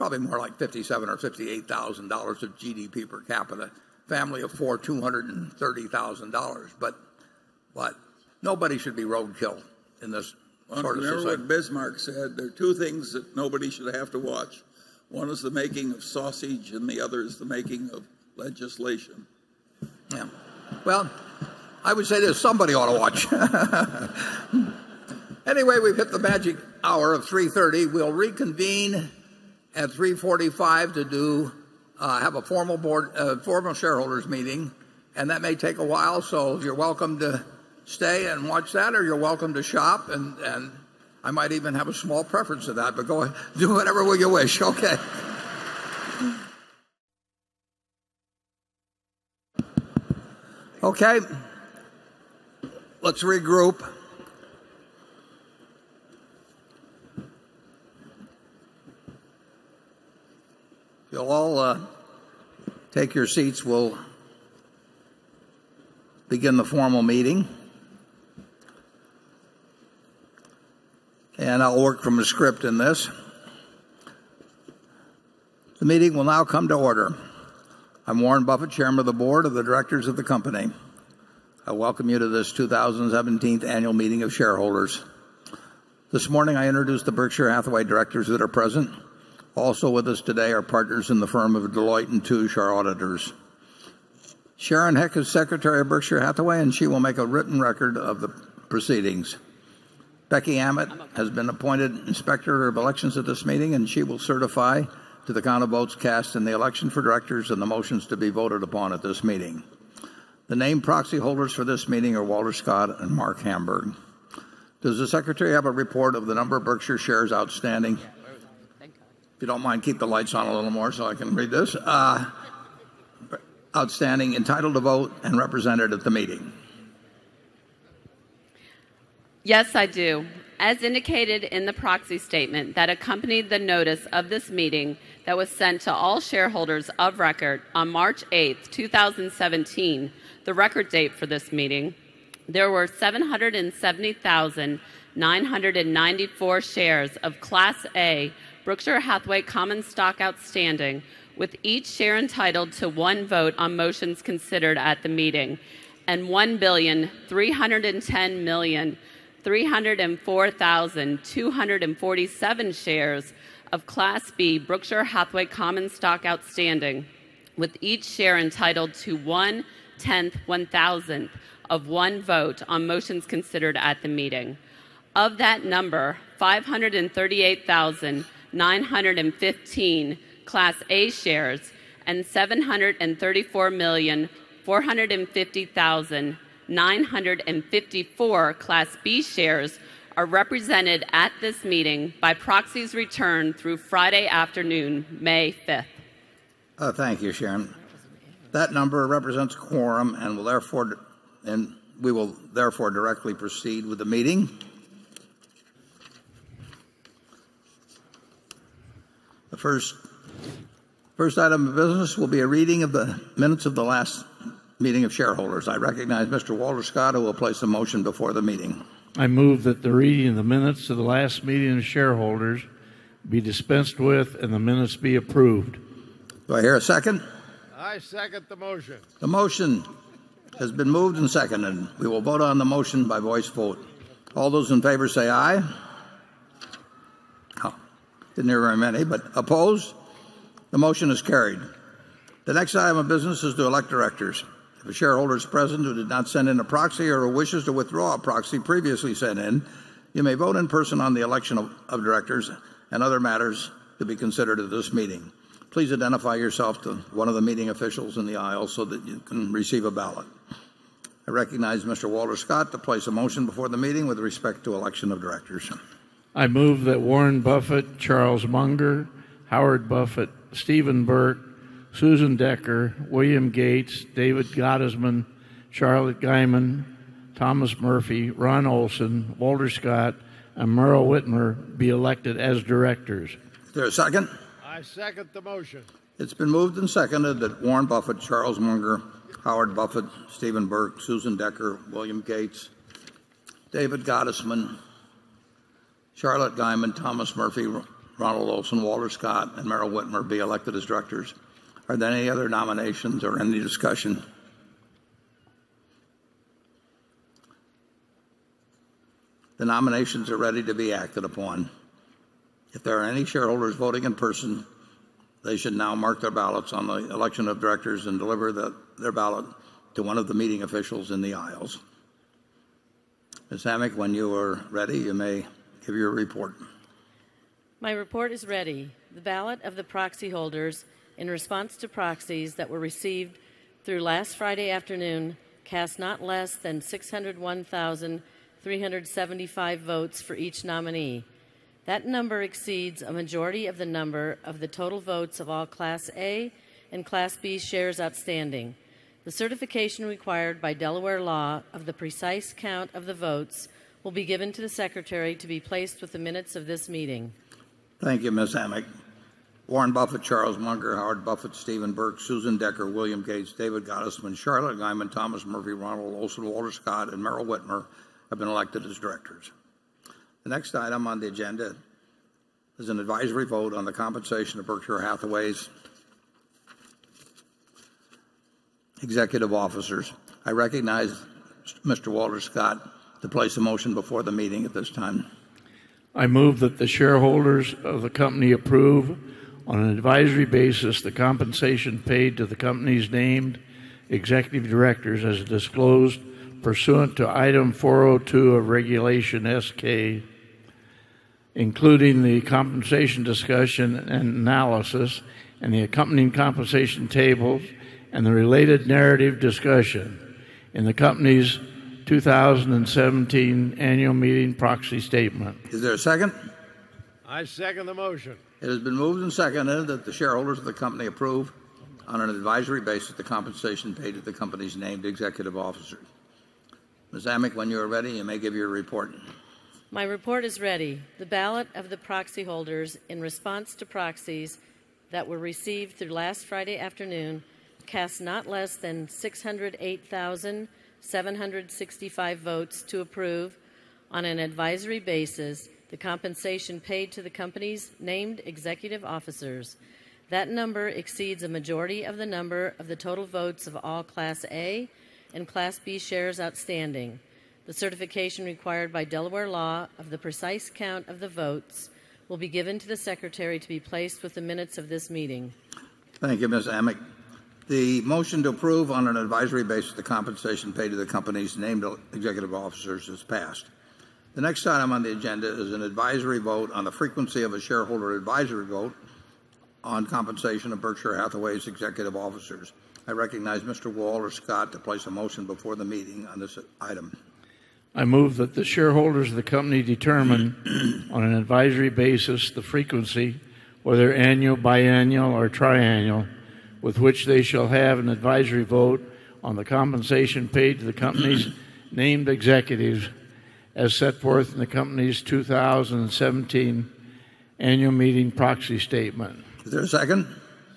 S1: it's probably more like $57,000 or $58,000 of GDP per capita. Family of four, $230,000. Nobody should be roadkill in this sort of system.
S3: Remember what Bismarck said, "There are two things that nobody should have to watch. One is the making of sausage, and the other is the making of legislation.
S1: Yeah. Well, I would say this, somebody ought to watch. Anyway, we've hit the magic hour of 3:30. We'll reconvene at 3:45 to have a formal shareholders meeting, and that may take a while, so you're welcome to stay and watch that, or you're welcome to shop, and I might even have a small preference of that, but go ahead. Do whatever you wish. Okay. Okay. Let's regroup. If you'll all take your seats, we'll begin the formal meeting. I'll work from a script in this. The meeting will now come to order. I'm Warren Buffett, Chairman of the Board of the Directors of the company. I welcome you to this 2017 annual meeting of shareholders. This morning, I introduced the Berkshire Hathaway directors that are present. Also with us today are partners in the firm of Deloitte & Touche, our auditors. Sharon Heck is Secretary of Berkshire Hathaway, and she will make a written record of the proceedings. Becky Amick has been appointed Inspector of Elections at this meeting, and she will certify to the count of votes cast in the election for directors and the motions to be voted upon at this meeting. The named proxy holders for this meeting are Walter Scott and Marc Hamburg. Does the Secretary have a report of the number of Berkshire shares outstanding? If you don't mind, keep the lights on a little more so I can read this. Outstanding, entitled to vote, and represented at the meeting.
S19: Yes, I do. As indicated in the proxy statement that accompanied the notice of this meeting that was sent to all shareholders of record on March 8, 2017, the record date for this meeting, there were 770,994 shares of Class A Berkshire Hathaway common stock outstanding, with each share entitled to one vote on motions considered at the meeting. 1,310,304,247 shares of Class B Berkshire Hathaway common stock outstanding, with each share entitled to one-tenth, one-thousandth of one vote on motions considered at the meeting. Of that number, 538,915 Class A shares and 734,450,954 Class B shares are represented at this meeting by proxies returned through Friday afternoon, May 5th.
S1: Oh, thank you, Sharon. That number represents a quorum, and we will therefore directly proceed with the meeting. The first item of business will be a reading of the minutes of the last meeting of shareholders. I recognize Mr. Walter Scott, who will place a motion before the meeting.
S20: I move that the reading of the minutes of the last meeting of shareholders be dispensed with and the minutes be approved.
S1: Do I hear a second?
S20: I second the motion.
S1: The motion has been moved and seconded. We will vote on the motion by voice vote. All those in favor say aye. Oh, didn't hear very many, opposed? The motion is carried. The next item of business is to elect directors. If a shareholder is present who did not send in a proxy or who wishes to withdraw a proxy previously sent in, you may vote in person on the election of directors and other matters to be considered at this meeting. Please identify yourself to one of the meeting officials in the aisle so that you can receive a ballot. I recognize Mr. Walter Scott to place a motion before the meeting with respect to election of directors.
S20: I move that Warren Buffett, Charles Munger, Howard Buffett, Stephen Burke, Susan Decker, William Gates, David Gottesman, Charlotte Guyman, Thomas Murphy, Ron Olson, Walter Scott, and Meryl Witmer be elected as directors.
S1: Is there a second?
S20: I second the motion.
S1: It's been moved and seconded that Warren Buffett, Charles Munger, Howard Buffett, Stephen Burke, Susan Decker, William Gates, David Gottesman, Charlotte Guyman, Thomas Murphy, Ronald Olson, Walter Scott, and Meryl Witmer be elected as directors. Are there any other nominations or any discussion? The nominations are ready to be acted upon. If there are any shareholders voting in person, they should now mark their ballots on the election of directors and deliver their ballot to one of the meeting officials in the aisles. Ms. Amick, when you are ready, you may give your report.
S21: My report is ready. The ballot of the proxy holders in response to proxies that were received through last Friday afternoon cast not less than 601,375 votes for each nominee. That number exceeds a majority of the number of the total votes of all Class A and Class B shares outstanding. The certification required by Delaware law of the precise count of the votes will be given to the secretary to be placed with the minutes of this meeting.
S1: Thank you, Ms. Amick. Warren Buffett, Charles Munger, Howard Buffett, Stephen Burke, Susan Decker, William Gates, David Gottesman, Charlotte Guyman, Thomas Murphy, Ronald Olson, Walter Scott, and Meryl Witmer have been elected as directors. The next item on the agenda is an advisory vote on the compensation of Berkshire Hathaway's executive officers. I recognize Mr. Walter Scott to place a motion before the meeting at this time.
S20: I move that the shareholders of the company approve, on an advisory basis, the compensation paid to the company's named executive directors as disclosed pursuant to Item 402 of Regulation S-K, including the compensation discussion and analysis and the accompanying compensation tables and the related narrative discussion in the company's 2017 annual meeting proxy statement.
S1: Is there a second?
S20: I second the motion.
S1: It has been moved and seconded that the shareholders of the company approve, on an advisory basis, the compensation paid to the company's named executive officers. Ms. Amick, when you are ready, you may give your report.
S21: My report is ready. The ballot of the proxy holders in response to proxies that were received through last Friday afternoon cast not less than 608,765 votes to approve, on an advisory basis, the compensation paid to the company's named executive officers. That number exceeds a majority of the number of the total votes of all Class A and Class B shares outstanding. The certification required by Delaware law of the precise count of the votes will be given to the secretary to be placed with the minutes of this meeting.
S1: Thank you, Ms. Amick. The motion to approve on an advisory basis the compensation paid to the company's named executive officers has passed. The next item on the agenda is an advisory vote on the frequency of a shareholder advisory vote on compensation of Berkshire Hathaway's executive officers. I recognize Mr. Walter Scott to place a motion before the meeting on this item.
S20: I move that the shareholders of the company determine on an advisory basis the frequency, whether annual, biannual, or triannual, with which they shall have an advisory vote on the compensation paid to the company's named executives as set forth in the company's 2017 annual meeting proxy statement.
S1: Is there a second?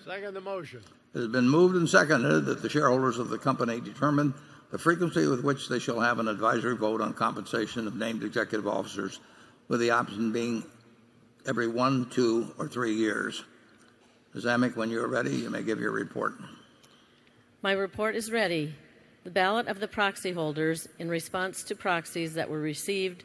S20: Second the motion.
S1: It has been moved and seconded that the shareholders of the company determine the frequency with which they shall have an advisory vote on compensation of named executive officers, with the option being every one, two, or three years. Ms. Amick, when you are ready, you may give your report.
S21: My report is ready. The ballot of the proxy holders in response to proxies that were received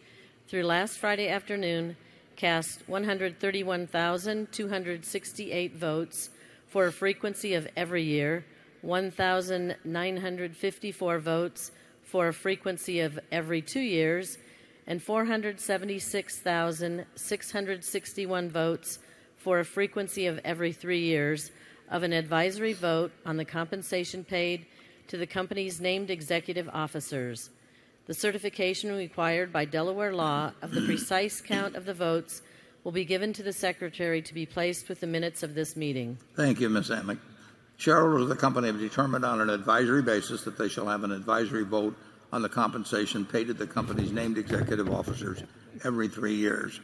S21: through last Friday afternoon cast 131,268 votes for a frequency of every year, 1,954 votes for a frequency of every two years, and 476,661 votes for a frequency of every three years of an advisory vote on the compensation paid to the company's named executive officers. The certification required by Delaware law of the precise count of the votes will be given to the secretary to be placed with the minutes of this meeting.
S1: Thank you, Ms. Amick. Shareholders of the company have determined on an advisory basis that they shall have an advisory vote on the compensation paid to the company's named executive officers every three years.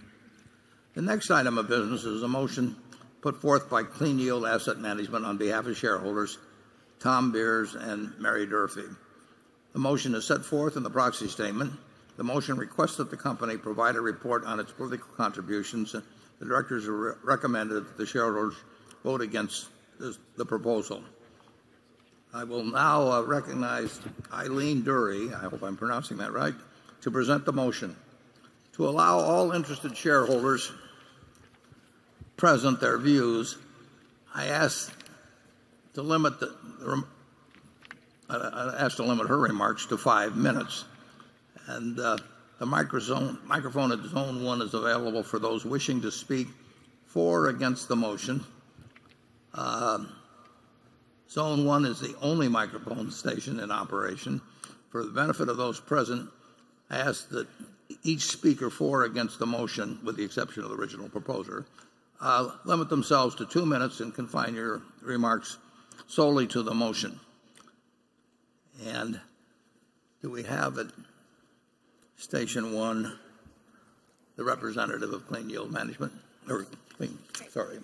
S1: The next item of business is a motion put forth by Clean Yield Asset Management on behalf of shareholders Tom Beers and Mary Durfee. The motion is set forth in the proxy statement. The directors have recommended that the shareholders vote against the proposal. I will now recognize Eileen Durfee, I hope I'm pronouncing that right, to present the motion. To allow all interested shareholders present their views, I ask to limit her remarks to five minutes. The microphone at zone one is available for those wishing to speak for or against the motion. Zone one is the only microphone station in operation. For the benefit of those present, I ask that each speaker for or against the motion, with the exception of the original proposer, limit themselves to two minutes and confine your remarks solely to the motion. Do we have at station one the representative of Clean Yield Asset Management?
S22: Hi.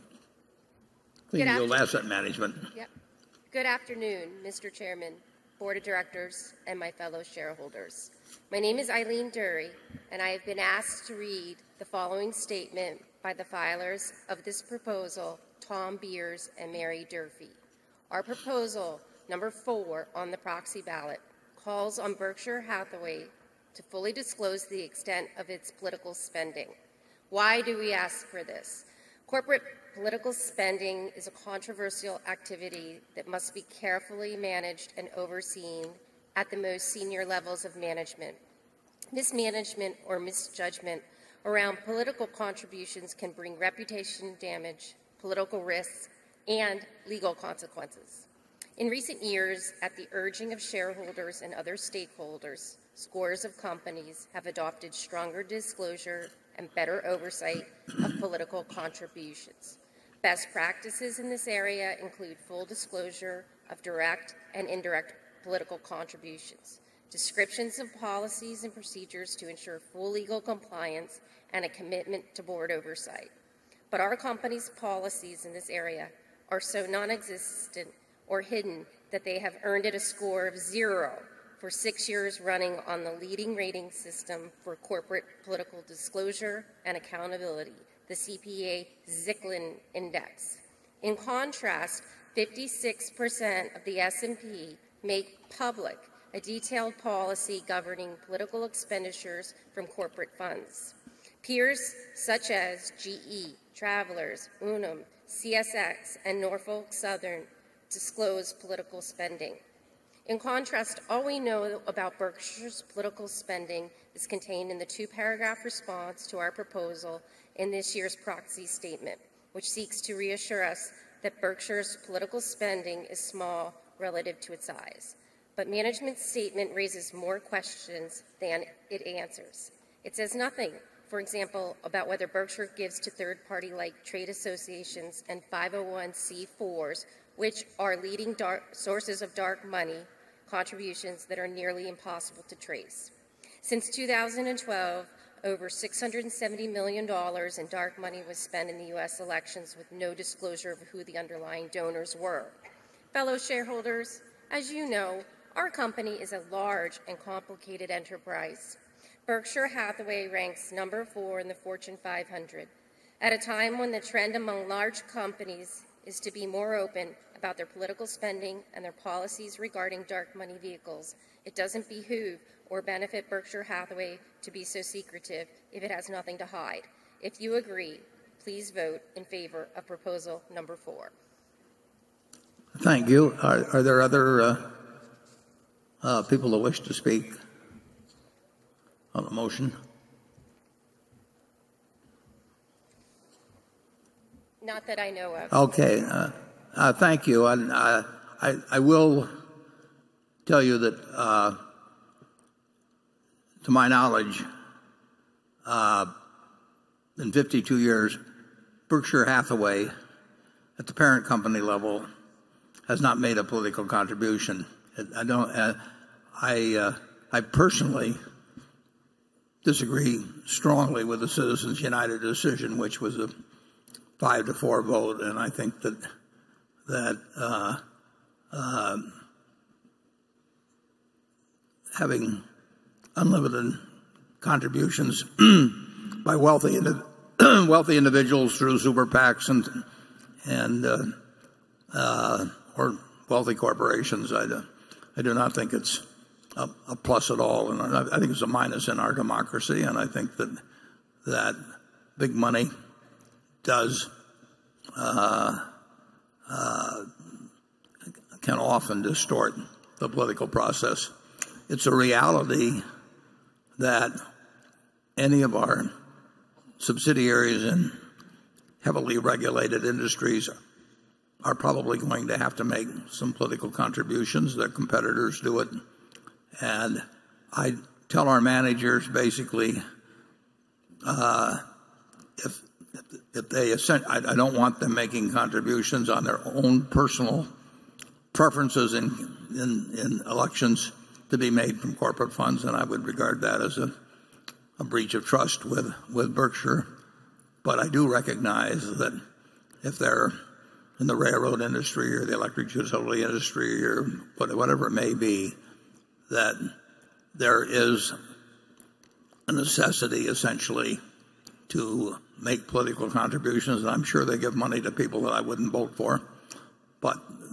S1: Clean Yield Asset Management.
S22: Good afternoon, Mr. Chairman, board of directors, and my fellow shareholders. My name is Eileen Durfee, and I have been asked to read the following statement by the filers of this proposal, Tom Beers and Mary Durfee. Our proposal, number four on the proxy ballot, calls on Berkshire Hathaway to fully disclose the extent of its political spending. Why do we ask for this? Corporate political spending is a controversial activity that must be carefully managed and overseen at the most senior levels of management. Mismanagement or misjudgment around political contributions can bring reputation damage, political risks, and legal consequences. In recent years, at the urging of shareholders and other stakeholders, scores of companies have adopted stronger disclosure and better oversight of political contributions. Best practices in this area include full disclosure of direct and indirect political contributions, descriptions of policies and procedures to ensure full legal compliance, and a commitment to board oversight. Our company's policies in this area are so nonexistent or hidden that they have earned it a score of zero for six years running on the leading rating system for corporate political disclosure and accountability, the CPA-Zicklin Index. In contrast, 56% of the S&P make public a detailed policy governing political expenditures from corporate funds. Peers such as GE, Travelers, Unum, CSX, and Norfolk Southern disclose political spending. In contrast, all we know about Berkshire's political spending is contained in the two-paragraph response to our proposal in this year's proxy statement, which seeks to reassure us that Berkshire's political spending is small relative to its size. Management's statement raises more questions than it answers. It says nothing, for example, about whether Berkshire gives to third party like trade associations and 501(c)(4)s, which are leading sources of dark money contributions that are nearly impossible to trace. Since 2012, over $670 million in dark money was spent in the U.S. elections with no disclosure of who the underlying donors were. Fellow shareholders, as you know, our company is a large and complicated enterprise. Berkshire Hathaway ranks number four in the Fortune 500. At a time when the trend among large companies is to be more open about their political spending and their policies regarding dark money vehicles, it doesn't behoove or benefit Berkshire Hathaway to be so secretive if it has nothing to hide. If you agree, please vote in favor of proposal number four.
S1: Thank you. Are there other people that wish to speak on the motion?
S22: Not that I know of.
S1: Okay. Thank you. I will tell you that to my knowledge, in 52 years, Berkshire Hathaway, at the parent company level, has not made a political contribution. I personally disagree strongly with the Citizens United decision, which was a five to four vote, I think that having unlimited contributions by wealthy individuals through super PACs or wealthy corporations, I do not think it's a plus at all. I think it's a minus in our democracy, I think that big money can often distort the political process. It's a reality that any of our subsidiaries in heavily regulated industries are probably going to have to make some political contributions. Their competitors do it. I tell our managers, basically, I don't want them making contributions on their own personal preferences in elections to be made from corporate funds, I would regard that as a breach of trust with Berkshire. I do recognize that if they're in the railroad industry or the electric utility industry or whatever it may be, that there is a necessity, essentially, to make political contributions. I'm sure they give money to people that I wouldn't vote for.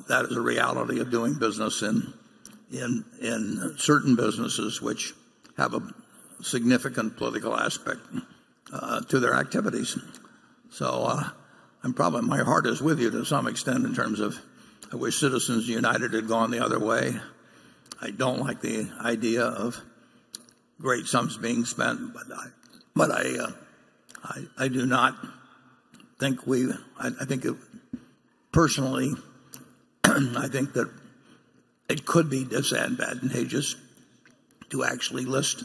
S1: That is a reality of doing business in certain businesses which have a significant political aspect to their activities. Probably my heart is with you to some extent in terms of I wish Citizens United had gone the other way. I don't like the idea of great sums being spent, personally, I think that it could be disadvantageous to actually list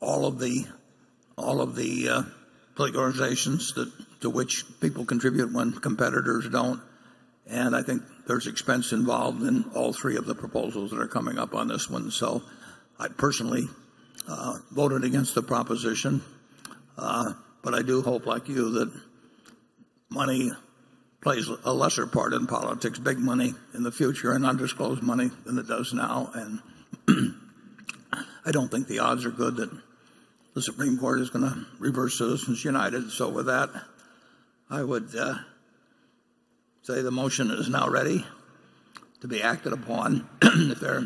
S1: all of the political organizations to which people contribute when competitors don't. I think there's expense involved in all three of the proposals that are coming up on this one. I personally voted against the proposition, I do hope, like you, that money plays a lesser part in politics, big money in the future and undisclosed money than it does now. I don't think the odds are good that the Supreme Court is going to reverse Citizens United. With that, I would say the motion is now ready to be acted upon. If there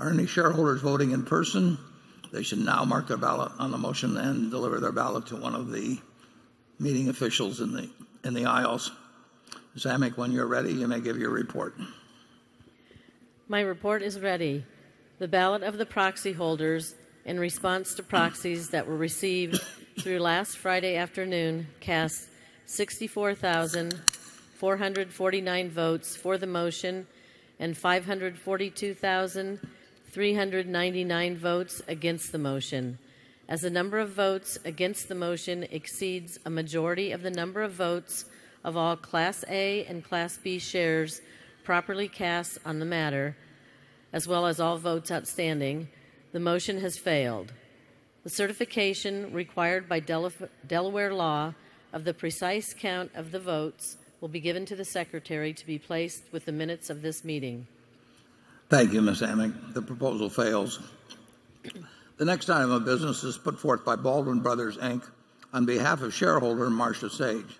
S1: are any shareholders voting in person, they should now mark their ballot on the motion and deliver their ballot to one of the meeting officials in the aisles. Ms. Amick, when you're ready, you may give your report.
S21: My report is ready. The ballot of the proxy holders in response to proxies that were received through last Friday afternoon cast 64,449 votes for the motion and 542,399 votes against the motion. As the number of votes against the motion exceeds a majority of the number of votes of all Class A and Class B shares properly cast on the matter, as well as all votes outstanding, the motion has failed. The certification required by Delaware law of the precise count of the votes will be given to the secretary to be placed with the minutes of this meeting.
S1: Thank you, Ms. Amick. The proposal fails. The next item of business is put forth by Baldwin Brothers, Inc. on behalf of shareholder Marsha Sage.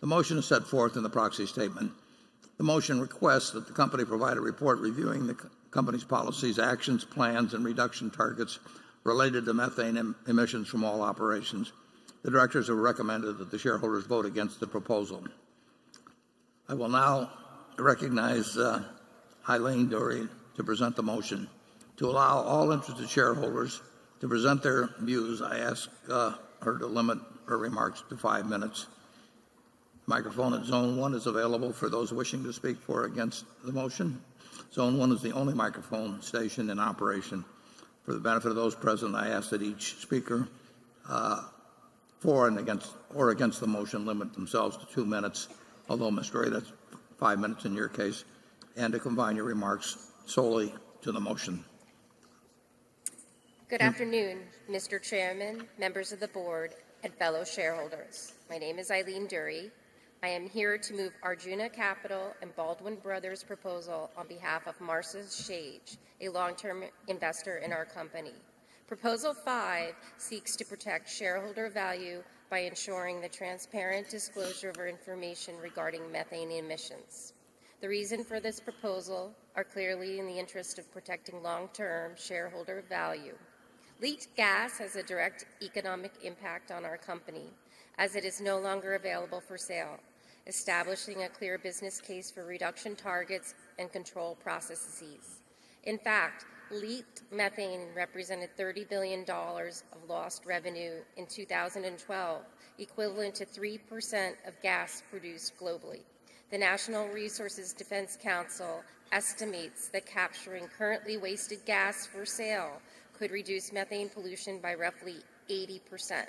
S1: The motion is set forth in the proxy statement. The motion requests that the company provide a report reviewing the company's policies, actions, plans, and reduction targets related to methane emissions from all operations. The directors have recommended that the shareholders vote against the proposal. I will now recognize Eileen Durfee to present the motion. To allow all interested shareholders to present their views, I ask her to limit her remarks to five minutes. Microphone at zone one is available for those wishing to speak for or against the motion. Zone one is the only microphone station in operation. For the benefit of those present, I ask that each speaker for or against the motion limit themselves to two minutes. Although, Ms. Durfee, that's five minutes in your case, and to combine your remarks solely to the motion. Thank you.
S22: Good afternoon, Mr. Chairman, members of the board, and fellow shareholders. My name is Eileen Durfee. I am here to move Arjuna Capital and Baldwin Brothers' proposal on behalf of Marsha Sage, a long-term investor in our company. Proposal five seeks to protect shareholder value by ensuring the transparent disclosure of information regarding methane emissions. The reason for this proposal are clearly in the interest of protecting long-term shareholder value. Leaked gas has a direct economic impact on our company, as it is no longer available for sale, establishing a clear business case for reduction targets and control processes. In fact, leaked methane represented $30 billion of lost revenue in 2012, equivalent to 3% of gas produced globally. The Natural Resources Defense Council estimates that capturing currently wasted gas for sale could reduce methane pollution by roughly 80%.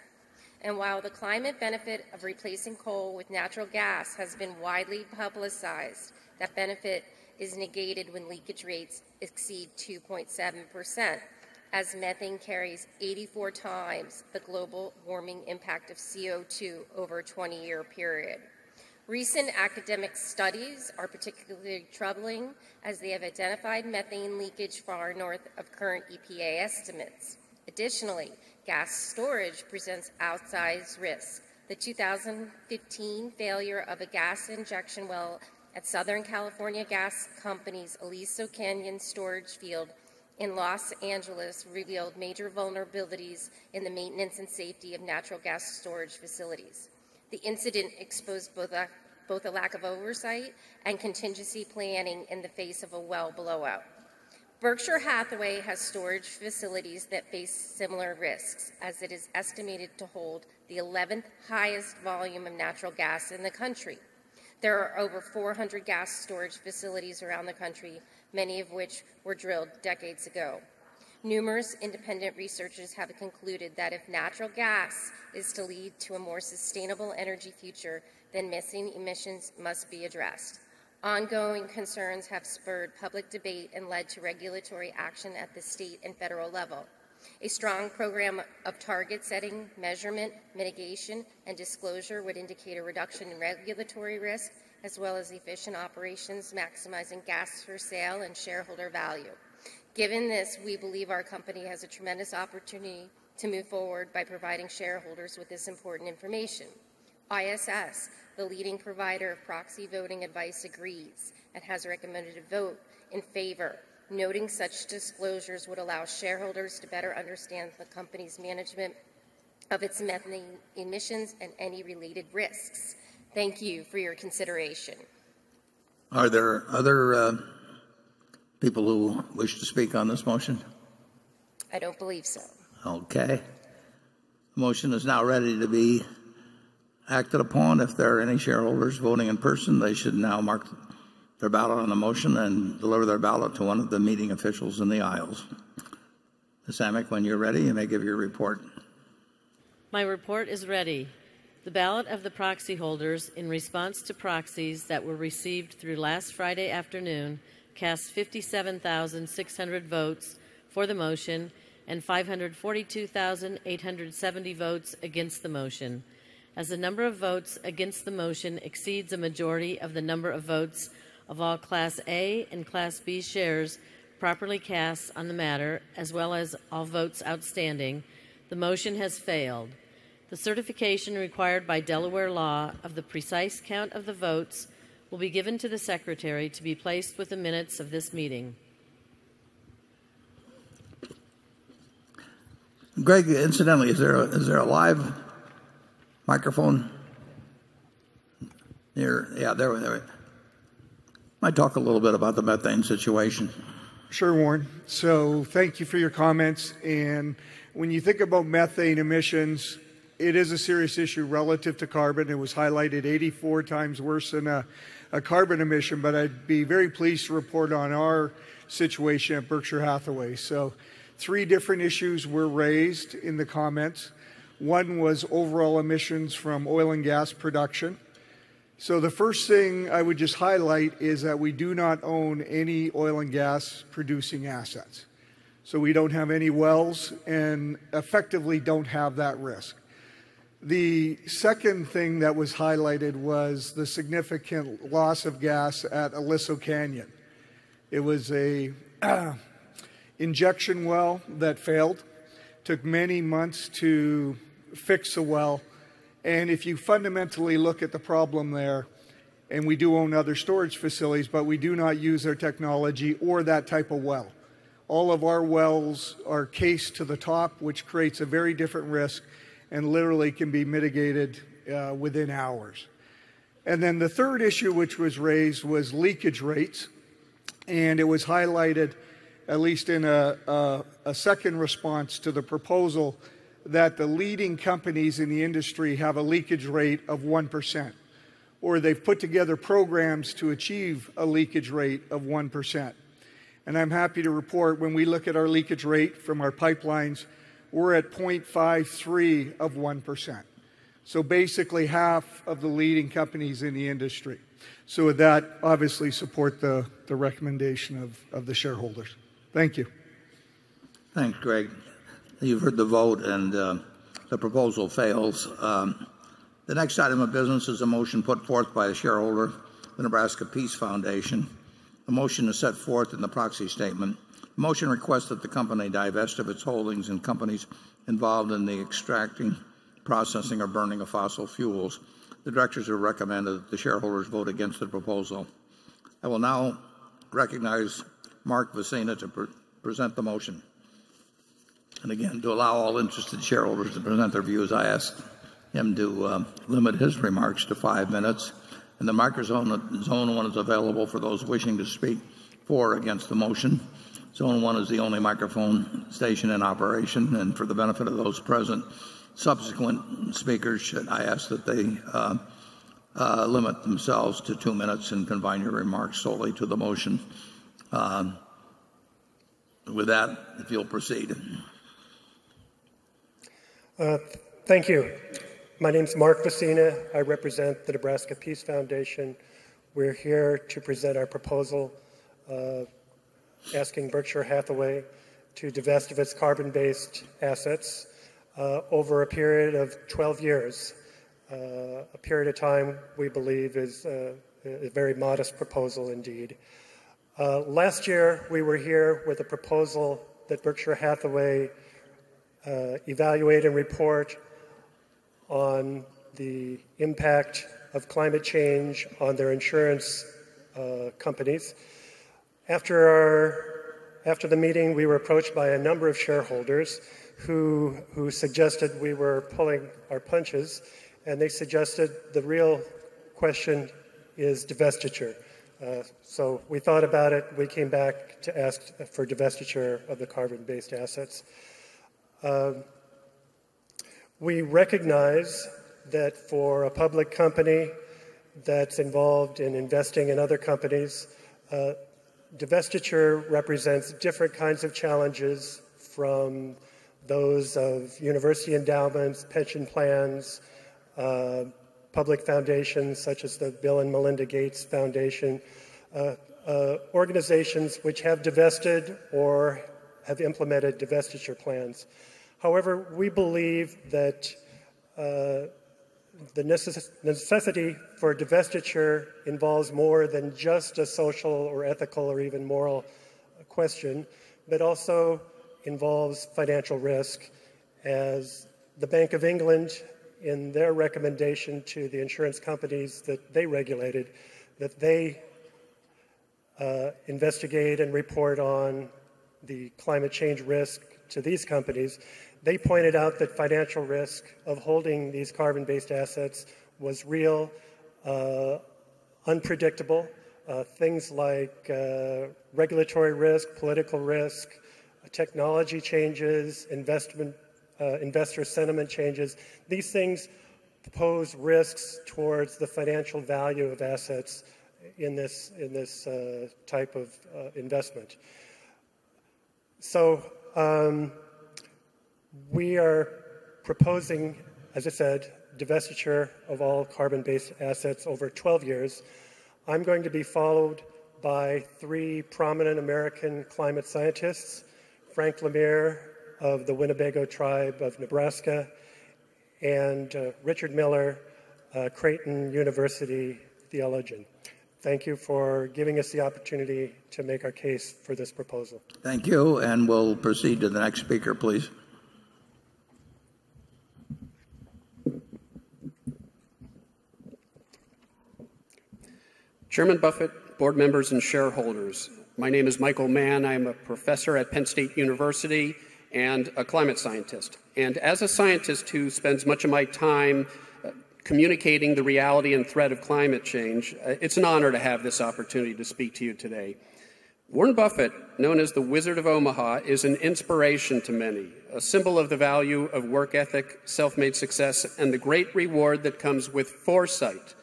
S22: While the climate benefit of replacing coal with natural gas has been widely publicized, that benefit is negated when leakage rates exceed 2.7% as methane carries 84 times the global warming impact of CO2 over a 20-year period. Recent academic studies are particularly troubling as they have identified methane leakage far north of current EPA estimates. Additionally, gas storage presents outsized risks. The 2015 failure of a gas injection well at Southern California Gas Company's Aliso Canyon storage field in Los Angeles revealed major vulnerabilities in the maintenance and safety of natural gas storage facilities. The incident exposed both a lack of oversight and contingency planning in the face of a well blowout. Berkshire Hathaway has storage facilities that face similar risks, as it is estimated to hold the 11th highest volume of natural gas in the country. There are over 400 gas storage facilities around the country, many of which were drilled decades ago. Numerous independent researchers have concluded that if natural gas is to lead to a more sustainable energy future, then missing emissions must be addressed. Ongoing concerns have spurred public debate and led to regulatory action at the state and federal level. A strong program of target setting, measurement, mitigation, and disclosure would indicate a reduction in regulatory risk, as well as efficient operations maximizing gas for sale and shareholder value. Given this, we believe our company has a tremendous opportunity to move forward by providing shareholders with this important information. ISS, the leading provider of proxy voting advice agrees and has recommended a vote in favor, noting such disclosures would allow shareholders to better understand the company's management of its methane emissions and any related risks. Thank you for your consideration.
S1: Are there other people who wish to speak on this motion?
S22: I don't believe so.
S1: Okay. Motion is now ready to be acted upon. If there are any shareholders voting in person, they should now mark their ballot on the motion and deliver their ballot to one of the meeting officials in the aisles. Ms. Amick, when you're ready, you may give your report.
S21: My report is ready. The ballot of the proxy holders in response to proxies that were received through last Friday afternoon cast 57,600 votes for the motion and 542,870 votes against the motion. As the number of votes against the motion exceeds a majority of the number of votes of all Class A and Class B shares properly cast on the matter, as well as all votes outstanding, the motion has failed. The certification required by Delaware law of the precise count of the votes will be given to the secretary to be placed with the minutes of this meeting.
S1: Greg, incidentally, is there a live microphone here? Yeah, there. Might talk a little bit about the methane situation.
S7: Sure, Warren. Thank you for your comments. When you think about methane emissions, it is a serious issue relative to carbon. It was highlighted 84 times worse than a carbon emission. I'd be very pleased to report on our situation at Berkshire Hathaway. Three different issues were raised in the comments. One was overall emissions from oil and gas production. The first thing I would just highlight is that we do not own any oil and gas producing assets. We don't have any wells and effectively don't have that risk. The second thing that was highlighted was the significant loss of gas at Aliso Canyon. It was an injection well that failed. Took many months to fix the well. If you fundamentally look at the problem there, and we do own other storage facilities, but we do not use their technology or that type of well. All of our wells are cased to the top, which creates a very different risk and literally can be mitigated within hours. The third issue which was raised was leakage rates. It was highlighted at least in a second response to the proposal that the leading companies in the industry have a leakage rate of 1%, or they've put together programs to achieve a leakage rate of 1%. I'm happy to report when we look at our leakage rate from our pipelines, we're at 0.53 of 1%. Basically half of the leading companies in the industry. With that, obviously support the recommendation of the shareholders. Thank you.
S1: Thanks, Greg. You've heard the vote, and the proposal fails. The next item of business is a motion put forth by a shareholder, the Nebraska Peace Foundation. The motion is set forth in the proxy statement. The motion requests that the company divest of its holdings in companies involved in the extracting, processing, or burning of fossil fuels. The directors have recommended that the shareholders vote against the proposal. I will now recognize Mark Vecina to present the motion. Again, to allow all interested shareholders to present their views, I ask him to limit his remarks to five minutes. The microphone zone one is available for those wishing to speak for or against the motion. Zone one is the only microphone station in operation. For the benefit of those present, subsequent speakers should I ask that they limit themselves to two minutes and confine your remarks solely to the motion. With that, if you'll proceed.
S23: Thank you. My name's Mark Vecina. I represent the Nebraska Peace Foundation. We're here to present our proposal asking Berkshire Hathaway to divest of its carbon-based assets over a period of 12 years. A period of time we believe is a very modest proposal indeed. Last year, we were here with a proposal that Berkshire Hathaway evaluate and report on the impact of climate change on their insurance companies. After the meeting, we were approached by a number of shareholders who suggested we were pulling our punches, and they suggested the real question is divestiture. We thought about it. We came back to ask for divestiture of the carbon-based assets. We recognize that for a public company that's involved in investing in other companies, divestiture represents different kinds of challenges from those of university endowments, pension plans, public foundations such as the Bill & Melinda Gates Foundation, organizations which have divested or have implemented divestiture plans. We believe that the necessity for divestiture involves more than just a social or ethical or even moral question, but also involves financial risk as the Bank of England, in their recommendation to the insurance companies that they regulated, that they investigate and report on the climate change risk to these companies. They pointed out that financial risk of holding these carbon-based assets was real, unpredictable. Things like regulatory risk, political risk, technology changes, investor sentiment changes. These things pose risks towards the financial value of assets in this type of investment. We are proposing, as I said, divestiture of all carbon-based assets over 12 years. I'm going to be followed by three prominent American climate scientists, Frank LaMere of the Winnebago Tribe of Nebraska, and Richard Miller, Creighton University theologian. Thank you for giving us the opportunity to make our case for this proposal.
S1: Thank you. We'll proceed to the next speaker, please.
S24: Chairman Buffett, board members, and shareholders, my name is Michael Mann. I'm a professor at Penn State University and a climate scientist. As a scientist who spends much of my time communicating the reality and threat of climate change, it's an honor to have this opportunity to speak to you today. Warren Buffett, known as the Wizard of Omaha, is an inspiration to many, a symbol of the value of work ethic, self-made success, and the great reward that comes with foresight.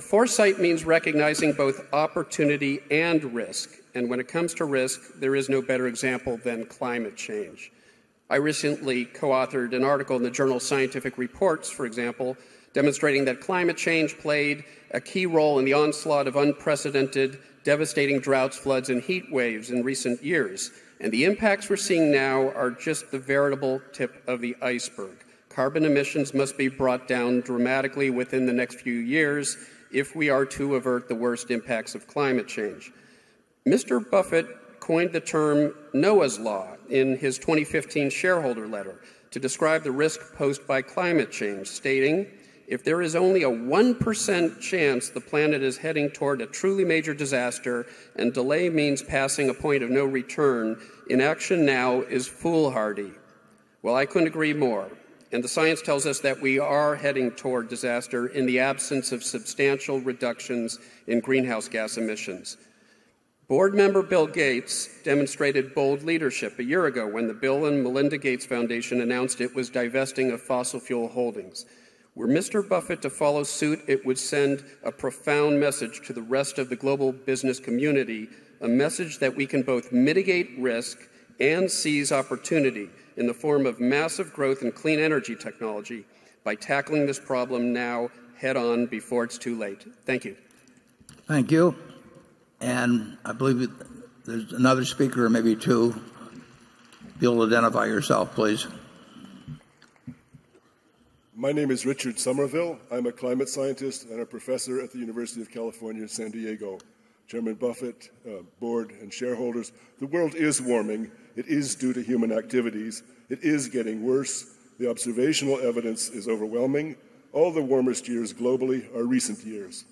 S24: Foresight means recognizing both opportunity and risk, and when it comes to risk, there is no better example than climate change. I recently co-authored an article in the journal "Scientific Reports," for example, demonstrating that climate change played a key role in the onslaught of unprecedented devastating droughts, floods, and heat waves in recent years. The impacts we're seeing now are just the veritable tip of the iceberg. Carbon emissions must be brought down dramatically within the next few years if we are to avert the worst impacts of climate change. Mr. Buffett coined the term Noah's Law in his 2015 shareholder letter to describe the risk posed by climate change, stating, "If there is only a 1% chance the planet is heading toward a truly major disaster and delay means passing a point of no return, inaction now is foolhardy." I couldn't agree more, the science tells us that we are heading toward disaster in the absence of substantial reductions in greenhouse gas emissions. Board member Bill Gates demonstrated bold leadership a year ago when the Bill & Melinda Gates Foundation announced it was divesting of fossil fuel holdings. Were Mr. Buffett to follow suit, it would send a profound message to the rest of the global business community, a message that we can both mitigate risk and seize opportunity in the form of massive growth in clean energy technology by tackling this problem now head-on before it's too late. Thank you.
S1: Thank you. I believe there's another speaker or maybe two. If you'll identify yourself, please.
S25: My name is Richard Somerville. I'm a climate scientist and a professor at the University of California, San Diego. Chairman Buffett, board, and shareholders, the world is warming. It is due to human activities. It is getting worse. The observational evidence is overwhelming. All the warmest years globally are recent years.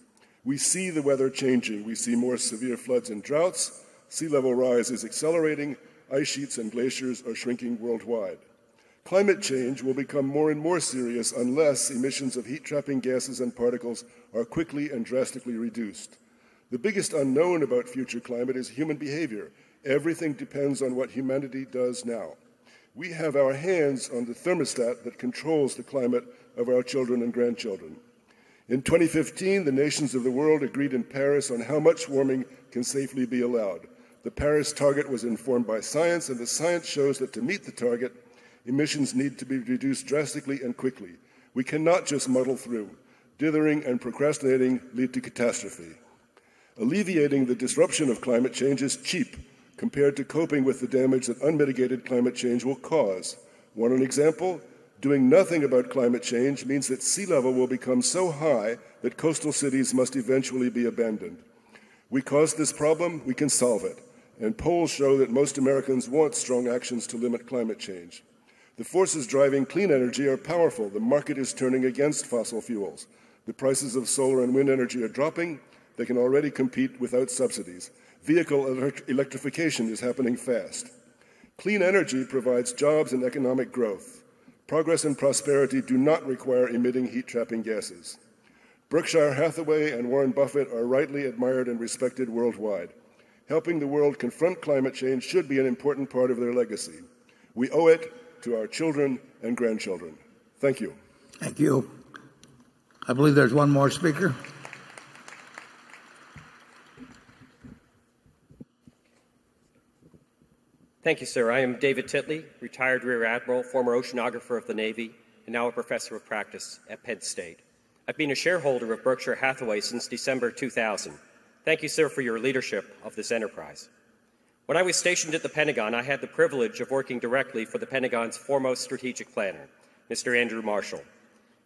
S25: We see the weather changing. We see more severe floods and droughts. Sea level rise is accelerating. Ice sheets and glaciers are shrinking worldwide. Climate change will become more and more serious unless emissions of heat-trapping gases and particles are quickly and drastically reduced. The biggest unknown about future climate is human behavior. Everything depends on what humanity does now. We have our hands on the thermostat that controls the climate of our children and grandchildren. In 2015, the nations of the world agreed in Paris on how much warming can safely be allowed. The Paris target was informed by science. The science shows that to meet the target, emissions need to be reduced drastically and quickly. We cannot just muddle through. Dithering and procrastinating lead to catastrophe. Alleviating the disruption of climate change is cheap compared to coping with the damage that unmitigated climate change will cause. Want an example? Doing nothing about climate change means that sea level will become so high that coastal cities must eventually be abandoned. We caused this problem, we can solve it. Polls show that most Americans want strong actions to limit climate change. The forces driving clean energy are powerful. The market is turning against fossil fuels. The prices of solar and wind energy are dropping. They can already compete without subsidies. Vehicle electrification is happening fast. Clean energy provides jobs and economic growth. Progress and prosperity do not require emitting heat-trapping gases. Berkshire Hathaway and Warren Buffett are rightly admired and respected worldwide. Helping the world confront climate change should be an important part of their legacy. We owe it to our children and grandchildren. Thank you.
S1: Thank you. I believe there's one more speaker.
S26: Thank you, sir. I am David Titley, retired rear admiral, former oceanographer of the Navy, and now a professor of practice at Penn State. I've been a shareholder of Berkshire Hathaway since December 2000. Thank you, sir, for your leadership of this enterprise. When I was stationed at the Pentagon, I had the privilege of working directly for the Pentagon's foremost strategic planner, Mr. Andrew Marshall.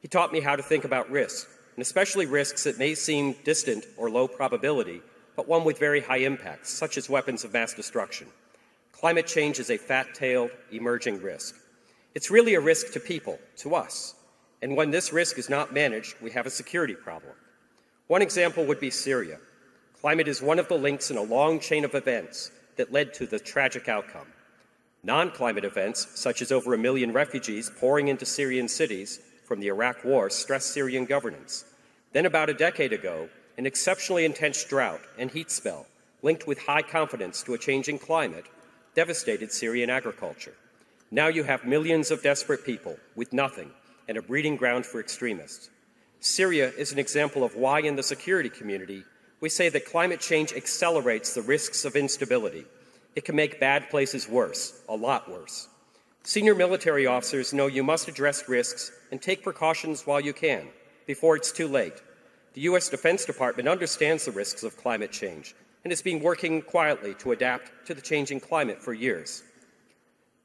S26: He taught me how to think about risks, and especially risks that may seem distant or low probability, but one with very high impact, such as weapons of mass destruction. Climate change is a fat-tailed emerging risk. It's really a risk to people, to us, and when this risk is not managed, we have a security problem. One example would be Syria. Climate is one of the links in a long chain of events that led to the tragic outcome. Non-climate events, such as over a million refugees pouring into Syrian cities from the Iraq War, stressed Syrian governance. About a decade ago, an exceptionally intense drought and heat spell, linked with high confidence to a changing climate, devastated Syrian agriculture. Now you have millions of desperate people with nothing and a breeding ground for extremists. Syria is an example of why in the security community, we say that climate change accelerates the risks of instability. It can make bad places worse, a lot worse. Senior military officers know you must address risks and take precautions while you can, before it's too late. The U.S. Defense Department understands the risks of climate change and has been working quietly to adapt to the changing climate for years.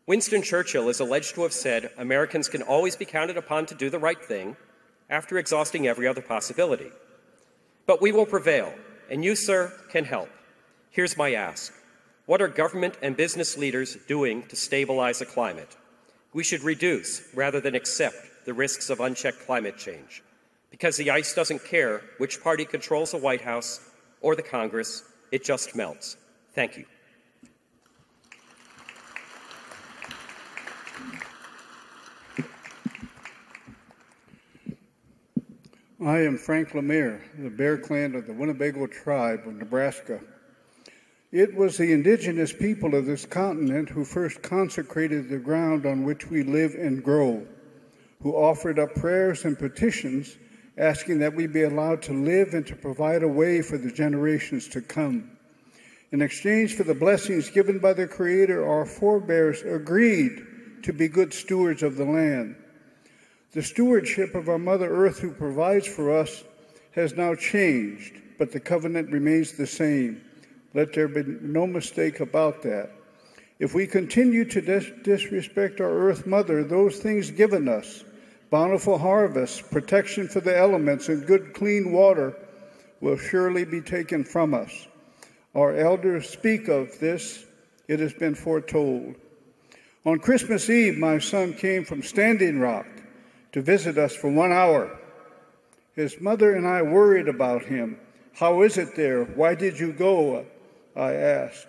S26: Winston Churchill is alleged to have said Americans can always be counted upon to do the right thing after exhausting every other possibility. We will prevail, and you, sir, can help. Here's my ask. What are government and business leaders doing to stabilize the climate? We should reduce rather than accept the risks of unchecked climate change, because the ice doesn't care which party controls the White House or the Congress. It just melts. Thank you.
S27: I am Frank LaMere, the Bear Clan of the Winnebago Tribe of Nebraska. It was the indigenous people of this continent who first consecrated the ground on which we live and grow, who offered up prayers and petitions asking that we be allowed to live and to provide a way for the generations to come. In exchange for the blessings given by the Creator, our forebears agreed to be good stewards of the land. The stewardship of our Mother Earth, who provides for us, has now changed, but the covenant remains the same. Let there be no mistake about that. If we continue to disrespect our Earth Mother, those things given us, bountiful harvests, protection for the elements, and good, clean water will surely be taken from us. Our elders speak of this. It has been foretold. On Christmas Eve, my son came from Standing Rock to visit us for one hour. His mother and I worried about him. "How is it there? Why did you go?" I asked.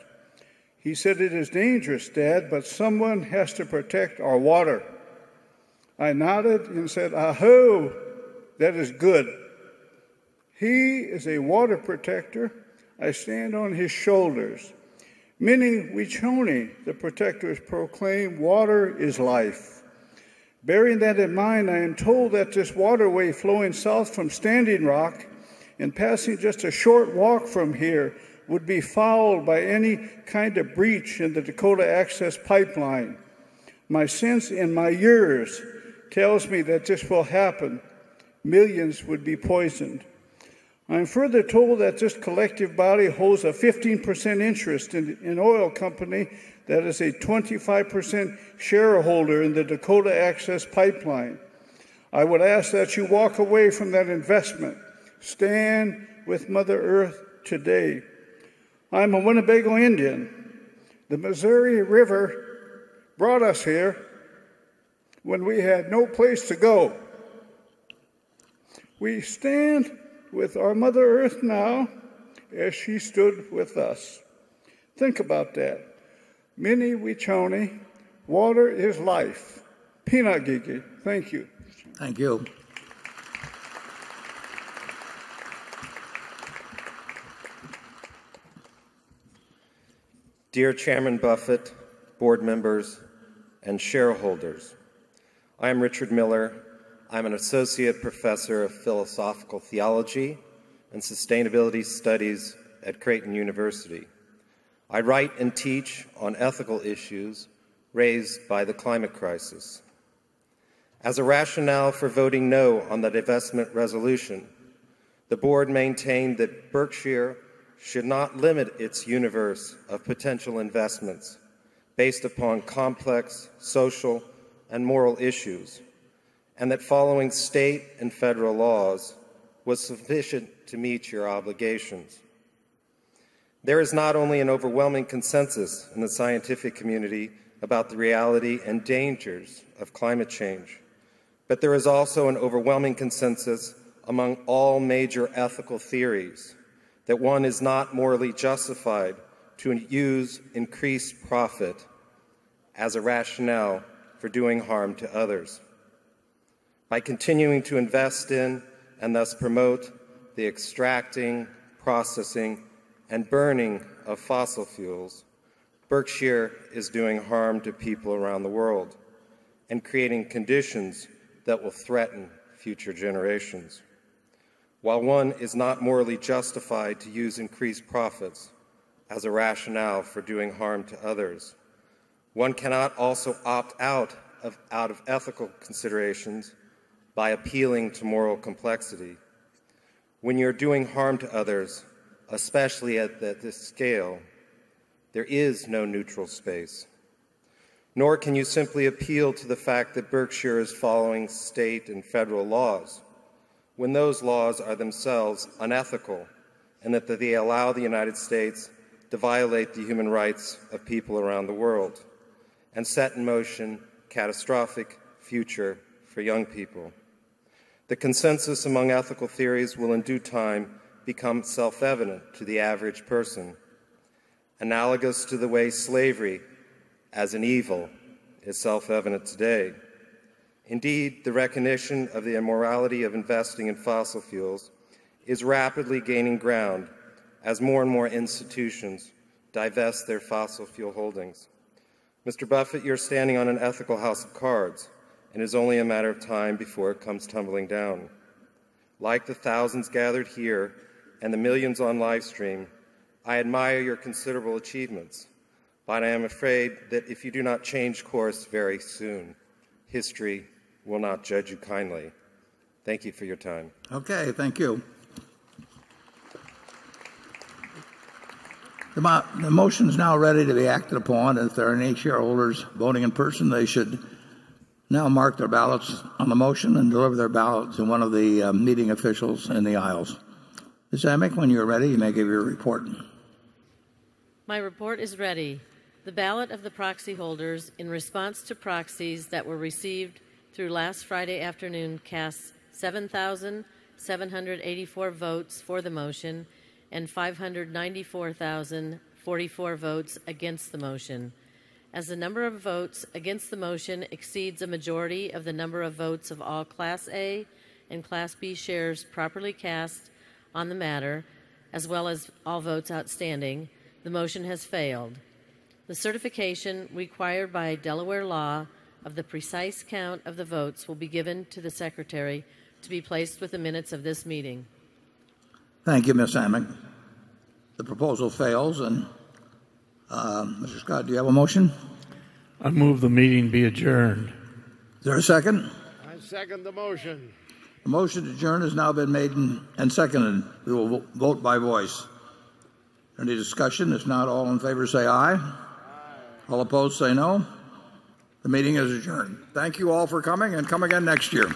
S27: He said, "It is dangerous, Dad, but someone has to protect our water." I nodded and said, "Aho, that is good." He is a water protector. I stand on his shoulders, Mni Wiconi, the protectors, proclaim water is life. Bearing that in mind, I am told that this waterway flowing south from Standing Rock and passing just a short walk from here would be fouled by any kind of breach in the Dakota Access Pipeline. My sense and my years tells me that this will happen. Millions would be poisoned. I'm further told that this collective body holds a 15% interest in oil company that is a 25% shareholder in the Dakota Access Pipeline. I would ask that you walk away from that investment. Stand with Mother Earth today. I'm a Winnebago Indian. The Missouri River brought us here when we had no place to go. We stand with our Mother Earth now as she stood with us. Think about that. Mni Wiconi, water is life. Pinagigi. Thank you.
S1: Thank you.
S28: Dear Chairman Buffett, board members, and shareholders, I am Richard Miller. I'm an associate professor of philosophical theology and sustainability studies at Creighton University. I write and teach on ethical issues raised by the climate crisis. As a rationale for voting no on the divestment resolution, the board maintained that Berkshire should not limit its universe of potential investments based upon complex social and moral issues, and that following state and federal laws was sufficient to meet your obligations. There is not only an overwhelming consensus in the scientific community about the reality and dangers of climate change, but there is also an overwhelming consensus among all major ethical theories that one is not morally justified to use increased profit as a rationale for doing harm to others. By continuing to invest in and thus promote the extracting, processing, and burning of fossil fuels, Berkshire is doing harm to people around the world and creating conditions that will threaten future generations. While one is not morally justified to use increased profits as a rationale for doing harm to others, one cannot also opt out of ethical considerations by appealing to moral complexity. When you're doing harm to others, especially at this scale, there is no neutral space, nor can you simply appeal to the fact that Berkshire is following state and federal laws when those laws are themselves unethical and that they allow the United States to violate the human rights of people around the world and set in motion catastrophic future for young people. The consensus among ethical theories will in due time become self-evident to the average person, analogous to the way slavery as an evil is self-evident today. Indeed, the recognition of the immorality of investing in fossil fuels is rapidly gaining ground as more and more institutions divest their fossil fuel holdings. Mr. Buffett, you're standing on an ethical house of cards, and it's only a matter of time before it comes tumbling down. Like the thousands gathered here and the millions on livestream, I admire your considerable achievements, but I am afraid that if you do not change course very soon, history will not judge you kindly. Thank you for your time.
S1: Okay. Thank you. The motion's now ready to be acted upon. If there are any shareholders voting in person, they should now mark their ballots on the motion and deliver their ballots to one of the meeting officials in the aisles. Ms. Amick, when you're ready, you may give your report.
S21: My report is ready. The ballot of the proxy holders in response to proxies that were received through last Friday afternoon cast 7,784 votes for the motion and 594,044 votes against the motion. As the number of votes against the motion exceeds a majority of the number of votes of all Class A and Class B shares properly cast on the matter, as well as all votes outstanding, the motion has failed. The certification required by Delaware law of the precise count of the votes will be given to the secretary to be placed with the minutes of this meeting.
S1: Thank you, Ms. Amick. The proposal fails. Mr. Scott, do you have a motion?
S20: I move the meeting be adjourned.
S1: Is there a second?
S20: I second the motion.
S1: A motion to adjourn has now been made and seconded. We will vote by voice. Any discussion? If not, all in favor say aye. Aye. All opposed say no. No. The meeting is adjourned. Thank you all for coming, and come again next year.